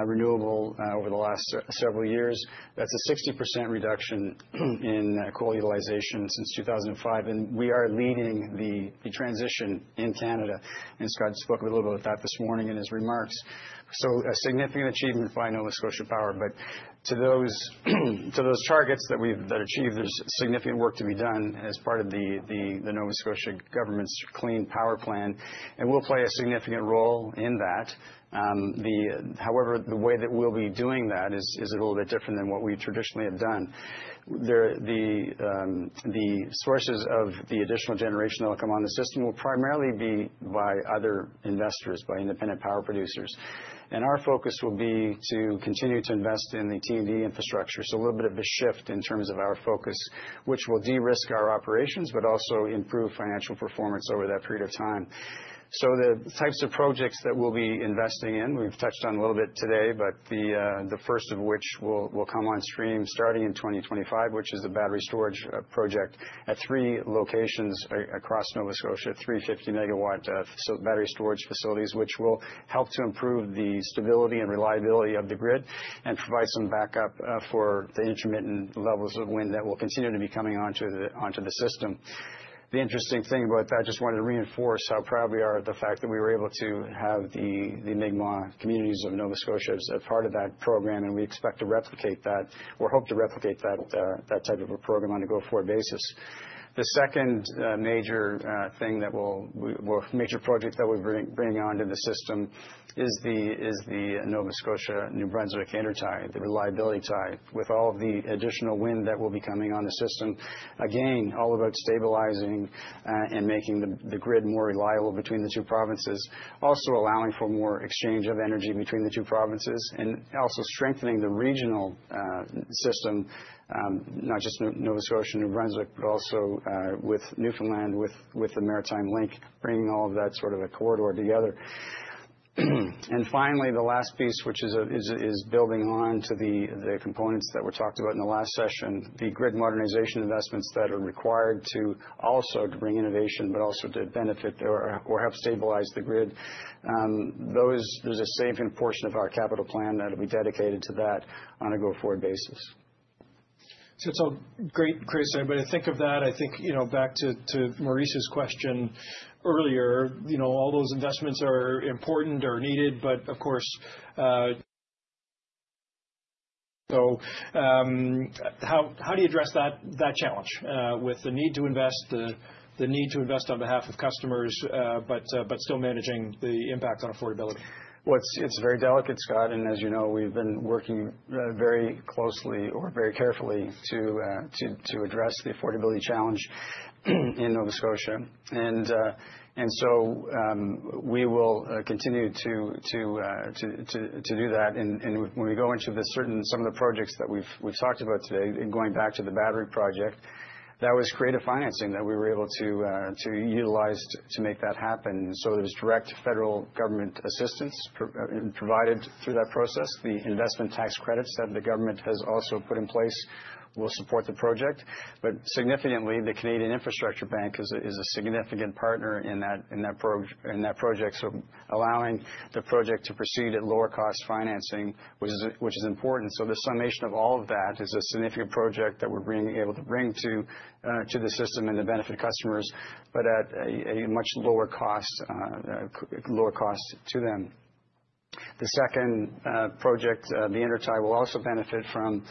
renewable over the last several years. That's a 60% reduction in coal utilization since 2005. And we are leading the transition in Canada. And Scott spoke a little bit about that this morning in his remarks. So a significant achievement by Nova Scotia Power. But to those targets that we've achieved, there's significant work to be done as part of the Nova Scotia government's Clean Power Plan. And we'll play a significant role in that. However, the way that we'll be doing that is a little bit different than what we traditionally have done. The sources of the additional generation that will come on the system will primarily be by other investors, by independent power producers. And our focus will be to continue to invest in the T&D infrastructure. So a little bit of a shift in terms of our focus, which will de-risk our operations, but also improve financial performance over that period of time. So the types of projects that we'll be investing in, we've touched on a little bit today, but the first of which will come on stream starting in 2025, which is a battery storage project at three locations across Nova Scotia, three 50-megawatt battery storage facilities, which will help to improve the stability and reliability of the grid and provide some backup for the intermittent levels of wind that will continue to be coming onto the system. The interesting thing about that, I just wanted to reinforce how proud we are of the fact that we were able to have the Mi'kmaw communities of Nova Scotia as a part of that program. And we expect to replicate that or hope to replicate that type of a program on a go-forward basis. The second major thing that will, well, major project that we're bringing onto the system is the Nova Scotia-New Brunswick intertie, the reliability tie with all of the additional wind that will be coming on the system. Again, all about stabilizing and making the grid more reliable between the two provinces, also allowing for more exchange of energy between the two provinces, and also strengthening the regional system, not just Nova Scotia-New Brunswick, but also with Newfoundland, with the Maritime Link, bringing all of that sort of a corridor together. And finally, the last piece, which is building on to the components that were talked about in the last session, the grid modernization investments that are required to also bring innovation, but also to benefit or help stabilize the grid. There's a significant portion of our capital plan that will be dedicated to that on a go-forward basis. So it's all great, Chris. But I think of that, I think back to Maurice's question earlier, all those investments are important or needed. But of course, how do you address that challenge with the need to invest, the need to invest on behalf of customers, but still managing the impact on affordability? It's very delicate, Scott. As you know, we've been working very closely or very carefully to address the affordability challenge in Nova Scotia. We will continue to do that. When we go into some of the projects that we've talked about today, going back to the battery project, that was creative financing that we were able to utilize to make that happen. There was direct federal government assistance provided through that process. The investment tax credits that the government has also put in place will support the project. Significantly, the Canada Infrastructure Bank is a significant partner in that project, allowing the project to proceed at lower cost financing, which is important. So the summation of all of that is a significant project that we're being able to bring to the system and to benefit customers, but at a much lower cost to them. The second project, the intertie, will also benefit from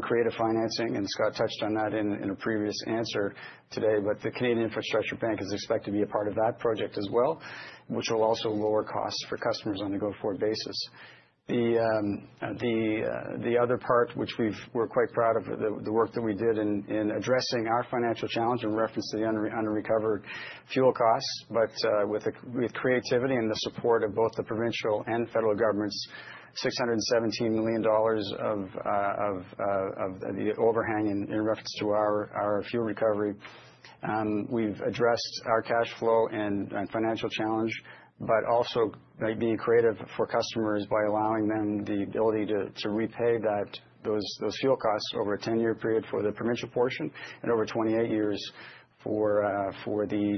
creative financing. And Scott touched on that in a previous answer today. But the Canada Infrastructure Bank is expected to be a part of that project as well, which will also lower costs for customers on a go-forward basis. The other part, which we're quite proud of, the work that we did in addressing our financial challenge in reference to the unrecovered fuel costs, but with creativity and the support of both the provincial and federal governments, 617 million dollars of the overhang in reference to our fuel recovery, we've addressed our cash flow and financial challenge, but also by being creative for customers by allowing them the ability to repay those fuel costs over a 10-year period for the provincial portion and over 28 years for the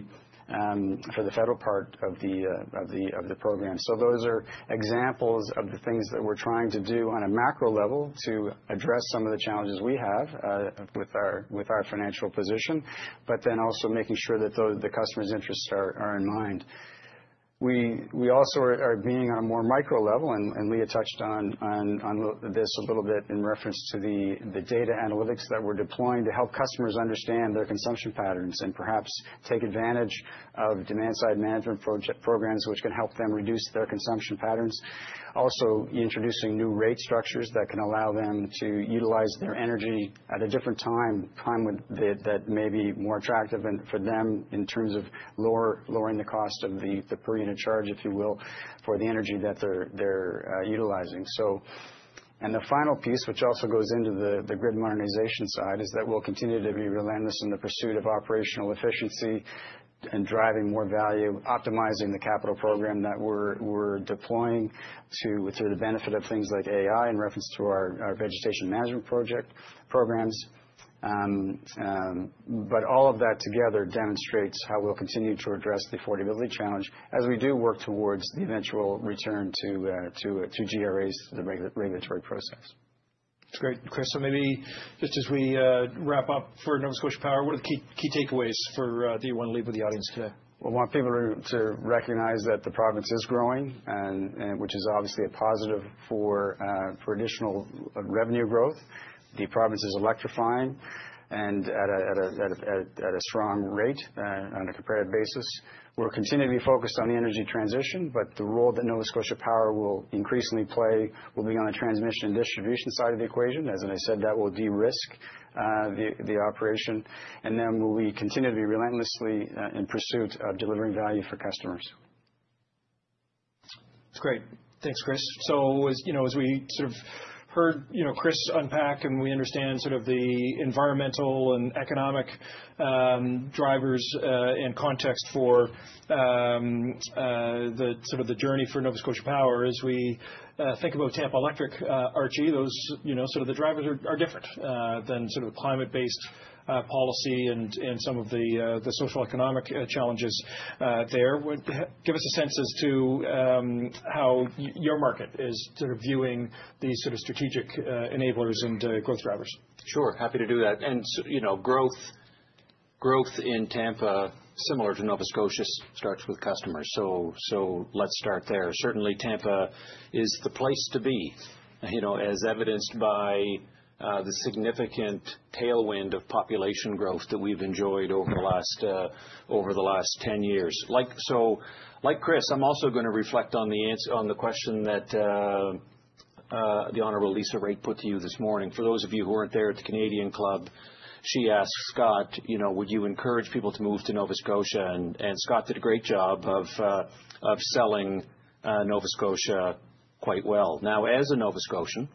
federal part of the program. So those are examples of the things that we're trying to do on a macro level to address some of the challenges we have with our financial position, but then also making sure that the customer's interests are in mind. We also are being on a more micro level. And Leah touched on this a little bit in reference to the data analytics that we're deploying to help customers understand their consumption patterns and perhaps take advantage of demand-side management programs, which can help them reduce their consumption patterns. Also, introducing new rate structures that can allow them to utilize their energy at a different time that may be more attractive for them in terms of lowering the cost of the per unit charge, if you will, for the energy that they're utilizing. And the final piece, which also goes into the grid modernization side, is that we'll continue to be relentless in the pursuit of operational efficiency and driving more value, optimizing the capital program that we're deploying to the benefit of things like AI in reference to our vegetation management programs. But all of that together demonstrates how we'll continue to address the affordability challenge as we do work towards the eventual return to GRAs, the regulatory process. That's great. Chris, so maybe just as we wrap up for Nova Scotia Power, what are the key takeaways that you want to leave with the audience today? Well, I want people to recognize that the province is growing, which is obviously a positive for additional revenue growth. The province is electrifying and at a strong rate on a comparative basis. We'll continue to be focused on the energy transition. But the role that Nova Scotia Power will increasingly play will be on the transmission and distribution side of the equation. As I said, that will de-risk the operation. And then we'll continue to be relentlessly in pursuit of delivering value for customers. That's great. Thanks, Chris. So as we sort of heard Chris unpack, and we understand sort of the environmental and economic drivers and context for the sort of the journey for Nova Scotia Power, as we think about Tampa Electric, Archie, those sort of the drivers are different than sort of the climate-based policy and some of the socio-economic challenges there. Give us a sense as to how your market is sort of viewing these sort of strategic enablers and growth drivers. Sure. Happy to do that. And growth in Tampa, similar to Nova Scotia, starts with customers. So let's start there. Certainly, Tampa is the place to be, as evidenced by the significant tailwind of population growth that we've enjoyed over the last 10 years. So like Chris, I'm also going to reflect on the question that the Honorable Lisa Raitt put to you this morning. For those of you who weren't there at the Canadian Club, she asked Scott, would you encourage people to move to Nova Scotia? And Scott did a great job of selling Nova Scotia quite well. Now, as a Nova Scotian,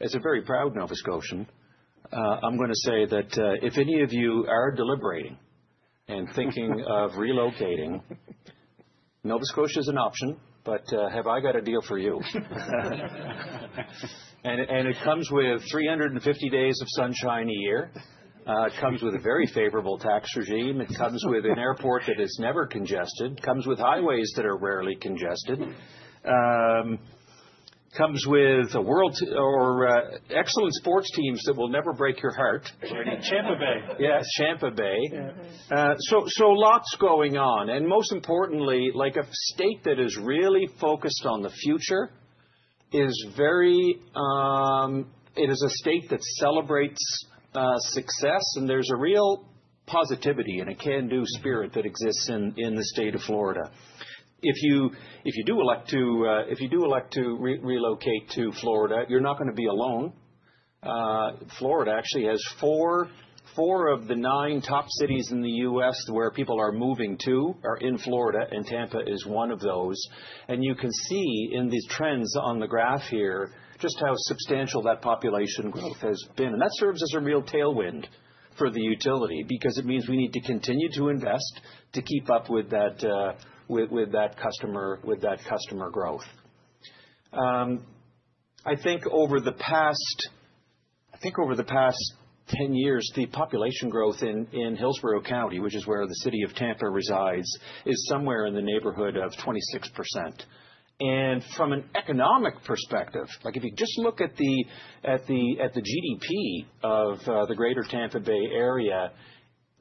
as a very proud Nova Scotian, I'm going to say that if any of you are deliberating and thinking of relocating, Nova Scotia is an option. But have I got a deal for you? And it comes with 350 days of sunshine a year. It comes with a very favorable tax regime. It comes with an airport that is never congested. It comes with highways that are rarely congested. It comes with excellent sports teams that will never break your heart. Tampa Bay. Yes, Tampa Bay, so lots going on, and most importantly, like a state that is really focused on the future, it is a state that celebrates success, and there's a real positivity and a can-do spirit that exists in the state of Florida. If you do elect to relocate to Florida, you're not going to be alone. Florida actually has four of the nine top cities in the U.S. where people are moving to are in Florida, and Tampa is one of those, and you can see in these trends on the graph here just how substantial that population growth has been, and that serves as a real tailwind for the utility because it means we need to continue to invest to keep up with that customer growth. I think over the past 10 years, the population growth in Hillsborough County, which is where the city of Tampa resides, is somewhere in the neighborhood of 26%. And from an economic perspective, like if you just look at the GDP of the greater Tampa Bay area,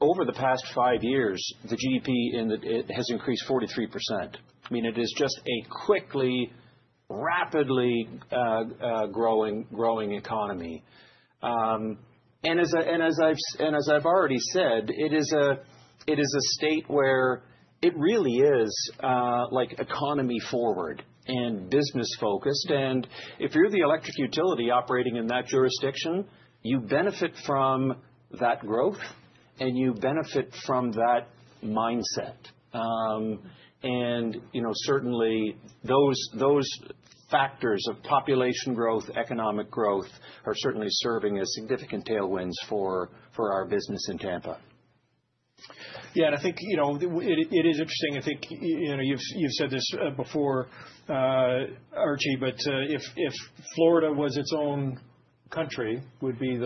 over the past five years, the GDP has increased 43%. I mean, it is just a quickly, rapidly growing economy. And as I've already said, it is a state where it really is like economy-forward and business-focused. And if you're the electric utility operating in that jurisdiction, you benefit from that growth, and you benefit from that mindset. And certainly, those factors of population growth, economic growth are certainly serving as significant tailwinds for our business in Tampa. Yeah, and I think it is interesting. I think you've said this before, RG, but if Florida was its own country, it would be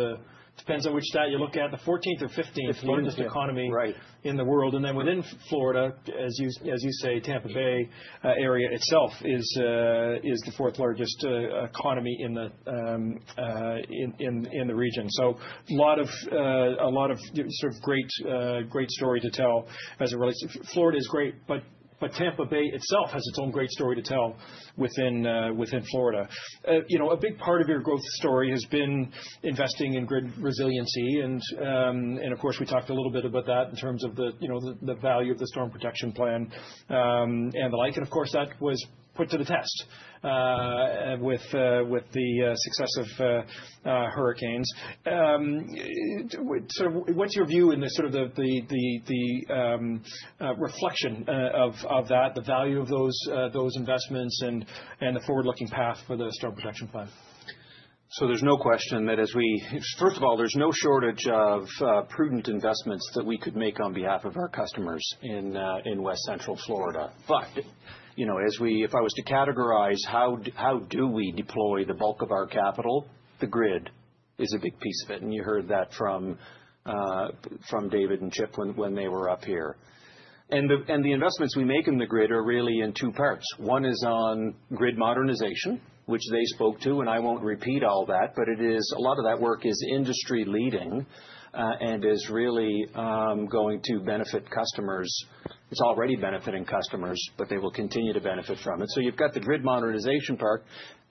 the—depends on which state you look at—the 14th or 15th largest economy in the world, and then within Florida, as you say, Tampa Bay area itself is the fourth largest economy in the region, so a lot of sort of great story to tell as it relates. Florida is great, but Tampa Bay itself has its own great story to tell within Florida. A big part of your growth story has been investing in grid resiliency, and of course, we talked a little bit about that in terms of the value of the storm protection plan and the like, and of course, that was put to the test with the success of hurricanes. Sort of, what's your view in the sort of reflection of that, the value of those investments and the forward-looking path for the storm protection plan? So there's no question that as we, first of all, there's no shortage of prudent investments that we could make on behalf of our customers in West Central Florida. But if I was to categorize how do we deploy the bulk of our capital, the grid is a big piece of it. And you heard that from David and Chip when they were up here. And the investments we make in the grid are really in two parts. One is on grid modernization, which they spoke to. And I won't repeat all that. But a lot of that work is industry-leading and is really going to benefit customers. It's already benefiting customers, but they will continue to benefit from it. You've got the grid modernization part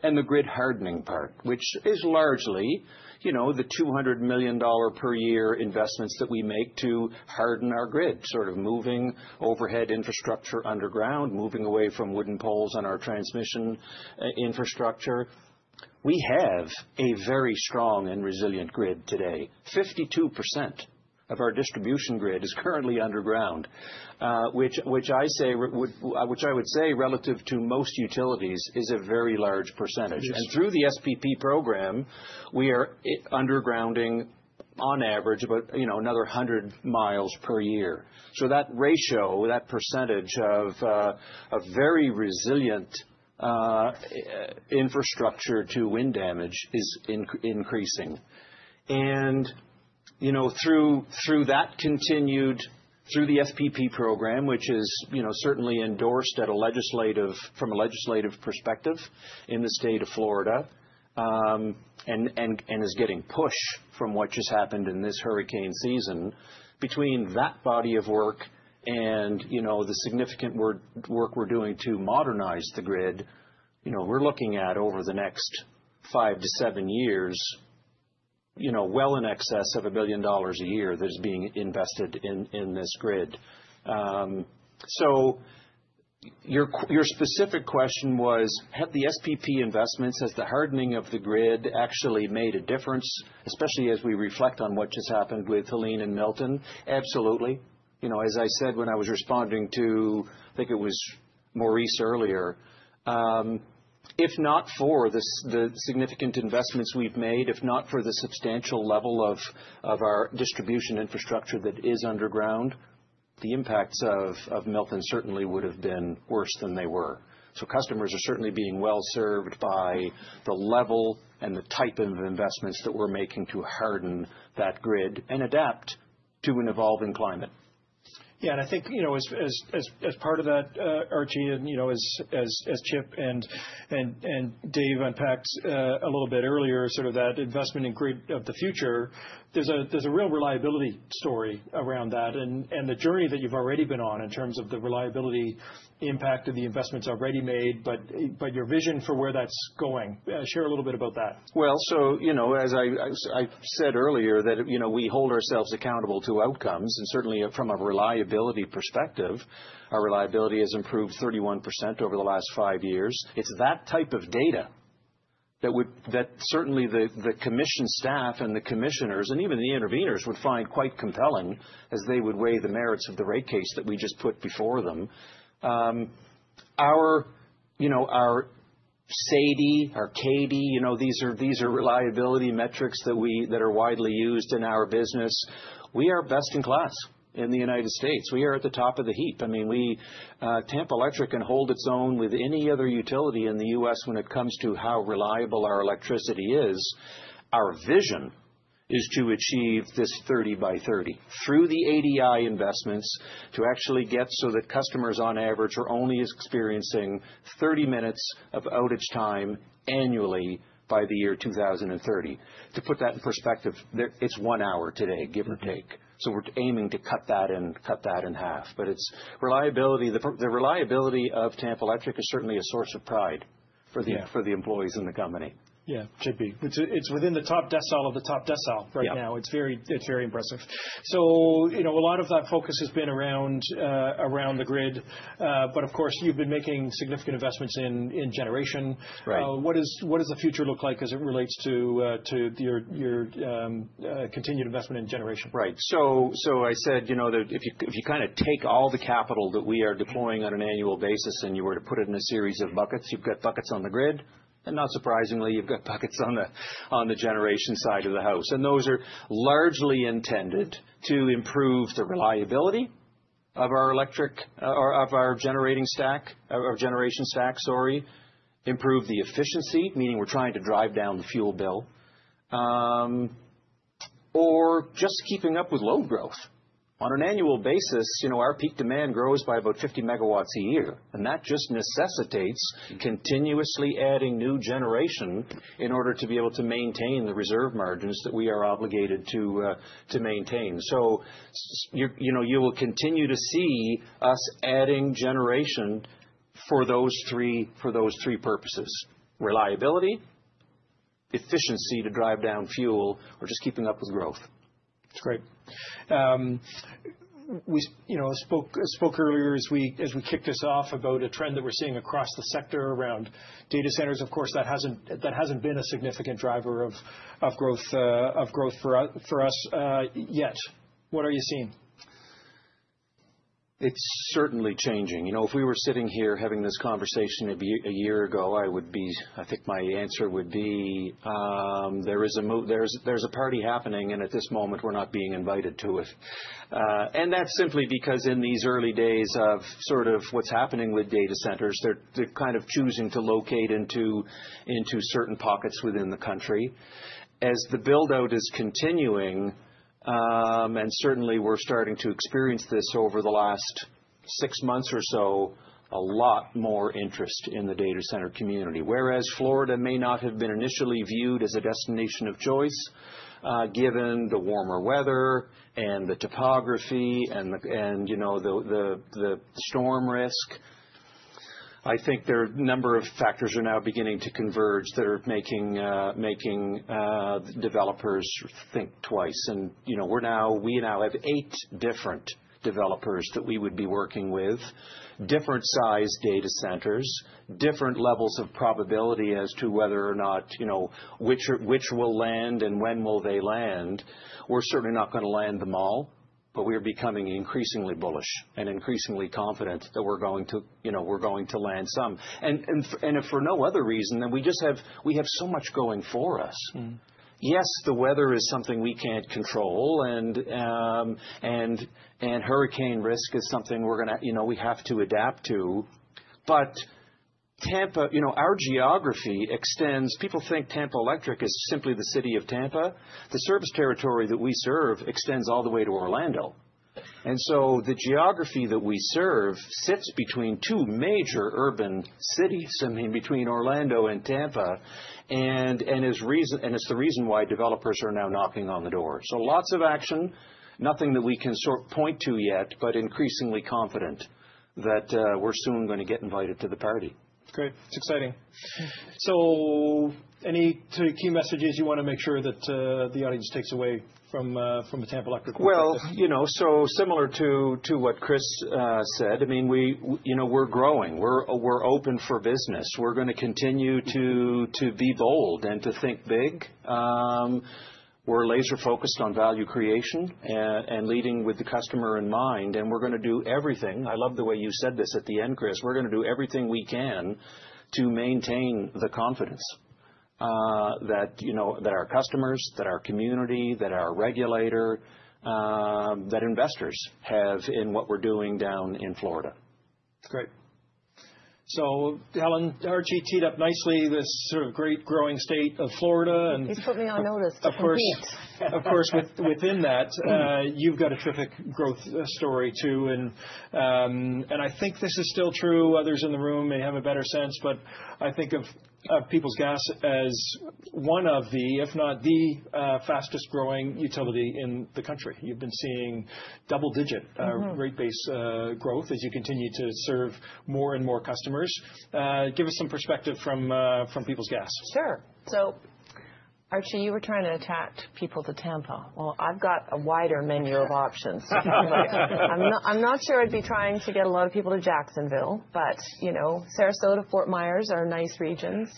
and the grid hardening part, which is largely the $200 million per year investments that we make to harden our grid, sort of moving overhead infrastructure underground, moving away from wooden poles on our transmission infrastructure. We have a very strong and resilient grid today. 52% of our distribution grid is currently underground, which I would say relative to most utilities is a very large percentage. And through the SPP program, we are undergrounding on average about another 100 miles per year. So that ratio, that percentage of very resilient infrastructure to wind damage is increasing. Through that continued through the SPP program, which is certainly endorsed from a legislative perspective in the state of Florida and is getting push from what just happened in this hurricane season, between that body of work and the significant work we're doing to modernize the grid, we're looking at over the next five-to-seven years well in excess of $1 billion a year that is being invested in this grid. Your specific question was, have the SPP investments, has the hardening of the grid actually made a difference, especially as we reflect on what just happened with Helene and Milton? Absolutely. As I said when I was responding to, I think it was Maurice earlier, if not for the significant investments we've made, if not for the substantial level of our distribution infrastructure that is underground, the impacts of Milton certainly would have been worse than they were. So customers are certainly being well served by the level and the type of investments that we're making to harden that grid and adapt to an evolving climate. Yeah. And I think as part of that, RG, and as Chip and Dave unpacked a little bit earlier, sort of that investment in grid of the future, there's a real reliability story around that. And the journey that you've already been on in terms of the reliability impact of the investments already made, but your vision for where that's going, share a little bit about that. As I said earlier, that we hold ourselves accountable to outcomes. Certainly, from a reliability perspective, our reliability has improved 31% over the last five years. It's that type of data that certainly the commission staff and the commissioners and even the interveners would find quite compelling as they would weigh the merits of the rate case that we just put before them. Our SAIDI, our CAIDI, these are reliability metrics that are widely used in our business. We are best in class in the United States. We are at the top of the heap. I mean, Tampa Electric can hold its own with any other utility in the U.S. when it comes to how reliable our electricity is. Our vision is to achieve this 30 by 30 through the ADI investments to actually get so that customers on average are only experiencing 30 minutes of outage time annually by the year 2030. To put that in perspective, it's one hour today, give or take. So we're aiming to cut that in half. But the reliability of Tampa Electric is certainly a source of pride for the employees in the company. Yeah. It should be. It's within the top decile of the top decile right now. It's very impressive. So a lot of that focus has been around the grid. But of course, you've been making significant investments in generation. What does the future look like as it relates to your continued investment in generation? Right. So I said that if you kind of take all the capital that we are deploying on an annual basis and you were to put it in a series of buckets, you've got buckets on the grid, and not surprisingly, you've got buckets on the generation side of the house. And those are largely intended to improve the reliability of our electric or of our generating stack, our generation stack, sorry, improve the efficiency, meaning we're trying to drive down the fuel bill, or just keeping up with load growth. On an annual basis, our peak demand grows by about 50 megawatts a year, and that just necessitates continuously adding new generation in order to be able to maintain the reserve margins that we are obligated to maintain. So you will continue to see us adding generation for those three purposes: reliability, efficiency to drive down fuel, or just keeping up with growth. That's great. We spoke earlier as we kicked us off about a trend that we're seeing across the sector around data centers. Of course, that hasn't been a significant driver of growth for us yet. What are you seeing? It's certainly changing. If we were sitting here having this conversation a year ago, I think my answer would be there is a party happening, and at this moment, we're not being invited to it. That's simply because in these early days of sort of what's happening with data centers, they're kind of choosing to locate into certain pockets within the country. As the buildout is continuing, and certainly we're starting to experience this over the last six months or so, a lot more interest in the data center community. Whereas Florida may not have been initially viewed as a destination of choice, given the warmer weather and the topography and the storm risk, I think there are a number of factors that are now beginning to converge that are making developers think twice. And we now have eight different developers that we would be working with, different size data centers, different levels of probability as to whether or not which will land and when will they land. We're certainly not going to land them all. But we are becoming increasingly bullish and increasingly confident that we're going to land some. And if for no other reason, then we have so much going for us. Yes, the weather is something we can't control. And hurricane risk is something we have to adapt to. But our geography extends. People think Tampa Electric is simply the city of Tampa. The service territory that we serve extends all the way to Orlando. And so the geography that we serve sits between two major urban cities, I mean, between Orlando and Tampa. And it's the reason why developers are now knocking on the door. So lots of action, nothing that we can sort of point to yet, but increasingly confident that we're soon going to get invited to the party. Great. It's exciting. So any key messages you want to make sure that the audience takes away from the Tampa Electric? Similar to what Chris said, I mean, we're growing. We're open for business. We're going to continue to be bold and to think big. We're laser-focused on value creation and leading with the customer in mind. We're going to do everything. I love the way you said this at the end, Chris. We're going to do everything we can to maintain the confidence that our customers, that our community, that our regulator, that investors have in what we're doing down in Florida. That's great. So Helen, RG teed up nicely this sort of great growing state of Florida. He's putting on notice to compete? Of course. Of course. Within that, you've got a terrific growth story too. And I think this is still true. Others in the room may have a better sense. But I think of Peoples Gas as one of the, if not the fastest growing utility in the country. You've been seeing double-digit rate base growth as you continue to serve more and more customers. Give us some perspective from Peoples Gas. Sure. So RG, you were trying to attract people to Tampa. Well, I've got a wider menu of options. I'm not sure I'd be trying to get a lot of people to Jacksonville. But Sarasota, Fort Myers are nice regions.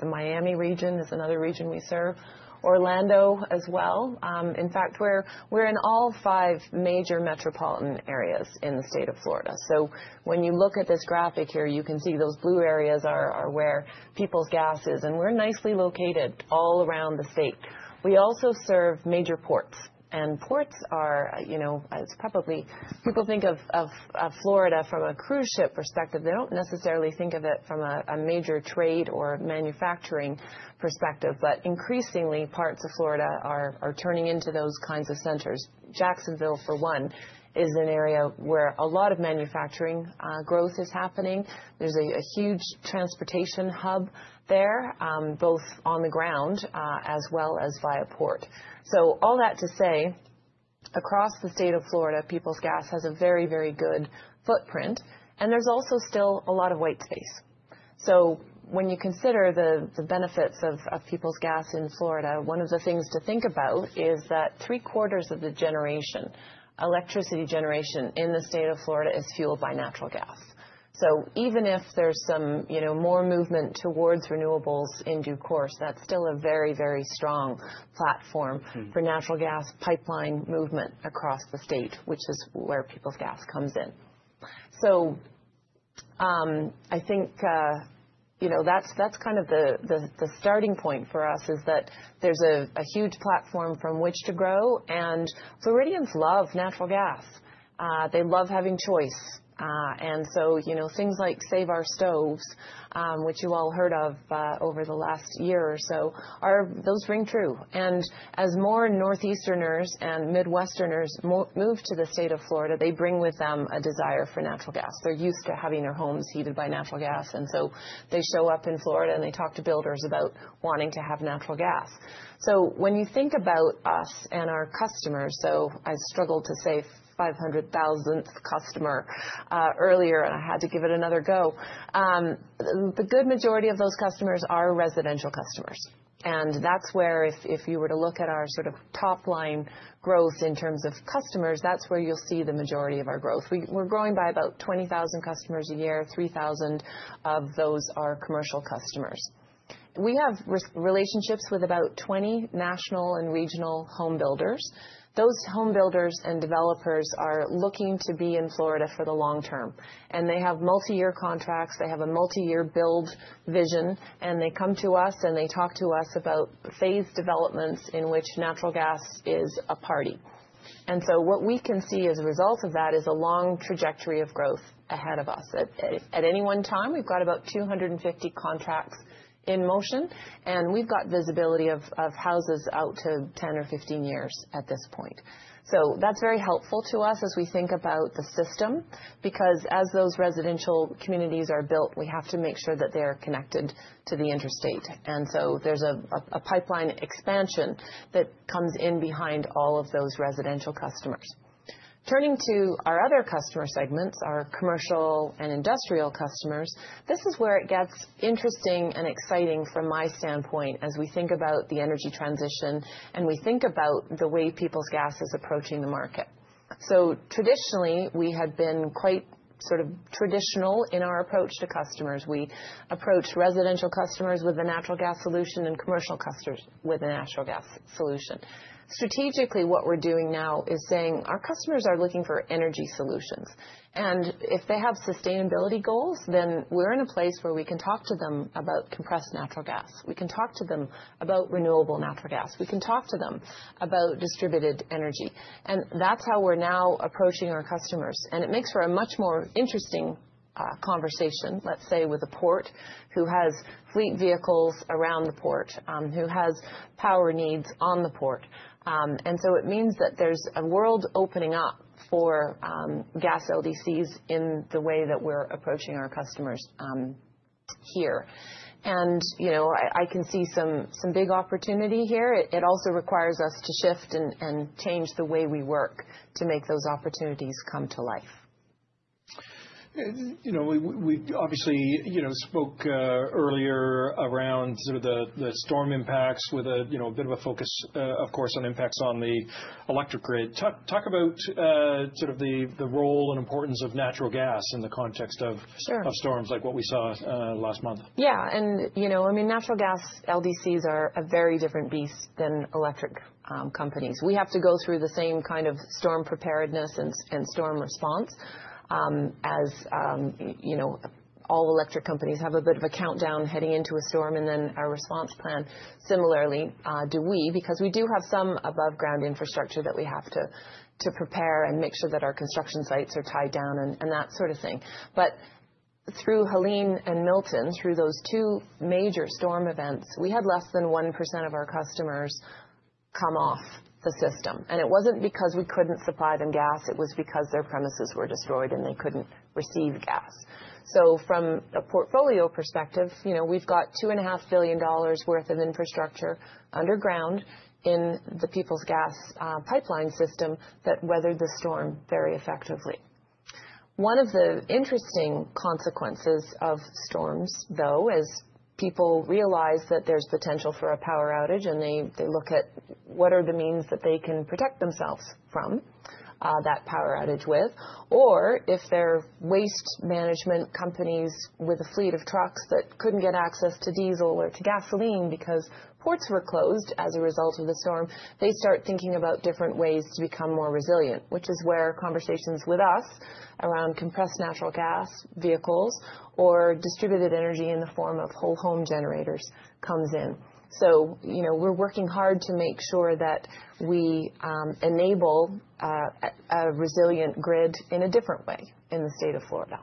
The Miami region is another region we serve. Orlando as well. In fact, we're in all five major metropolitan areas in the state of Florida. So when you look at this graphic here, you can see those blue areas are where Peoples Gas is. And we're nicely located all around the state. We also serve major ports. And ports are. It's probably people think of Florida from a cruise ship perspective. They don't necessarily think of it from a major trade or manufacturing perspective. But increasingly, parts of Florida are turning into those kinds of centers. Jacksonville, for one, is an area where a lot of manufacturing growth is happening. There's a huge transportation hub there, both on the ground as well as via port. So all that to say, across the state of Florida, Peoples Gas has a very, very good footprint. And there's also still a lot of white space. So when you consider the benefits of Peoples Gas in Florida, one of the things to think about is that three-quarters of the generation, electricity generation in the state of Florida, is fueled by natural gas. So even if there's some more movement towards renewables in due course, that's still a very, very strong platform for natural gas pipeline movement across the state, which is where Peoples Gas comes in. So I think that's kind of the starting point for us is that there's a huge platform from which to grow. And Floridians love natural gas. They love having choice. Things like Save Our Stoves, which you all heard of over the last year or so, ring true. As more Northeasterners and Midwesterners move to the state of Florida, they bring with them a desire for natural gas. They're used to having their homes heated by natural gas. So they show up in Florida and they talk to builders about wanting to have natural gas. When you think about us and our customers, I struggled to say 500,000th customer earlier, and I had to give it another go. The good majority of those customers are residential customers. That's where if you were to look at our sort of top-line growth in terms of customers, that's where you'll see the majority of our growth. We're growing by about 20,000 customers a year. 3,000 of those are commercial customers. We have relationships with about 20 national and regional home builders. Those home builders and developers are looking to be in Florida for the long term, and they have multi-year contracts. They have a multi-year build vision, and they come to us and they talk to us about phased developments in which natural gas is a part, and so what we can see as a result of that is a long trajectory of growth ahead of us. At any one time, we've got about 250 contracts in motion, and we've got visibility of houses out to 10 or 15 years at this point, so that's very helpful to us as we think about the system. Because as those residential communities are built, we have to make sure that they are connected to the interstate, and so there's a pipeline expansion that comes in behind all of those residential customers. Turning to our other customer segments, our commercial and industrial customers, this is where it gets interesting and exciting from my standpoint as we think about the energy transition and we think about the way Peoples Gas is approaching the market. So traditionally, we had been quite sort of traditional in our approach to customers. We approached residential customers with a natural gas solution and commercial customers with a natural gas solution. Strategically, what we're doing now is saying our customers are looking for energy solutions. And if they have sustainability goals, then we're in a place where we can talk to them about compressed natural gas. We can talk to them about renewable natural gas. We can talk to them about distributed energy. And that's how we're now approaching our customers. And it makes for a much more interesting conversation, let's say, with a port who has fleet vehicles around the port, who has power needs on the port. And so it means that there's a world opening up for gas LDCs in the way that we're approaching our customers here. And I can see some big opportunity here. It also requires us to shift and change the way we work to make those opportunities come to life. We obviously spoke earlier around sort of the storm impacts with a bit of a focus, of course, on impacts on the electric grid. Talk about sort of the role and importance of natural gas in the context of storms like what we saw last month. Yeah. And I mean, natural gas LDCs are a very different beast than electric companies. We have to go through the same kind of storm preparedness and storm response as all electric companies have, a bit of a countdown heading into a storm and then a response plan. Similarly, do we, because we do have some above-ground infrastructure that we have to prepare and make sure that our construction sites are tied down and that sort of thing. But through Helene and Milton, through those two major storm events, we had less than 1% of our customers come off the system. And it wasn't because we couldn't supply them gas. It was because their premises were destroyed and they couldn't receive gas. So from a portfolio perspective, we've got $2.5 billion worth of infrastructure underground in the Peoples Gas pipeline system that weathered the storm very effectively. One of the interesting consequences of storms, though, as people realize that there's potential for a power outage and they look at what are the means that they can protect themselves from that power outage with, or if they're waste management companies with a fleet of trucks that couldn't get access to diesel or to gasoline because ports were closed as a result of the storm, they start thinking about different ways to become more resilient, which is where conversations with us around compressed natural gas vehicles or distributed energy in the form of whole-home generators come in. So we're working hard to make sure that we enable a resilient grid in a different way in the state of Florida.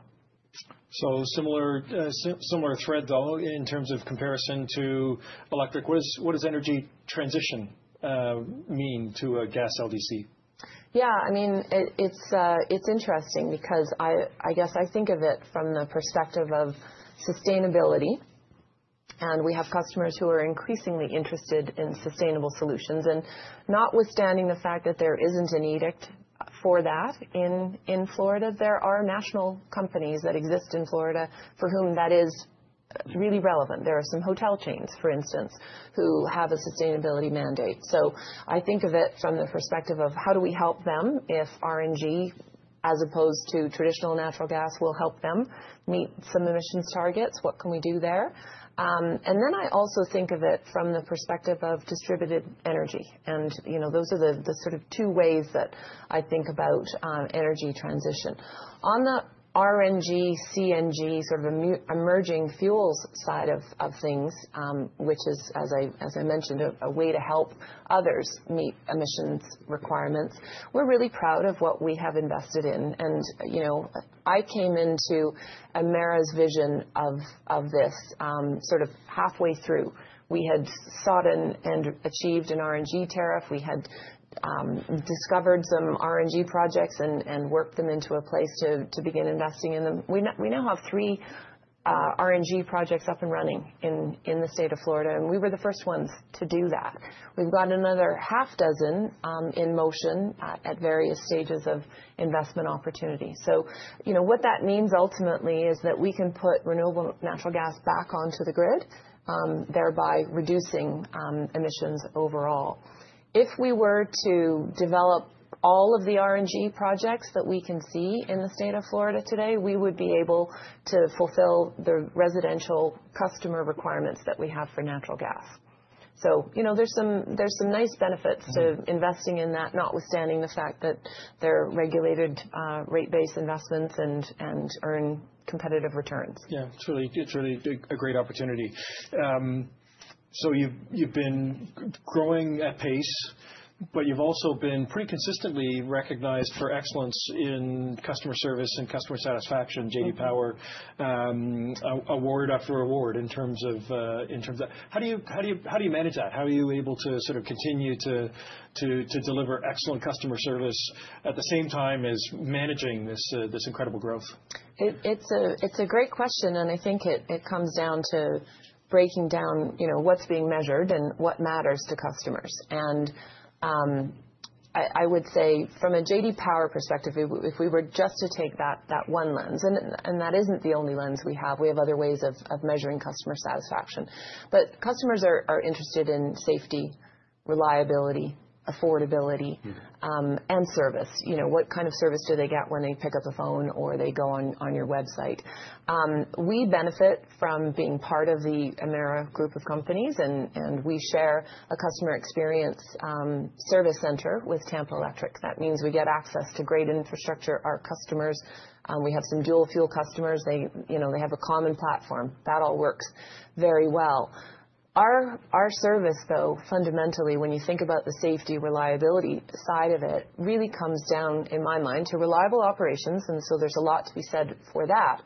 Similar thread, though, in terms of comparison to electric. What does energy transition mean to a gas LDC? Yeah. I mean, it's interesting because I guess I think of it from the perspective of sustainability. And we have customers who are increasingly interested in sustainable solutions. And notwithstanding the fact that there isn't an edict for that in Florida, there are national companies that exist in Florida for whom that is really relevant. There are some hotel chains, for instance, who have a sustainability mandate. So I think of it from the perspective of how do we help them if RNG, as opposed to traditional natural gas, will help them meet some emissions targets? What can we do there? And then I also think of it from the perspective of distributed energy. And those are the sort of two ways that I think about energy transition. On the RNG, CNG, sort of emerging fuels side of things, which is, as I mentioned, a way to help others meet emissions requirements, we're really proud of what we have invested in, and I came into Emera's vision of this sort of halfway through. We had sought and achieved an RNG tariff. We had discovered some RNG projects and worked them into a place to begin investing in them. We now have three RNG projects up and running in the state of Florida, and we were the first ones to do that. We've got another half dozen in motion at various stages of investment opportunity. So what that means ultimately is that we can put renewable natural gas back onto the grid, thereby reducing emissions overall. If we were to develop all of the RNG projects that we can see in the state of Florida today, we would be able to fulfill the residential customer requirements that we have for natural gas. So there's some nice benefits to investing in that, notwithstanding the fact that they're regulated rate-based investments and earn competitive returns. Yeah. It's really a great opportunity. So you've been growing at a pace, but you've also been pretty consistently recognized for excellence in customer service and customer satisfaction, J.D. Power award after award in terms of that. How do you manage that? How are you able to sort of continue to deliver excellent customer service at the same time as managing this incredible growth? It's a great question. And I think it comes down to breaking down what's being measured and what matters to customers. And I would say from a J.D. Power perspective, if we were just to take that one lens, and that isn't the only lens we have, we have other ways of measuring customer satisfaction. But customers are interested in safety, reliability, affordability, and service. What kind of service do they get when they pick up the phone or they go on your website? We benefit from being part of the Emera group of companies. And we share a customer experience service center with Tampa Electric. That means we get access to great infrastructure. Our customers, we have some dual-fuel customers. They have a common platform. That all works very well. Our service, though, fundamentally, when you think about the safety, reliability side of it, really comes down, in my mind, to reliable operations. And so there's a lot to be said for that.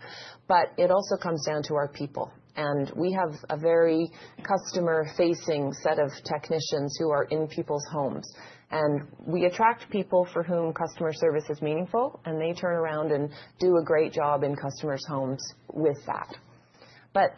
But it also comes down to our people. And we have a very customer-facing set of technicians who are in people's homes. And we attract people for whom customer service is meaningful. And they turn around and do a great job in customers' homes with that. But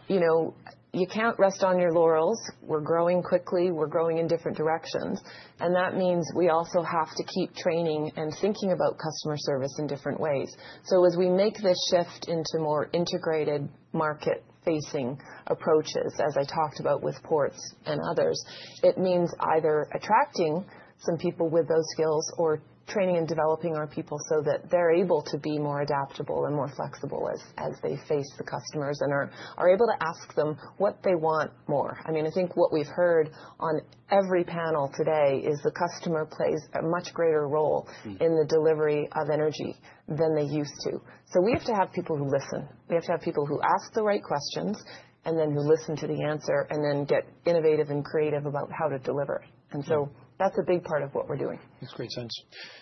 you can't rest on your laurels. We're growing quickly. We're growing in different directions. And that means we also have to keep training and thinking about customer service in different ways. So as we make this shift into more integrated market-facing approaches, as I talked about with ports and others, it means either attracting some people with those skills or training and developing our people so that they're able to be more adaptable and more flexible as they face the customers and are able to ask them what they want more. I mean, I think what we've heard on every panel today is the customer plays a much greater role in the delivery of energy than they used to. So we have to have people who listen. We have to have people who ask the right questions and then who listen to the answer and then get innovative and creative about how to deliver it. And so that's a big part of what we're doing. Makes great sense.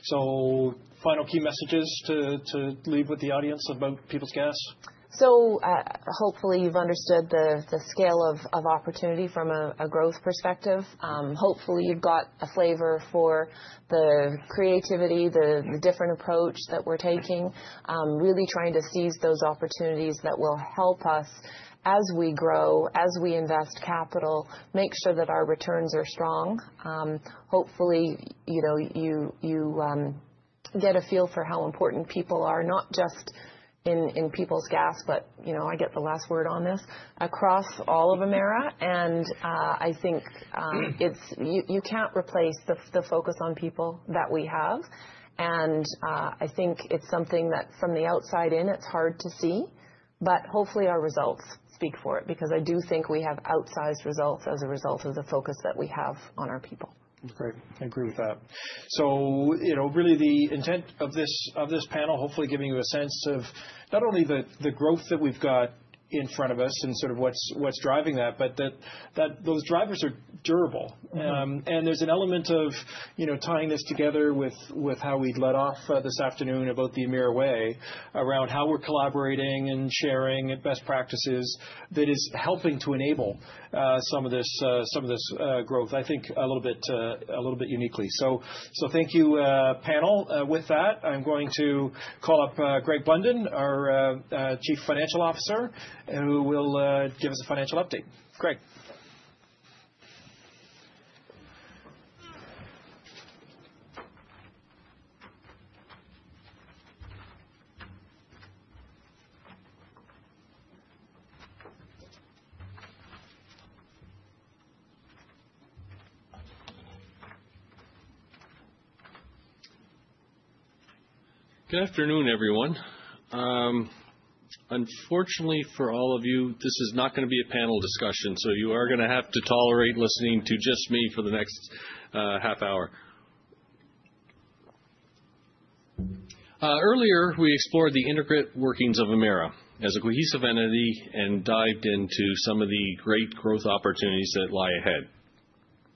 So final key messages to leave with the audience about Peoples Gas? So hopefully you've understood the scale of opportunity from a growth perspective. Hopefully you've got a flavor for the creativity, the different approach that we're taking, really trying to seize those opportunities that will help us as we grow, as we invest capital, make sure that our returns are strong. Hopefully you get a feel for how important people are, not just in Peoples Gas, but I get the last word on this, across all of Emera. And I think you can't replace the focus on people that we have. And I think it's something that from the outside in, it's hard to see. But hopefully our results speak for it because I do think we have outsized results as a result of the focus that we have on our people. That's great. I agree with that. So really the intent of this panel, hopefully giving you a sense of not only the growth that we've got in front of us and sort of what's driving that, but that those drivers are durable. And there's an element of tying this together with how we'd led off this afternoon about the Emera way around how we're collaborating and sharing best practices that is helping to enable some of this growth, I think a little bit uniquely. So thank you, panel. With that, I'm going to call up Greg Blunden, our Chief Financial Officer, who will give us a financial update. Greg. Good afternoon, everyone. Unfortunately for all of you, this is not going to be a panel discussion. So you are going to have to tolerate listening to just me for the next half hour. Earlier, we explored the integrated workings of Emera as a cohesive entity and dived into some of the great growth opportunities that lie ahead.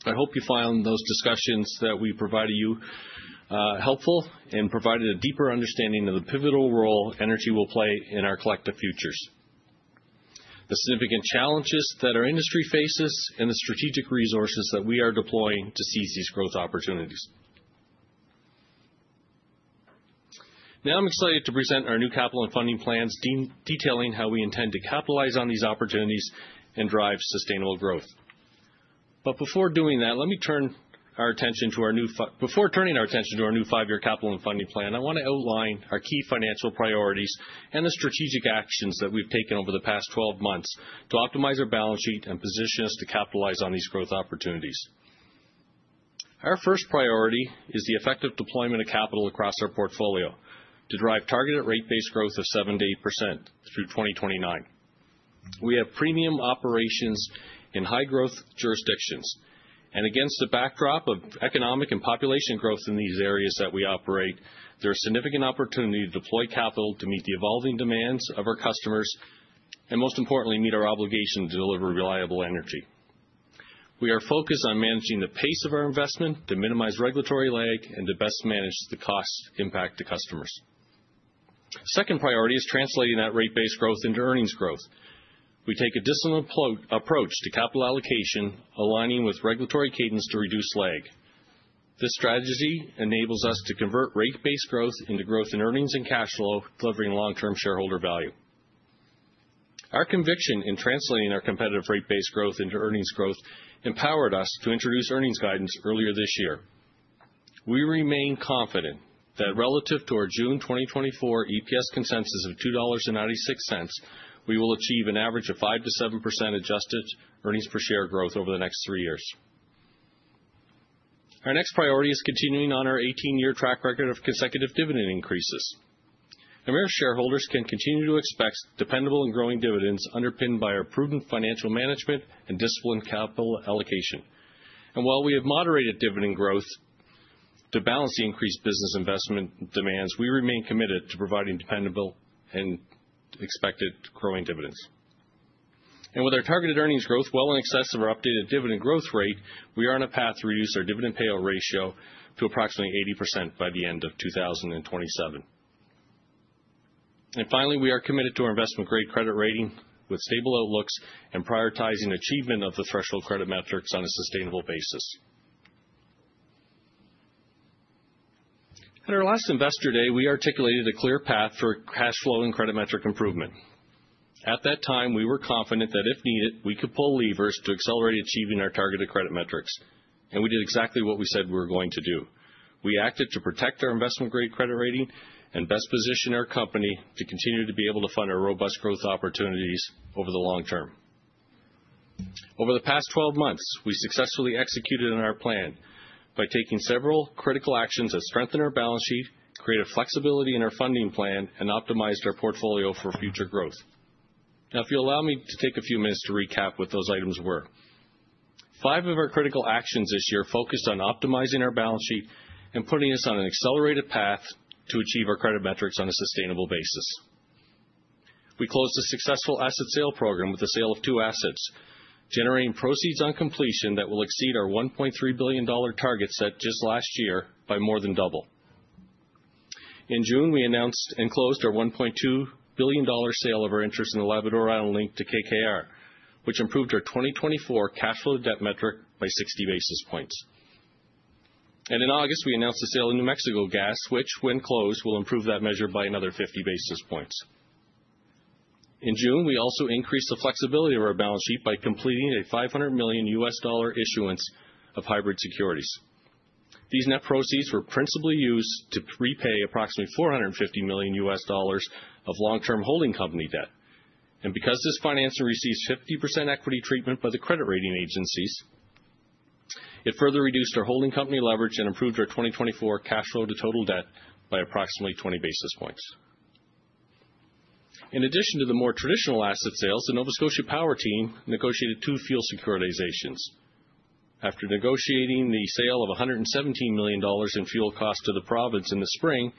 I hope you found those discussions that we provided you helpful and provided a deeper understanding of the pivotal role energy will play in our collective futures, the significant challenges that our industry faces, and the strategic resources that we are deploying to seize these growth opportunities. Now I'm excited to present our new capital and funding plans, detailing how we intend to capitalize on these opportunities and drive sustainable growth. But before doing that, let me turn our attention to our new five-year capital and funding plan. I want to outline our key financial priorities and the strategic actions that we've taken over the past 12 months to optimize our balance sheet and position us to capitalize on these growth opportunities. Our first priority is the effective deployment of capital across our portfolio to drive targeted rate-based growth of 7%-8% through 2029. We have premium operations in high-growth jurisdictions, and against the backdrop of economic and population growth in these areas that we operate, there are significant opportunities to deploy capital to meet the evolving demands of our customers and, most importantly, meet our obligation to deliver reliable energy. We are focused on managing the pace of our investment to minimize regulatory lag and to best manage the cost impact to customers. Second priority is translating that rate-based growth into earnings growth. We take a disciplined approach to capital allocation, aligning with regulatory cadence to reduce lag. This strategy enables us to convert rate-based growth into growth in earnings and cash flow, delivering long-term shareholder value. Our conviction in translating our competitive rate-based growth into earnings growth empowered us to introduce earnings guidance earlier this year. We remain confident that relative to our June 2024 EPS consensus of $2.96, we will achieve an average of 5%-7% adjusted earnings per share growth over the next three years. Our next priority is continuing on our 18-year track record of consecutive dividend increases. Emera shareholders can continue to expect dependable and growing dividends underpinned by our prudent financial management and disciplined capital allocation, and while we have moderated dividend growth to balance the increased business investment demands, we remain committed to providing dependable and expected growing dividends, and with our targeted earnings growth well in excess of our updated dividend growth rate, we are on a path to reduce our dividend payout ratio to approximately 80% by the end of 2027. And finally, we are committed to our investment-grade credit rating with stable outlooks and prioritizing achievement of the threshold credit metrics on a sustainable basis. At our last investor day, we articulated a clear path for cash flow and credit metric improvement. At that time, we were confident that if needed, we could pull levers to accelerate achieving our targeted credit metrics. We did exactly what we said we were going to do. We acted to protect our investment-grade credit rating and best position our company to continue to be able to fund our robust growth opportunities over the long term. Over the past 12 months, we successfully executed on our plan by taking several critical actions that strengthen our balance sheet, create a flexibility in our funding plan, and optimized our portfolio for future growth. Now, if you allow me to take a few minutes to recap what those items were. Five of our critical actions this year focused on optimizing our balance sheet and putting us on an accelerated path to achieve our credit metrics on a sustainable basis. We closed a successful asset sale program with the sale of two assets, generating proceeds on completion that will exceed our $1.3 billion target set just last year by more than double. In June, we announced and closed our $1.2 billion sale of our interest in the Labrador Island Link to KKR, which improved our 2024 cash flow to debt metric by 60 basis points. In August, we announced the sale of New Mexico Gas, which, when closed, will improve that measure by another 50 basis points. In June, we also increased the flexibility of our balance sheet by completing a $500 million issuance of hybrid securities. These net proceeds were principally used to repay approximately $450 million of long-term holding company debt. Because this financing receives 50% equity treatment by the credit rating agencies, it further reduced our holding company leverage and improved our 2024 cash flow to total debt by approximately 20 basis points. In addition to the more traditional asset sales, the Nova Scotia Power team negotiated two fuel securitizations. After negotiating the sale of 117 million dollars in fuel costs to the province in the spring,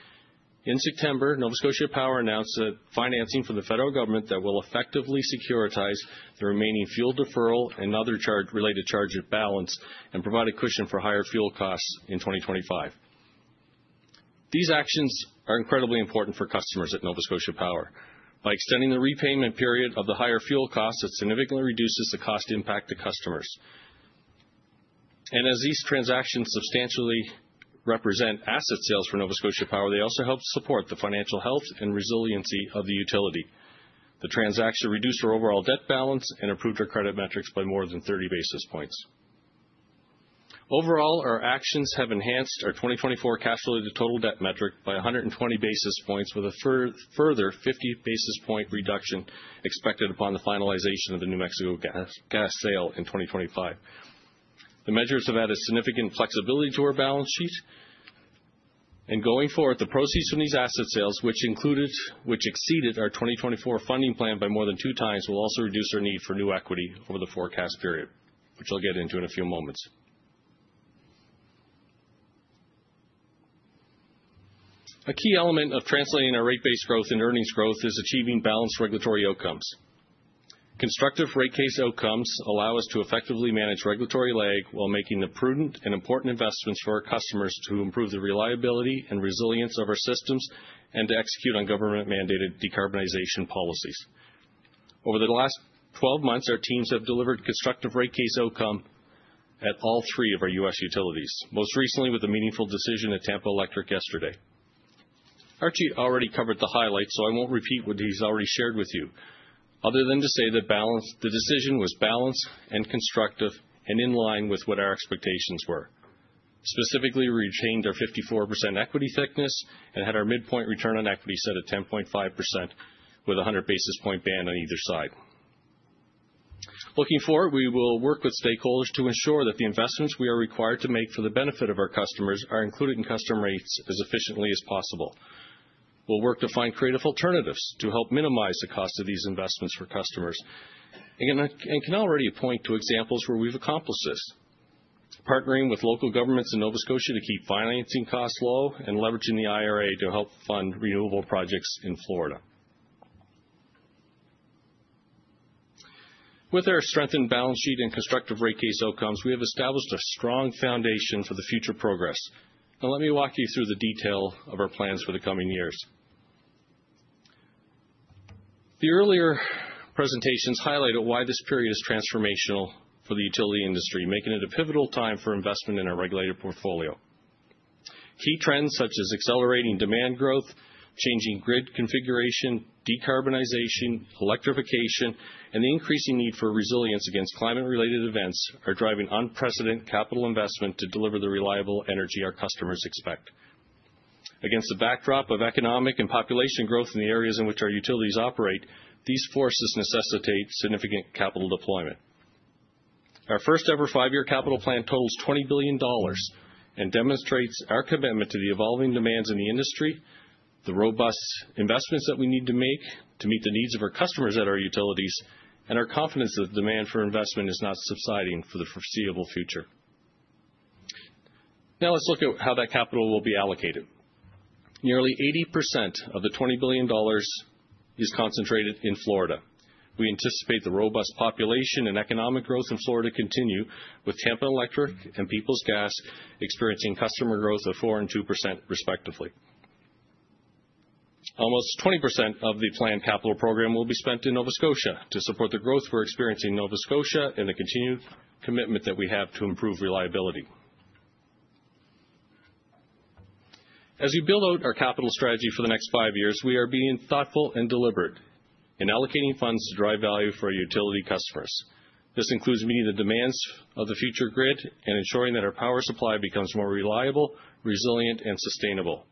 in September, Nova Scotia Power announced that financing from the federal government that will effectively securitize the remaining fuel deferral and other related charges balance and provide a cushion for higher fuel costs in 2025. These actions are incredibly important for customers at Nova Scotia Power. By extending the repayment period of the higher fuel costs, it significantly reduces the cost impact to customers. And as these transactions substantially represent asset sales for Nova Scotia Power, they also help support the financial health and resiliency of the utility. The transaction reduced our overall debt balance and improved our credit metrics by more than 30 basis points. Overall, our actions have enhanced our 2024 cash flow to total debt metric by 120 basis points, with a further 50 basis point reduction expected upon the finalization of the New Mexico Gas sale in 2025. The measures have added significant flexibility to our balance sheet. And going forward, the proceeds from these asset sales, which exceeded our 2024 funding plan by more than two times, will also reduce our need for new equity over the forecast period, which I'll get into in a few moments. A key element of translating our rate-based growth and earnings growth is achieving balanced regulatory outcomes. Constructive rate case outcomes allow us to effectively manage regulatory lag while making the prudent and important investments for our customers to improve the reliability and resilience of our systems and to execute on government-mandated decarbonization policies. Over the last 12 months, our teams have delivered constructive rate case outcome at all three of our U.S. utilities, most recently with a meaningful decision at Tampa Electric yesterday. Archie already covered the highlights, so I won't repeat what he's already shared with you, other than to say that the decision was balanced and constructive and in line with what our expectations were. Specifically, we retained our 54% equity thickness and had our midpoint return on equity set at 10.5% with a 100 basis points band on either side. Looking forward, we will work with stakeholders to ensure that the investments we are required to make for the benefit of our customers are included in customer rates as efficiently as possible. We'll work to find creative alternatives to help minimize the cost of these investments for customers and can already point to examples where we've accomplished this, partnering with local governments in Nova Scotia to keep financing costs low and leveraging the IRA to help fund renewable projects in Florida. With our strengthened balance sheet and constructive rate case outcomes, we have established a strong foundation for the future progress. Now, let me walk you through the detail of our plans for the coming years. The earlier presentations highlighted why this period is transformational for the utility industry, making it a pivotal time for investment in our regulated portfolio. Key trends such as accelerating demand growth, changing grid configuration, decarbonization, electrification, and the increasing need for resilience against climate-related events are driving unprecedented capital investment to deliver the reliable energy our customers expect. Against the backdrop of economic and population growth in the areas in which our utilities operate, these forces necessitate significant capital deployment. Our first-ever five-year capital plan totals $20 billion and demonstrates our commitment to the evolving demands in the industry, the robust investments that we need to make to meet the needs of our customers at our utilities, and our confidence that the demand for investment is not subsiding for the foreseeable future. Now, let's look at how that capital will be allocated. Nearly 80% of the $20 billion is concentrated in Florida. We anticipate the robust population and economic growth in Florida continue, with Tampa Electric and Peoples Gas experiencing customer growth of 4% and 2%, respectively. Almost 20% of the planned capital program will be spent in Nova Scotia to support the growth we're experiencing in Nova Scotia and the continued commitment that we have to improve reliability. As we build out our capital strategy for the next five years, we are being thoughtful and deliberate in allocating funds to drive value for our utility customers. This includes meeting the demands of the future grid and ensuring that our power supply becomes more reliable, resilient, and sustainable.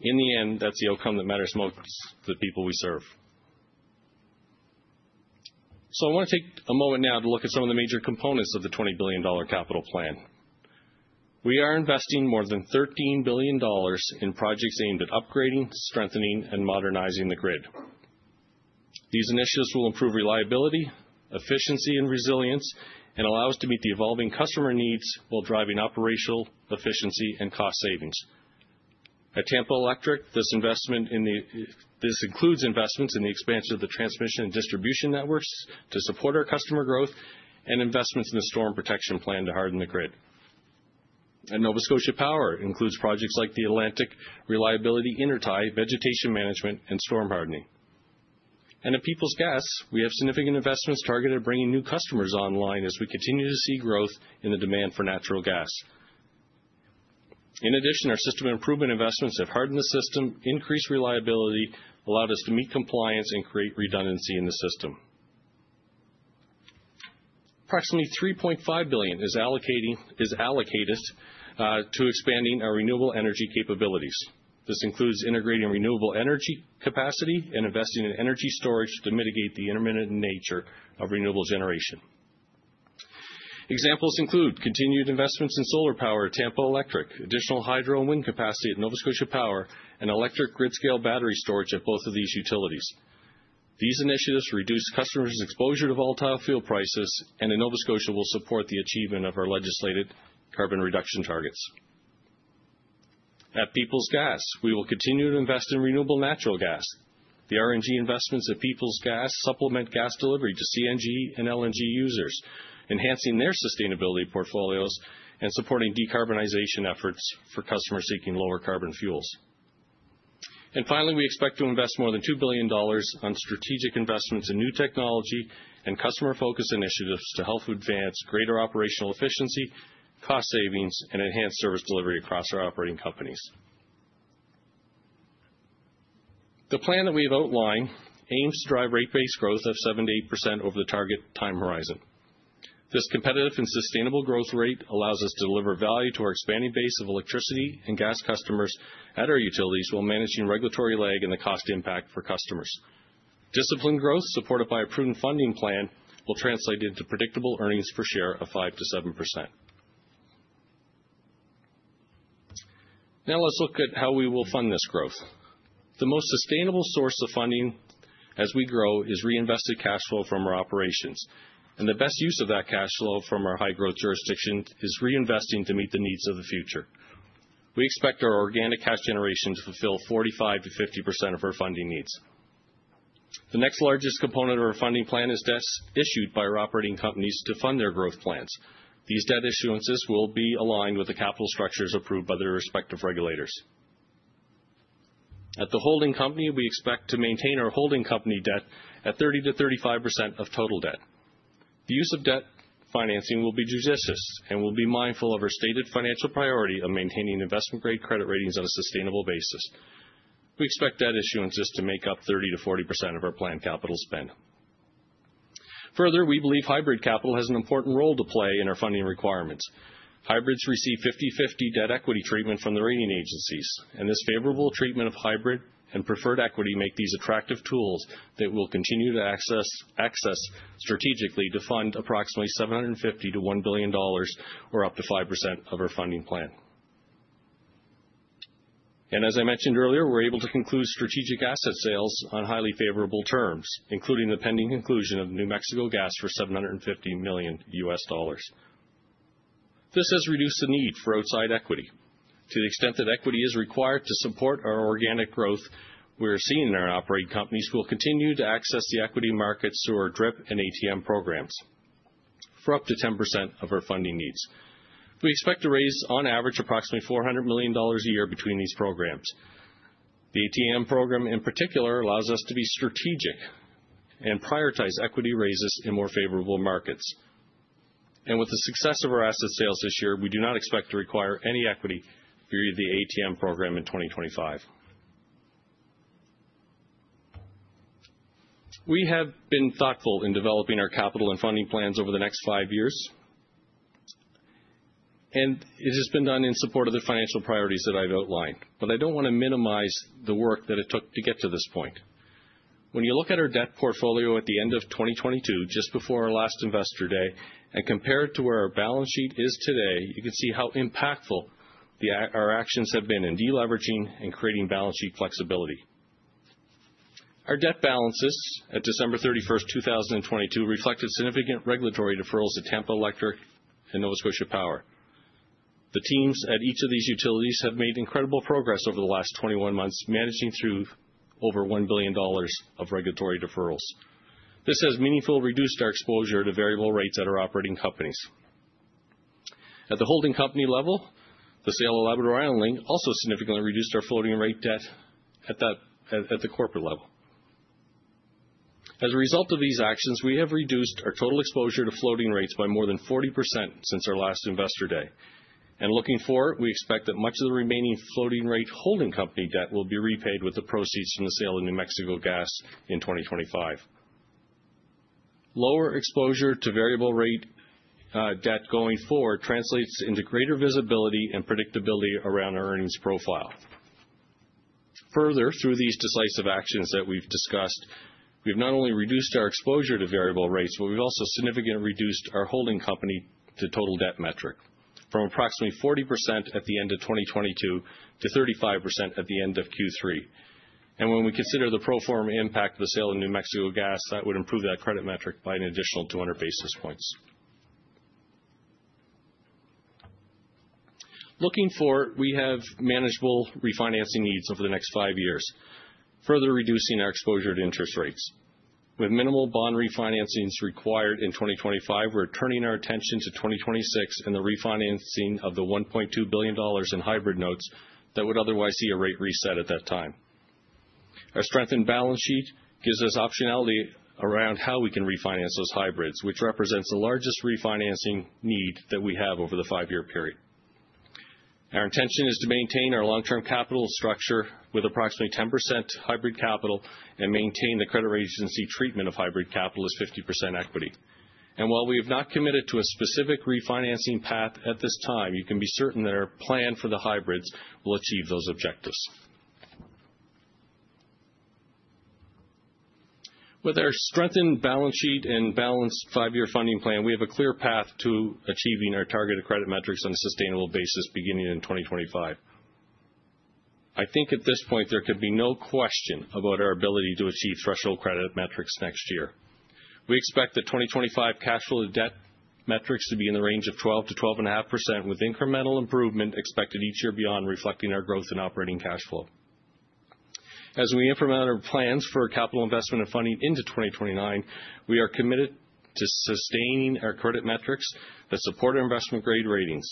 In the end, that's the outcome that matters most to the people we serve. So I want to take a moment now to look at some of the major components of the $20 billion capital plan. We are investing more than $13 billion in projects aimed at upgrading, strengthening, and modernizing the grid. These initiatives will improve reliability, efficiency, and resilience, and allow us to meet the evolving customer needs while driving operational efficiency and cost savings. At Tampa Electric, this includes investments in the expansion of the transmission and distribution networks to support our customer growth and investments in the Storm Protection Plan to harden the grid. At Nova Scotia Power, it includes projects like the Atlantic Reliability Intertie, vegetation management, and storm hardening. And at Peoples Gas, we have significant investments targeted at bringing new customers online as we continue to see growth in the demand for natural gas. In addition, our system improvement investments have hardened the system, increased reliability, allowed us to meet compliance, and create redundancy in the system. Approximately $3.5 billion is allocated to expanding our renewable energy capabilities. This includes integrating renewable energy capacity and investing in energy storage to mitigate the intermittent nature of renewable generation. Examples include continued investments in solar power at Tampa Electric, additional hydro and wind capacity at Nova Scotia Power, and electric grid-scale battery storage at both of these utilities. These initiatives reduce customers' exposure to volatile fuel prices, and in Nova Scotia, will support the achievement of our legislated carbon reduction targets. At Peoples Gas, we will continue to invest in renewable natural gas. The RNG investments at Peoples Gas supplement gas delivery to CNG and LNG users, enhancing their sustainability portfolios and supporting decarbonization efforts for customers seeking lower carbon fuels, and finally, we expect to invest more than $2 billion on strategic investments in new technology and customer-focused initiatives to help advance greater operational efficiency, cost savings, and enhance service delivery across our operating companies. The plan that we have outlined aims to drive rate-based growth of 7%-8% over the target time horizon. This competitive and sustainable growth rate allows us to deliver value to our expanding base of electricity and gas customers at our utilities while managing regulatory lag and the cost impact for customers. Disciplined growth, supported by a prudent funding plan, will translate into predictable earnings per share of 5%-7%. Now, let's look at how we will fund this growth. The most sustainable source of funding as we grow is reinvested cash flow from our operations. And the best use of that cash flow from our high-growth jurisdiction is reinvesting to meet the needs of the future. We expect our organic cash generation to fulfill 45%-50% of our funding needs. The next largest component of our funding plan is issued by our operating companies to fund their growth plans. These debt issuances will be aligned with the capital structures approved by their respective regulators. At the holding company, we expect to maintain our holding company debt at 30%-35% of total debt. The use of debt financing will be judicious and will be mindful of our stated financial priority of maintaining investment-grade credit ratings on a sustainable basis. We expect debt issuances to make up 30%-40% of our planned capital spend. Further, we believe hybrid capital has an important role to play in our funding requirements. Hybrids receive 50/50 debt equity treatment from the rating agencies. This favorable treatment of hybrid and preferred equity makes these attractive tools that we'll continue to access strategically to fund approximately $750 million-$1 billion, or up to 5% of our funding plan. As I mentioned earlier, we're able to conclude strategic asset sales on highly favorable terms, including the pending conclusion of New Mexico Gas for $750 million. This has reduced the need for outside equity. To the extent that equity is required to support our organic growth we're seeing in our operating companies, we'll continue to access the equity markets through our DRIP and ATM programs for up to 10% of our funding needs. We expect to raise, on average, approximately $400 million a year between these programs. The ATM program, in particular, allows us to be strategic and prioritize equity raises in more favorable markets. And with the success of our asset sales this year, we do not expect to require any equity through the ATM program in 2025. We have been thoughtful in developing our capital and funding plans over the next five years. And it has been done in support of the financial priorities that I've outlined. But I don't want to minimize the work that it took to get to this point. When you look at our debt portfolio at the end of 2022, just before our last investor day, and compare it to where our balance sheet is today, you can see how impactful our actions have been in deleveraging and creating balance sheet flexibility. Our debt balances at December 31st, 2022, reflected significant regulatory deferrals at Tampa Electric and Nova Scotia Power. The teams at each of these utilities have made incredible progress over the last 21 months, managing through over $1 billion of regulatory deferrals. This has meaningfully reduced our exposure to variable rates at our operating companies. At the holding company level, the sale of Labrador Island Link also significantly reduced our floating rate debt at the corporate level. As a result of these actions, we have reduced our total exposure to floating rates by more than 40% since our last investor day. And looking forward, we expect that much of the remaining floating rate holding company debt will be repaid with the proceeds from the sale of New Mexico Gas in 2025. Lower exposure to variable rate debt going forward translates into greater visibility and predictability around our earnings profile. Further, through these decisive actions that we've discussed, we have not only reduced our exposure to variable rates, but we've also significantly reduced our holding company to total debt metric from approximately 40% at the end of 2022 to 35% at the end of Q3. And when we consider the pro forma impact of the sale of New Mexico Gas, that would improve that credit metric by an additional 200 basis points. Looking forward, we have manageable refinancing needs over the next five years, further reducing our exposure to interest rates. With minimal bond refinancings required in 2025, we're turning our attention to 2026 and the refinancing of the $1.2 billion in hybrid notes that would otherwise see a rate reset at that time. Our strengthened balance sheet gives us optionality around how we can refinance those hybrids, which represents the largest refinancing need that we have over the five-year period. Our intention is to maintain our long-term capital structure with approximately 10% hybrid capital and maintain the credit agency treatment of hybrid capital as 50% equity. And while we have not committed to a specific refinancing path at this time, you can be certain that our plan for the hybrids will achieve those objectives. With our strengthened balance sheet and balanced five-year funding plan, we have a clear path to achieving our targeted credit metrics on a sustainable basis beginning in 2025. I think at this point, there could be no question about our ability to achieve threshold credit metrics next year. We expect the 2025 cash flow debt metrics to be in the range of 12%-12.5%, with incremental improvement expected each year beyond reflecting our growth in operating cash flow. As we implement our plans for capital investment and funding into 2029, we are committed to sustaining our credit metrics that support our investment-grade ratings,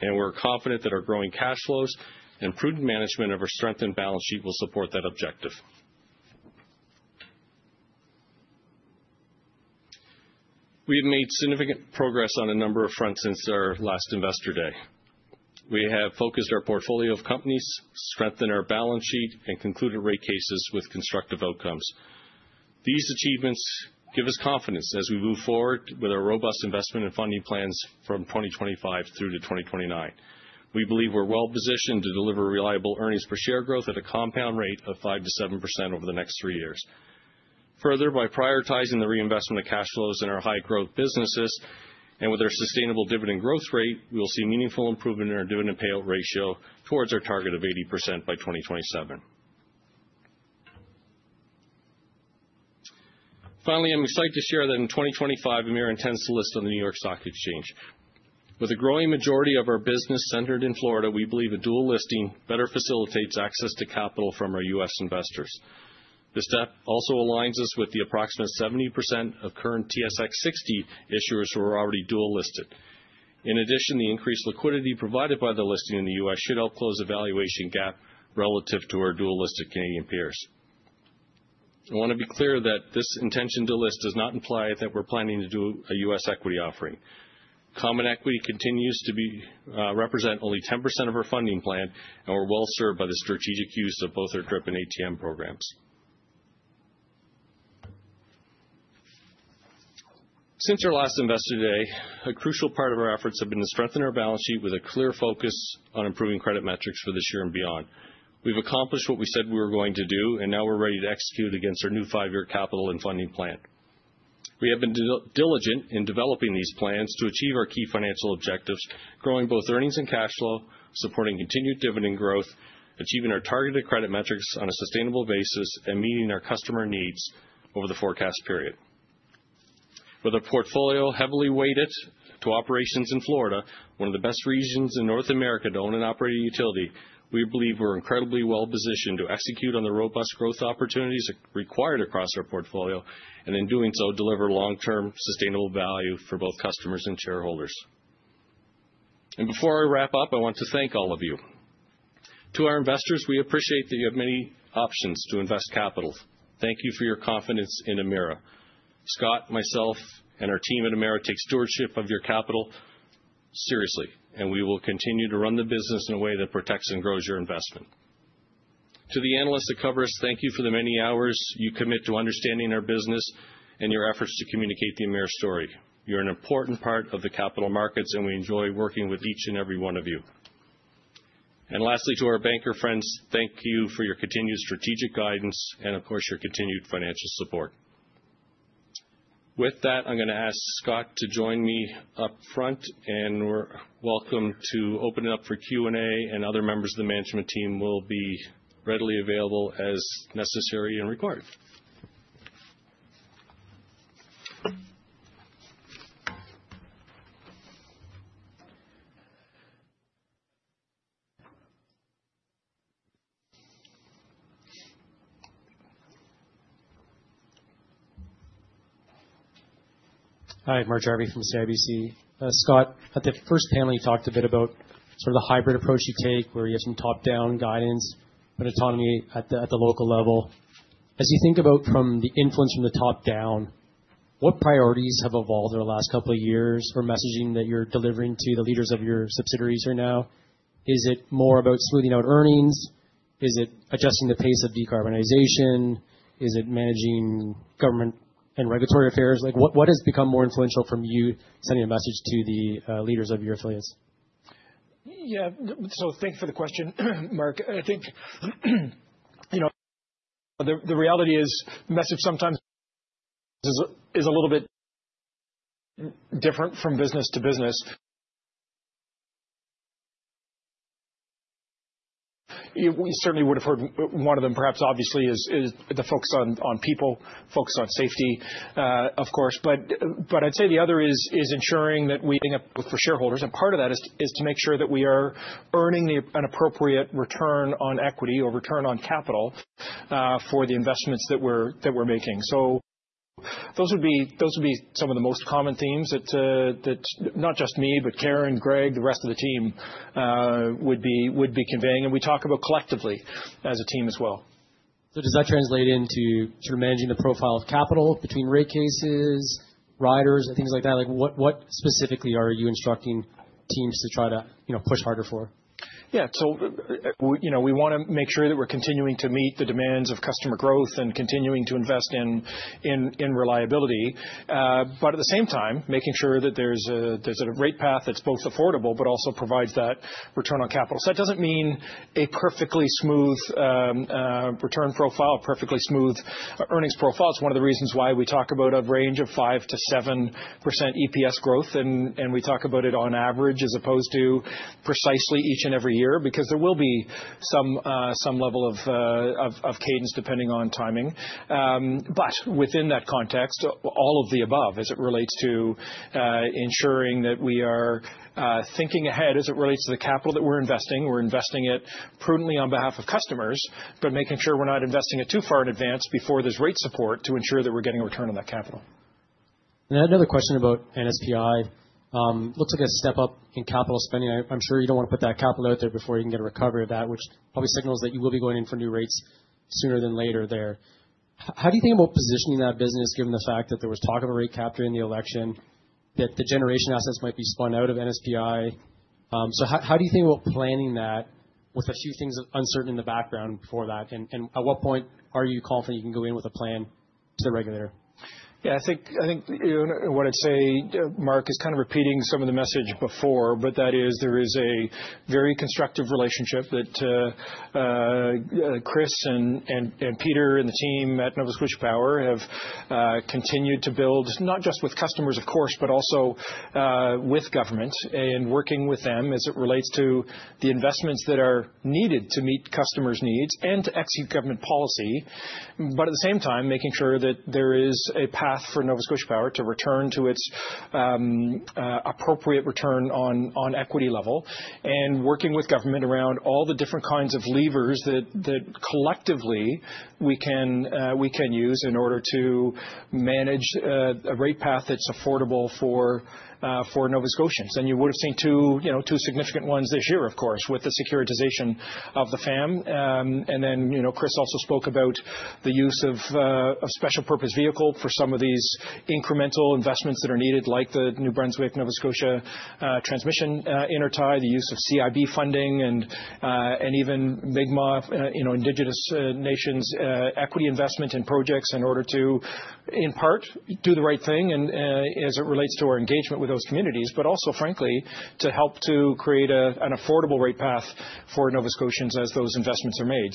and we're confident that our growing cash flows and prudent management of our strengthened balance sheet will support that objective. We have made significant progress on a number of fronts since our last investor day. We have focused our portfolio of companies, strengthened our balance sheet, and concluded rate cases with constructive outcomes. These achievements give us confidence as we move forward with our robust investment and funding plans from 2025 through to 2029. We believe we're well-positioned to deliver reliable earnings per share growth at a compound rate of 5%-7% over the next three years. Further, by prioritizing the reinvestment of cash flows in our high-growth businesses and with our sustainable dividend growth rate, we will see meaningful improvement in our dividend payout ratio towards our target of 80% by 2027. Finally, I'm excited to share that in 2025, Emera intends to list on the New York Stock Exchange. With a growing majority of our business centered in Florida, we believe a dual listing better facilitates access to capital from our U.S. investors. This step also aligns us with the approximate 70% of current TSX 60 issuers who are already dual listed. In addition, the increased liquidity provided by the listing in the U.S. should help close the valuation gap relative to our dual listed Canadian peers. I want to be clear that this intention to list does not imply that we're planning to do a U.S. equity offering. Common equity continues to represent only 10% of our funding plan, and we're well-served by the strategic use of both our DRIP and ATM programs. Since our last investor day, a crucial part of our efforts have been to strengthen our balance sheet with a clear focus on improving credit metrics for this year and beyond. We've accomplished what we said we were going to do, and now we're ready to execute against our new five-year capital and funding plan. We have been diligent in developing these plans to achieve our key financial objectives, growing both earnings and cash flow, supporting continued dividend growth, achieving our targeted credit metrics on a sustainable basis, and meeting our customer needs over the forecast period. With a portfolio heavily weighted to operations in Florida, one of the best regions in North America to own an operating utility, we believe we're incredibly well-positioned to execute on the robust growth opportunities required across our portfolio and, in doing so, deliver long-term sustainable value for both customers and shareholders. And before I wrap up, I want to thank all of you. To our investors, we appreciate that you have many options to invest capital. Thank you for your confidence in Emera. Scott, myself, and our team at Emera take stewardship of your capital seriously, and we will continue to run the business in a way that protects and grows your investment. To the analysts that cover us, thank you for the many hours you commit to understanding our business and your efforts to communicate the Emera story. You're an important part of the capital markets, and we enjoy working with each and every one of you. Lastly, to our banker friends, thank you for your continued strategic guidance and, of course, your continued financial support. With that, I'm going to ask Scott to join me up front, and we're welcome to open it up for Q&A, and other members of the management team will be readily available as necessary and required. Hi, Mark Jarvi from CIBC. Scott, at the first panel, you talked a bit about sort of the hybrid approach you take, where you have some top-down guidance, but autonomy at the local level. As you think about the influence from the top down, what priorities have evolved over the last couple of years for messaging that you're delivering to the leaders of your subsidiaries right now? Is it more about smoothing out earnings? Is it adjusting the pace of decarbonization? Is it managing government and regulatory affairs? What has become more influential from you sending a message to the leaders of your affiliates? Yeah, so thank you for the question, Mark. I think the reality is the message sometimes is a little bit different from business to business. We certainly would have heard one of them, perhaps obviously, is the focus on people, focus on safety, of course. But I'd say the other is ensuring that we have for shareholders. And part of that is to make sure that we are earning an appropriate return on equity or return on capital for the investments that we're making. So those would be some of the most common themes that not just me, but Karen, Greg, the rest of the team would be conveying. And we talk about collectively as a team as well. So does that translate into sort of managing the profile of capital between rate cases, riders, and things like that? What specifically are you instructing teams to try to push harder for? Yeah, so we want to make sure that we're continuing to meet the demands of customer growth and continuing to invest in reliability. But at the same time, making sure that there's a rate path that's both affordable but also provides that return on capital. So that doesn't mean a perfectly smooth return profile, perfectly smooth earnings profile. It's one of the reasons why we talk about a range of 5%-7% EPS growth. And we talk about it on average as opposed to precisely each and every year, because there will be some level of cadence depending on timing. But within that context, all of the above, as it relates to ensuring that we are thinking ahead, as it relates to the capital that we're investing, we're investing it prudently on behalf of customers, but making sure we're not investing it too far in advance before there's rate support to ensure that we're getting a return on that capital. And I had another question about NSPI. It looks like a step up in capital spending. I'm sure you don't want to put that capital out there before you can get a recovery of that, which probably signals that you will be going in for new rates sooner than later there. How do you think about positioning that business, given the fact that there was talk of a rate cap in the election, that the generation assets might be spun out of NSPI? So how do you think about planning that with a few things uncertain in the background before that? And at what point are you confident you can go in with a plan to the regulator? Yeah, I think what I'd say, Mark, is kind of repeating some of the message before, but that is there is a very constructive relationship that Chris and Peter and the team at Nova Scotia Power have continued to build, not just with customers, of course, but also with government and working with them as it relates to the investments that are needed to meet customers' needs and to execute government policy. But at the same time, making sure that there is a path for Nova Scotia Power to return to its appropriate return on equity level and working with government around all the different kinds of levers that collectively we can use in order to manage a rate path that's affordable for Nova Scotians. And you would have seen two significant ones this year, of course, with the securitization of the FAM. And then Chris also spoke about the use of special purpose vehicle for some of these incremental investments that are needed, like the New Brunswick-Nova Scotia transmission intertie, the use of CIB funding, and even Mi'kmaq Indigenous Nations equity investment and projects in order to, in part, do the right thing as it relates to our engagement with those communities, but also, frankly, to help to create an affordable rate path for Nova Scotians as those investments are made.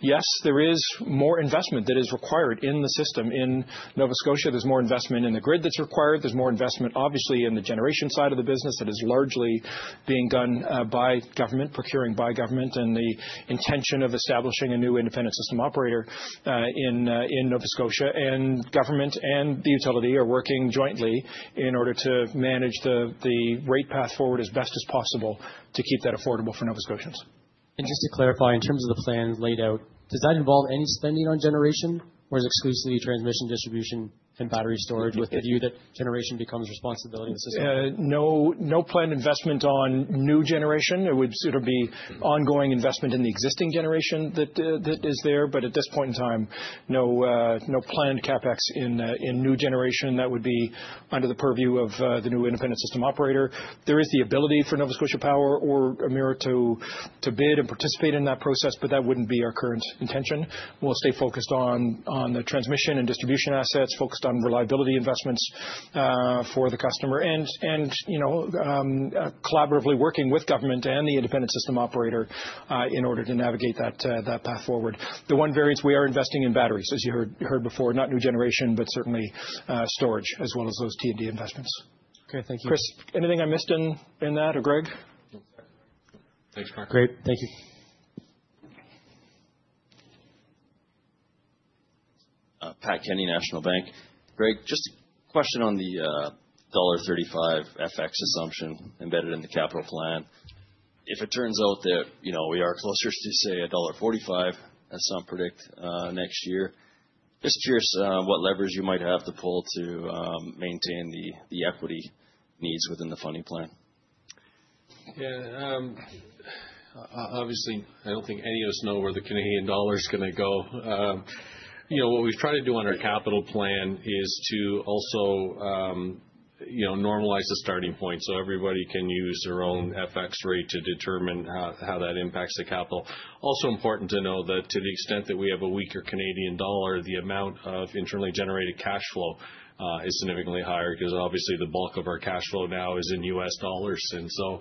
Yes, there is more investment that is required in the system in Nova Scotia. There's more investment in the grid that's required. There's more investment, obviously, in the generation side of the business that is largely being done by government, procuring by government, and the intention of establishing a new independent system operator in Nova Scotia. Government and the utility are working jointly in order to manage the rate path forward as best as possible to keep that affordable for Nova Scotians. Just to clarify, in terms of the plan laid out, does that involve any spending on generation, or is it exclusively transmission, distribution, and battery storage with the view that generation becomes responsibility of the system? No planned investment on new generation. It would be ongoing investment in the existing generation that is there. But at this point in time, no planned CapEx in new generation that would be under the purview of the new independent system operator. There is the ability for Nova Scotia Power or Emera to bid and participate in that process, but that wouldn't be our current intention. We'll stay focused on the transmission and distribution assets, focused on reliability investments for the customer, and collaboratively working with government and the independent system operator in order to navigate that path forward. The one variance, we are investing in batteries, as you heard before, not new generation, but certainly storage, as well as those T&D investments. Okay, thank you. Chris, anything I missed in that, or Greg? Thanks, Mark. Great, thank you Scott. Pat Kenny, National Bank. Greg, just a question on the $1.35 FX assumption embedded in the capital plan. If it turns out that we are closer to, say, $1.45, as some predict next year, just curious what levers you might have to pull to maintain the equity needs within the funding plan? Yeah, obviously, I don't think any of us know where the Canadian dollar is going to go. What we've tried to do on our capital plan is to also normalize the starting point so everybody can use their own FX rate to determine how that impacts the capital. Also important to know that to the extent that we have a weaker Canadian dollar, the amount of internally generated cash flow is significantly higher because, obviously, the bulk of our cash flow now is in U.S. dollars, and so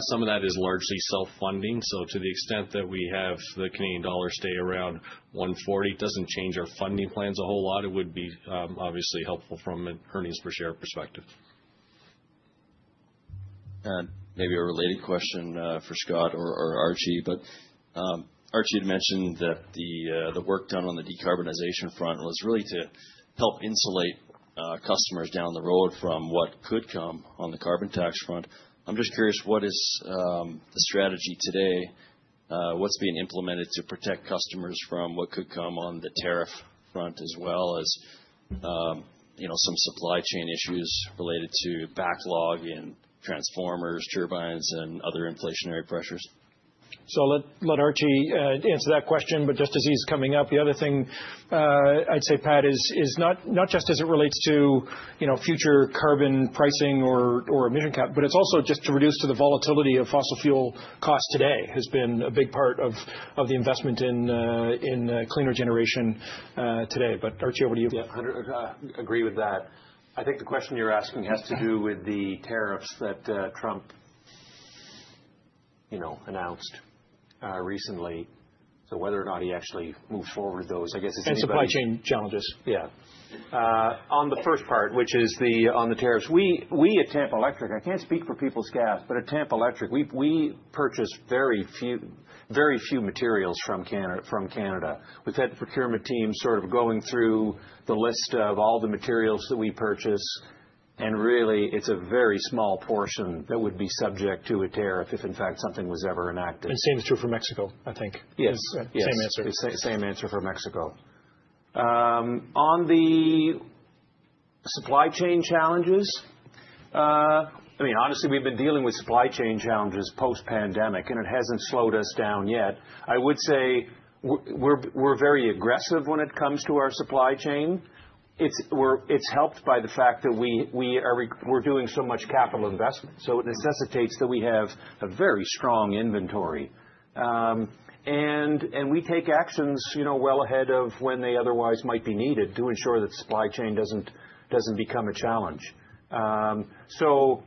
some of that is largely self-funding, so to the extent that we have the Canadian dollar stay around $1.40, it doesn't change our funding plans a whole lot. It would be obviously helpful from an earnings per share perspective. Maybe a related question for Scott or Archie. But Archie had mentioned that the work done on the decarbonization front was really to help insulate customers down the road from what could come on the carbon tax front. I'm just curious, what is the strategy today? What's being implemented to protect customers from what could come on the tariff front, as well as some supply chain issues related to backlog in transformers, turbines, and other inflationary pressures? So I'll let Archie answer that question, but just as he's coming up, the other thing I'd say, Pat, is not just as it relates to future carbon pricing or emission cap, but it's also just to reduce the volatility of fossil fuel costs today has been a big part of the investment in cleaner generation today. But Archie, over to you. Yeah, I agree with that. I think the question you're asking has to do with the tariffs that Trump announced recently, so whether or not he actually moves forward with those, I guess it's just about, and supply chain challenges. Yeah. On the first part, which is on the tariffs, we at Tampa Electric, I can't speak for Peoples Gas, but at Tampa Electric, we purchase very few materials from Canada. We've had the procurement team sort of going through the list of all the materials that we purchase. And really, it's a very small portion that would be subject to a tariff if, in fact, something was ever enacted, and same is true for Mexico, I think. Yes. Same answer. Same answer for Mexico. On the supply chain challenges, I mean, honestly, we've been dealing with supply chain challenges post-pandemic, and it hasn't slowed us down yet. I would say we're very aggressive when it comes to our supply chain. It's helped by the fact that we're doing so much capital investment. So it necessitates that we have a very strong inventory. And we take actions well ahead of when they otherwise might be needed to ensure that supply chain doesn't become a challenge. So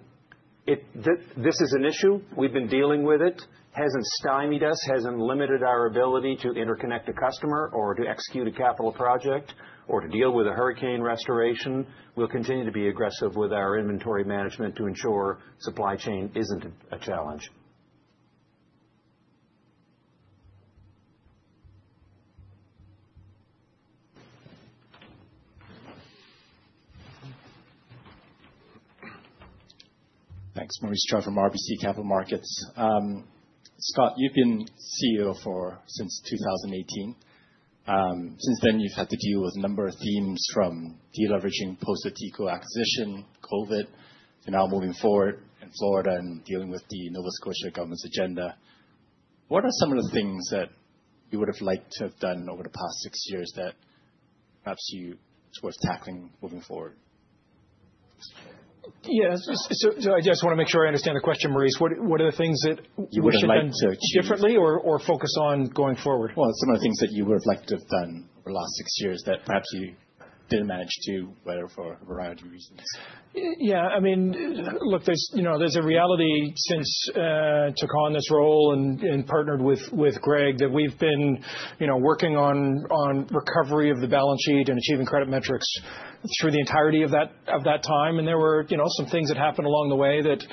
this is an issue. We've been dealing with it. It hasn't stymied us, hasn't limited our ability to interconnect a customer or to execute a capital project or to deal with a hurricane restoration. We'll continue to be aggressive with our inventory management to ensure supply chain isn't a challenge. Thanks. Maurice Choy from RBC Capital Markets. Scott, you've been CEO since 2018. Since then, you've had to deal with a number of themes from deleveraging post-TECO acquisition, COVID, and now moving forward in Florida and dealing with the Nova Scotia government's agenda. What are some of the things that you would have liked to have done over the past six years that perhaps you think it's worth tackling moving forward? Yeah, so I just want to make sure I understand the question, Maurice. What are the things that you would have liked to do differently or focus on going forward? Well, some of the things that you would have liked to have done over the last six years that perhaps you didn't manage to, whether for a variety of reasons. Yeah, I mean, look, there's a reality since I took on this role and partnered with Greg that we've been working on recovery of the balance sheet and achieving credit metrics through the entirety of that time. And there were some things that happened along the way that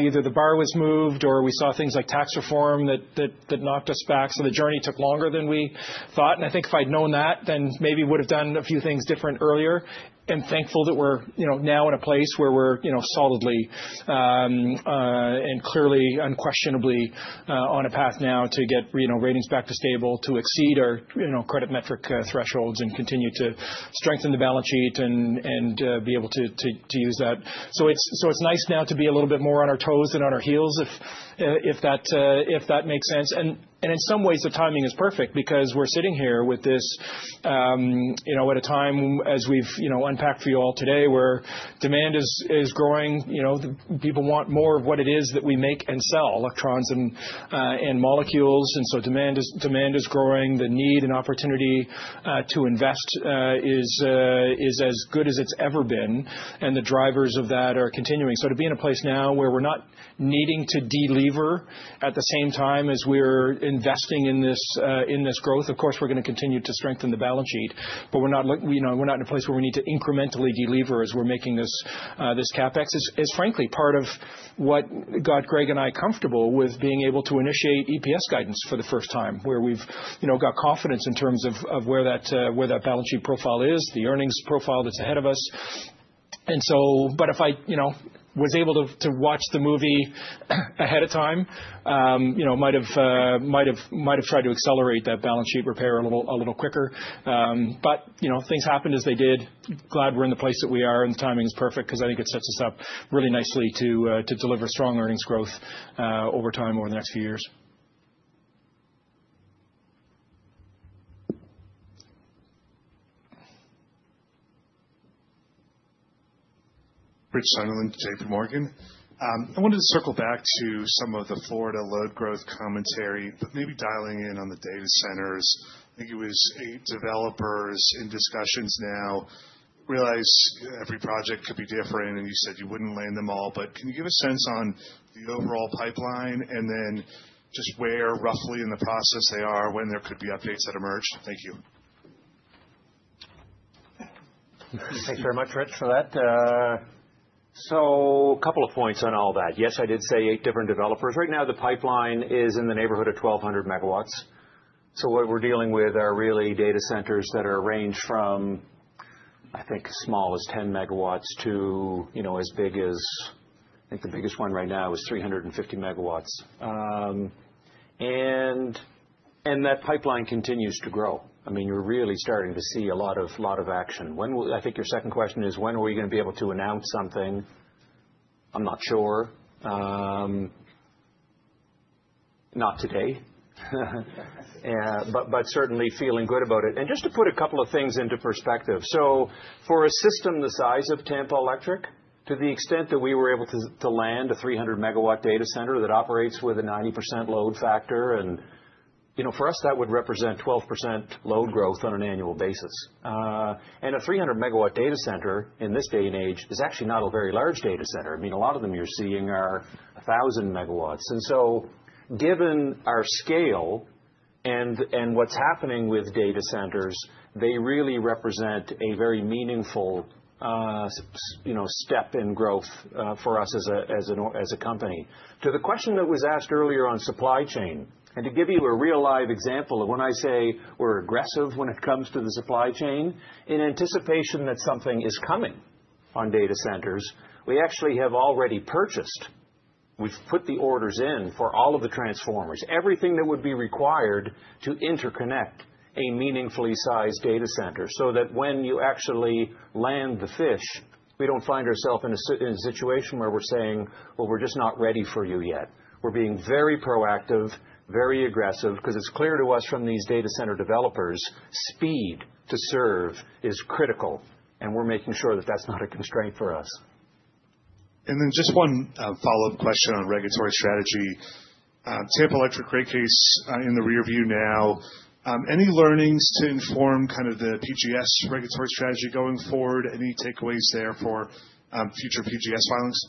either the bar was moved or we saw things like tax reform that knocked us back. So the journey took longer than we thought. And I think if I'd known that, then maybe we would have done a few things different earlier. And thankful that we're now in a place where we're solidly and clearly, unquestionably on a path now to get ratings back to stable, to exceed our credit metric thresholds, and continue to strengthen the balance sheet and be able to use that. So it's nice now to be a little bit more on our toes than on our heels, if that makes sense. And in some ways, the timing is perfect because we're sitting here at a time, as we've unpacked for you all today, where demand is growing. People want more of what it is that we make and sell, electrons and molecules. And so demand is growing. The need and opportunity to invest is as good as it's ever been. And the drivers of that are continuing. So to be in a place now where we're not needing to deliver at the same time as we're investing in this growth, of course, we're going to continue to strengthen the balance sheet. But we're not in a place where we need to incrementally deliver as we're making this CapEx. It's, frankly, part of what got Greg and I comfortable with being able to initiate EPS guidance for the first time, where we've got confidence in terms of where that balance sheet profile is, the earnings profile that's ahead of us. But if I was able to watch the movie ahead of time, I might have tried to accelerate that balance sheet repair a little quicker. But things happened as they did. Glad we're in the place that we are, and the timing is perfect because I think it sets us up really nicely to deliver strong earnings growth over time over the next few years. Rich Simon with J.P. Morgan. I wanted to circle back to some of the Florida load growth commentary, but maybe dialing in on the data centers. I think it was developers in discussions now realized every project could be different, and you said you wouldn't land them all. But can you give a sense on the overall pipeline and then just where, roughly, in the process they are when there could be updates that emerge? Thank you. Thank you very much, Rich, for that. So a couple of points on all that. Yes, I did say eight different developers. Right now, the pipeline is in the neighborhood of 1,200 megawatts. So what we're dealing with are really data centers that are arranged from, I think, as small as 10 megawatts to as big as I think the biggest one right now is 350 megawatts. And that pipeline continues to grow. I mean, you're really starting to see a lot of action. I think your second question is, when are we going to be able to announce something? I'm not sure. Not today, but certainly feeling good about it, and just to put a couple of things into perspective, so for a system the size of Tampa Electric, to the extent that we were able to land a 300-megawatt data center that operates with a 90% load factor, for us, that would represent 12% load growth on an annual basis, and a 300-megawatt data center in this day and age is actually not a very large data center. I mean, a lot of them you're seeing are 1,000 megawatts, and so given our scale and what's happening with data centers, they really represent a very meaningful step in growth for us as a company. To the question that was asked earlier on supply chain, and to give you a real live example of when I say we're aggressive when it comes to the supply chain, in anticipation that something is coming on data centers, we actually have already purchased. We've put the orders in for all of the transformers, everything that would be required to interconnect a meaningfully sized data center so that when you actually land the fish, we don't find ourselves in a situation where we're saying, well, we're just not ready for you yet. We're being very proactive, very aggressive, because it's clear to us from these data center developers, speed to serve is critical. And we're making sure that that's not a constraint for us. And then just one follow-up question on regulatory strategy. Tampa Electric, great case in the rearview now. Any learnings to inform kind of the PGS regulatory strategy going forward? Any takeaways there for future PGS filings?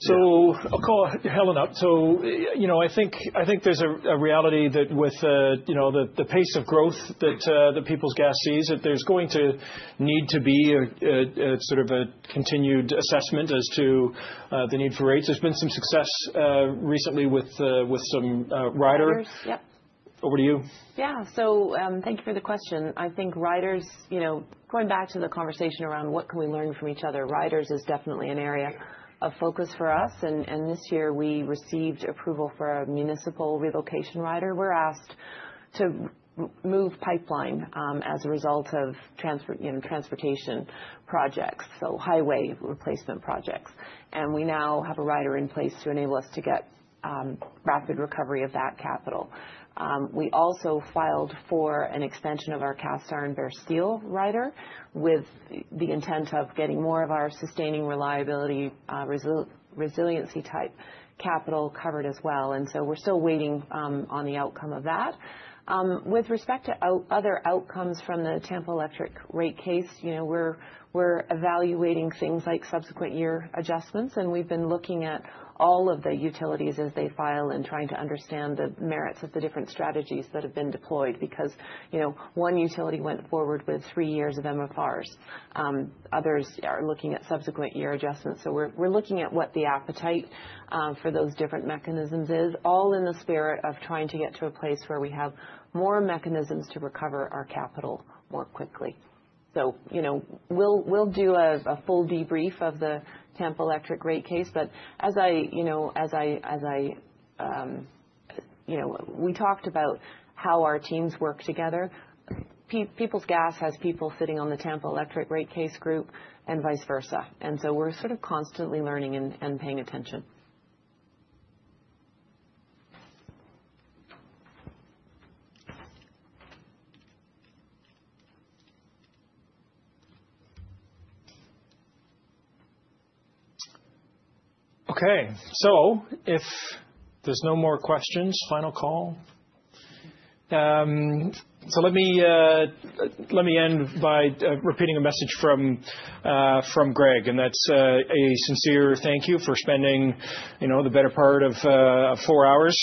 So I'll call Helen up. So I think there's a reality that with the pace of growth that the Peoples Gas sees, that there's going to need to be sort of a continued assessment as to the need for rates. There's been some sucess recently with some riders. Yep. Over to you. Yeah, so thank you for the question. I think riders, going back to the conversation around what can we learn from each other, riders is definitely an area of focus for us. And this year, we received approval for a municipal relocation rider. We're asked to move pipeline as a result of transportation projects, so highway replacement projects. And we now have a rider in place to enable us to get rapid recovery of that capital. We also filed for an extension of our cast iron and bare steel rider with the intent of getting more of our sustaining reliability resiliency type capital covered as well. And so we're still waiting on the outcome of that. With respect to other outcomes from the Tampa Electric rate case, we're evaluating things like subsequent year adjustments. And we've been looking at all of the utilities as they file and trying to understand the merits of the different strategies that have been deployed because one utility went forward with three years of MFRs. Others are looking at subsequent year adjustments. So we're looking at what the appetite for those different mechanisms is, all in the spirit of trying to get to a place where we have more mechanisms to recover our capital more quickly. So we'll do a full debrief of the Tampa Electric rate case. As we talked about how our teams work together, Peoples Gas has people sitting on the Tampa Electric rate case group and vice versa. And so we're sort of constantly learning and paying attention. OK, so if there's no more questions, final call. So let me end by repeating a message from Greg. And that's a sincere thank you for spending the better part of four hours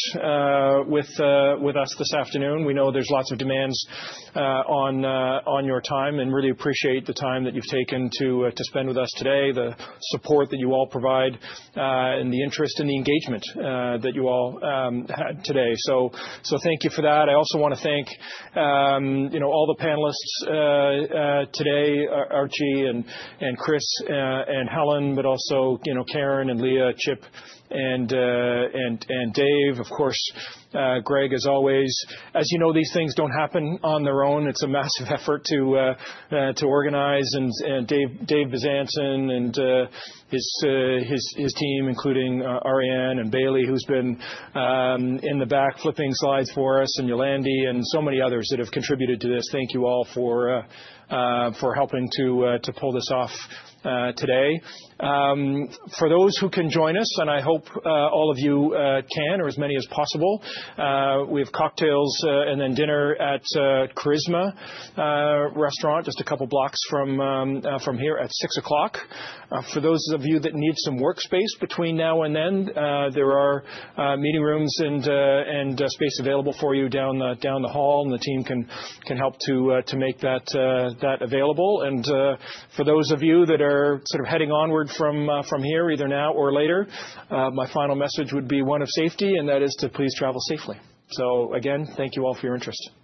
with us this afternoon. We know there's lots of demands on your time and really appreciate the time that you've taken to spend with us today, the support that you all provide, and the interest and the engagement that you all had today. So thank you for that. I also want to thank all the panelists today, Archie and Chris and Helen, but also Karen and Lia, Chip and Dave, of course, Greg, as always. As you know, these things don't happen on their own. It's a massive effort to organize. Dave Bezanson and his team, including Arianne and Bailey, who's been in the back flipping slides for us, and Yolande and so many others that have contributed to this, thank you all for helping to pull this off today. For those who can join us, and I hope all of you can or as many as possible, we have cocktails and then dinner at Carisma Restaurant, just a couple of blocks from here at 6:00 P.M. For those of you that need some workspace between now and then, there are meeting rooms and space available for you down the hall. The team can help to make that available. For those of you that are sort of heading onward from here, either now or later, my final message would be one of safety, and that is to please travel safely. Again, thank you all for your interest.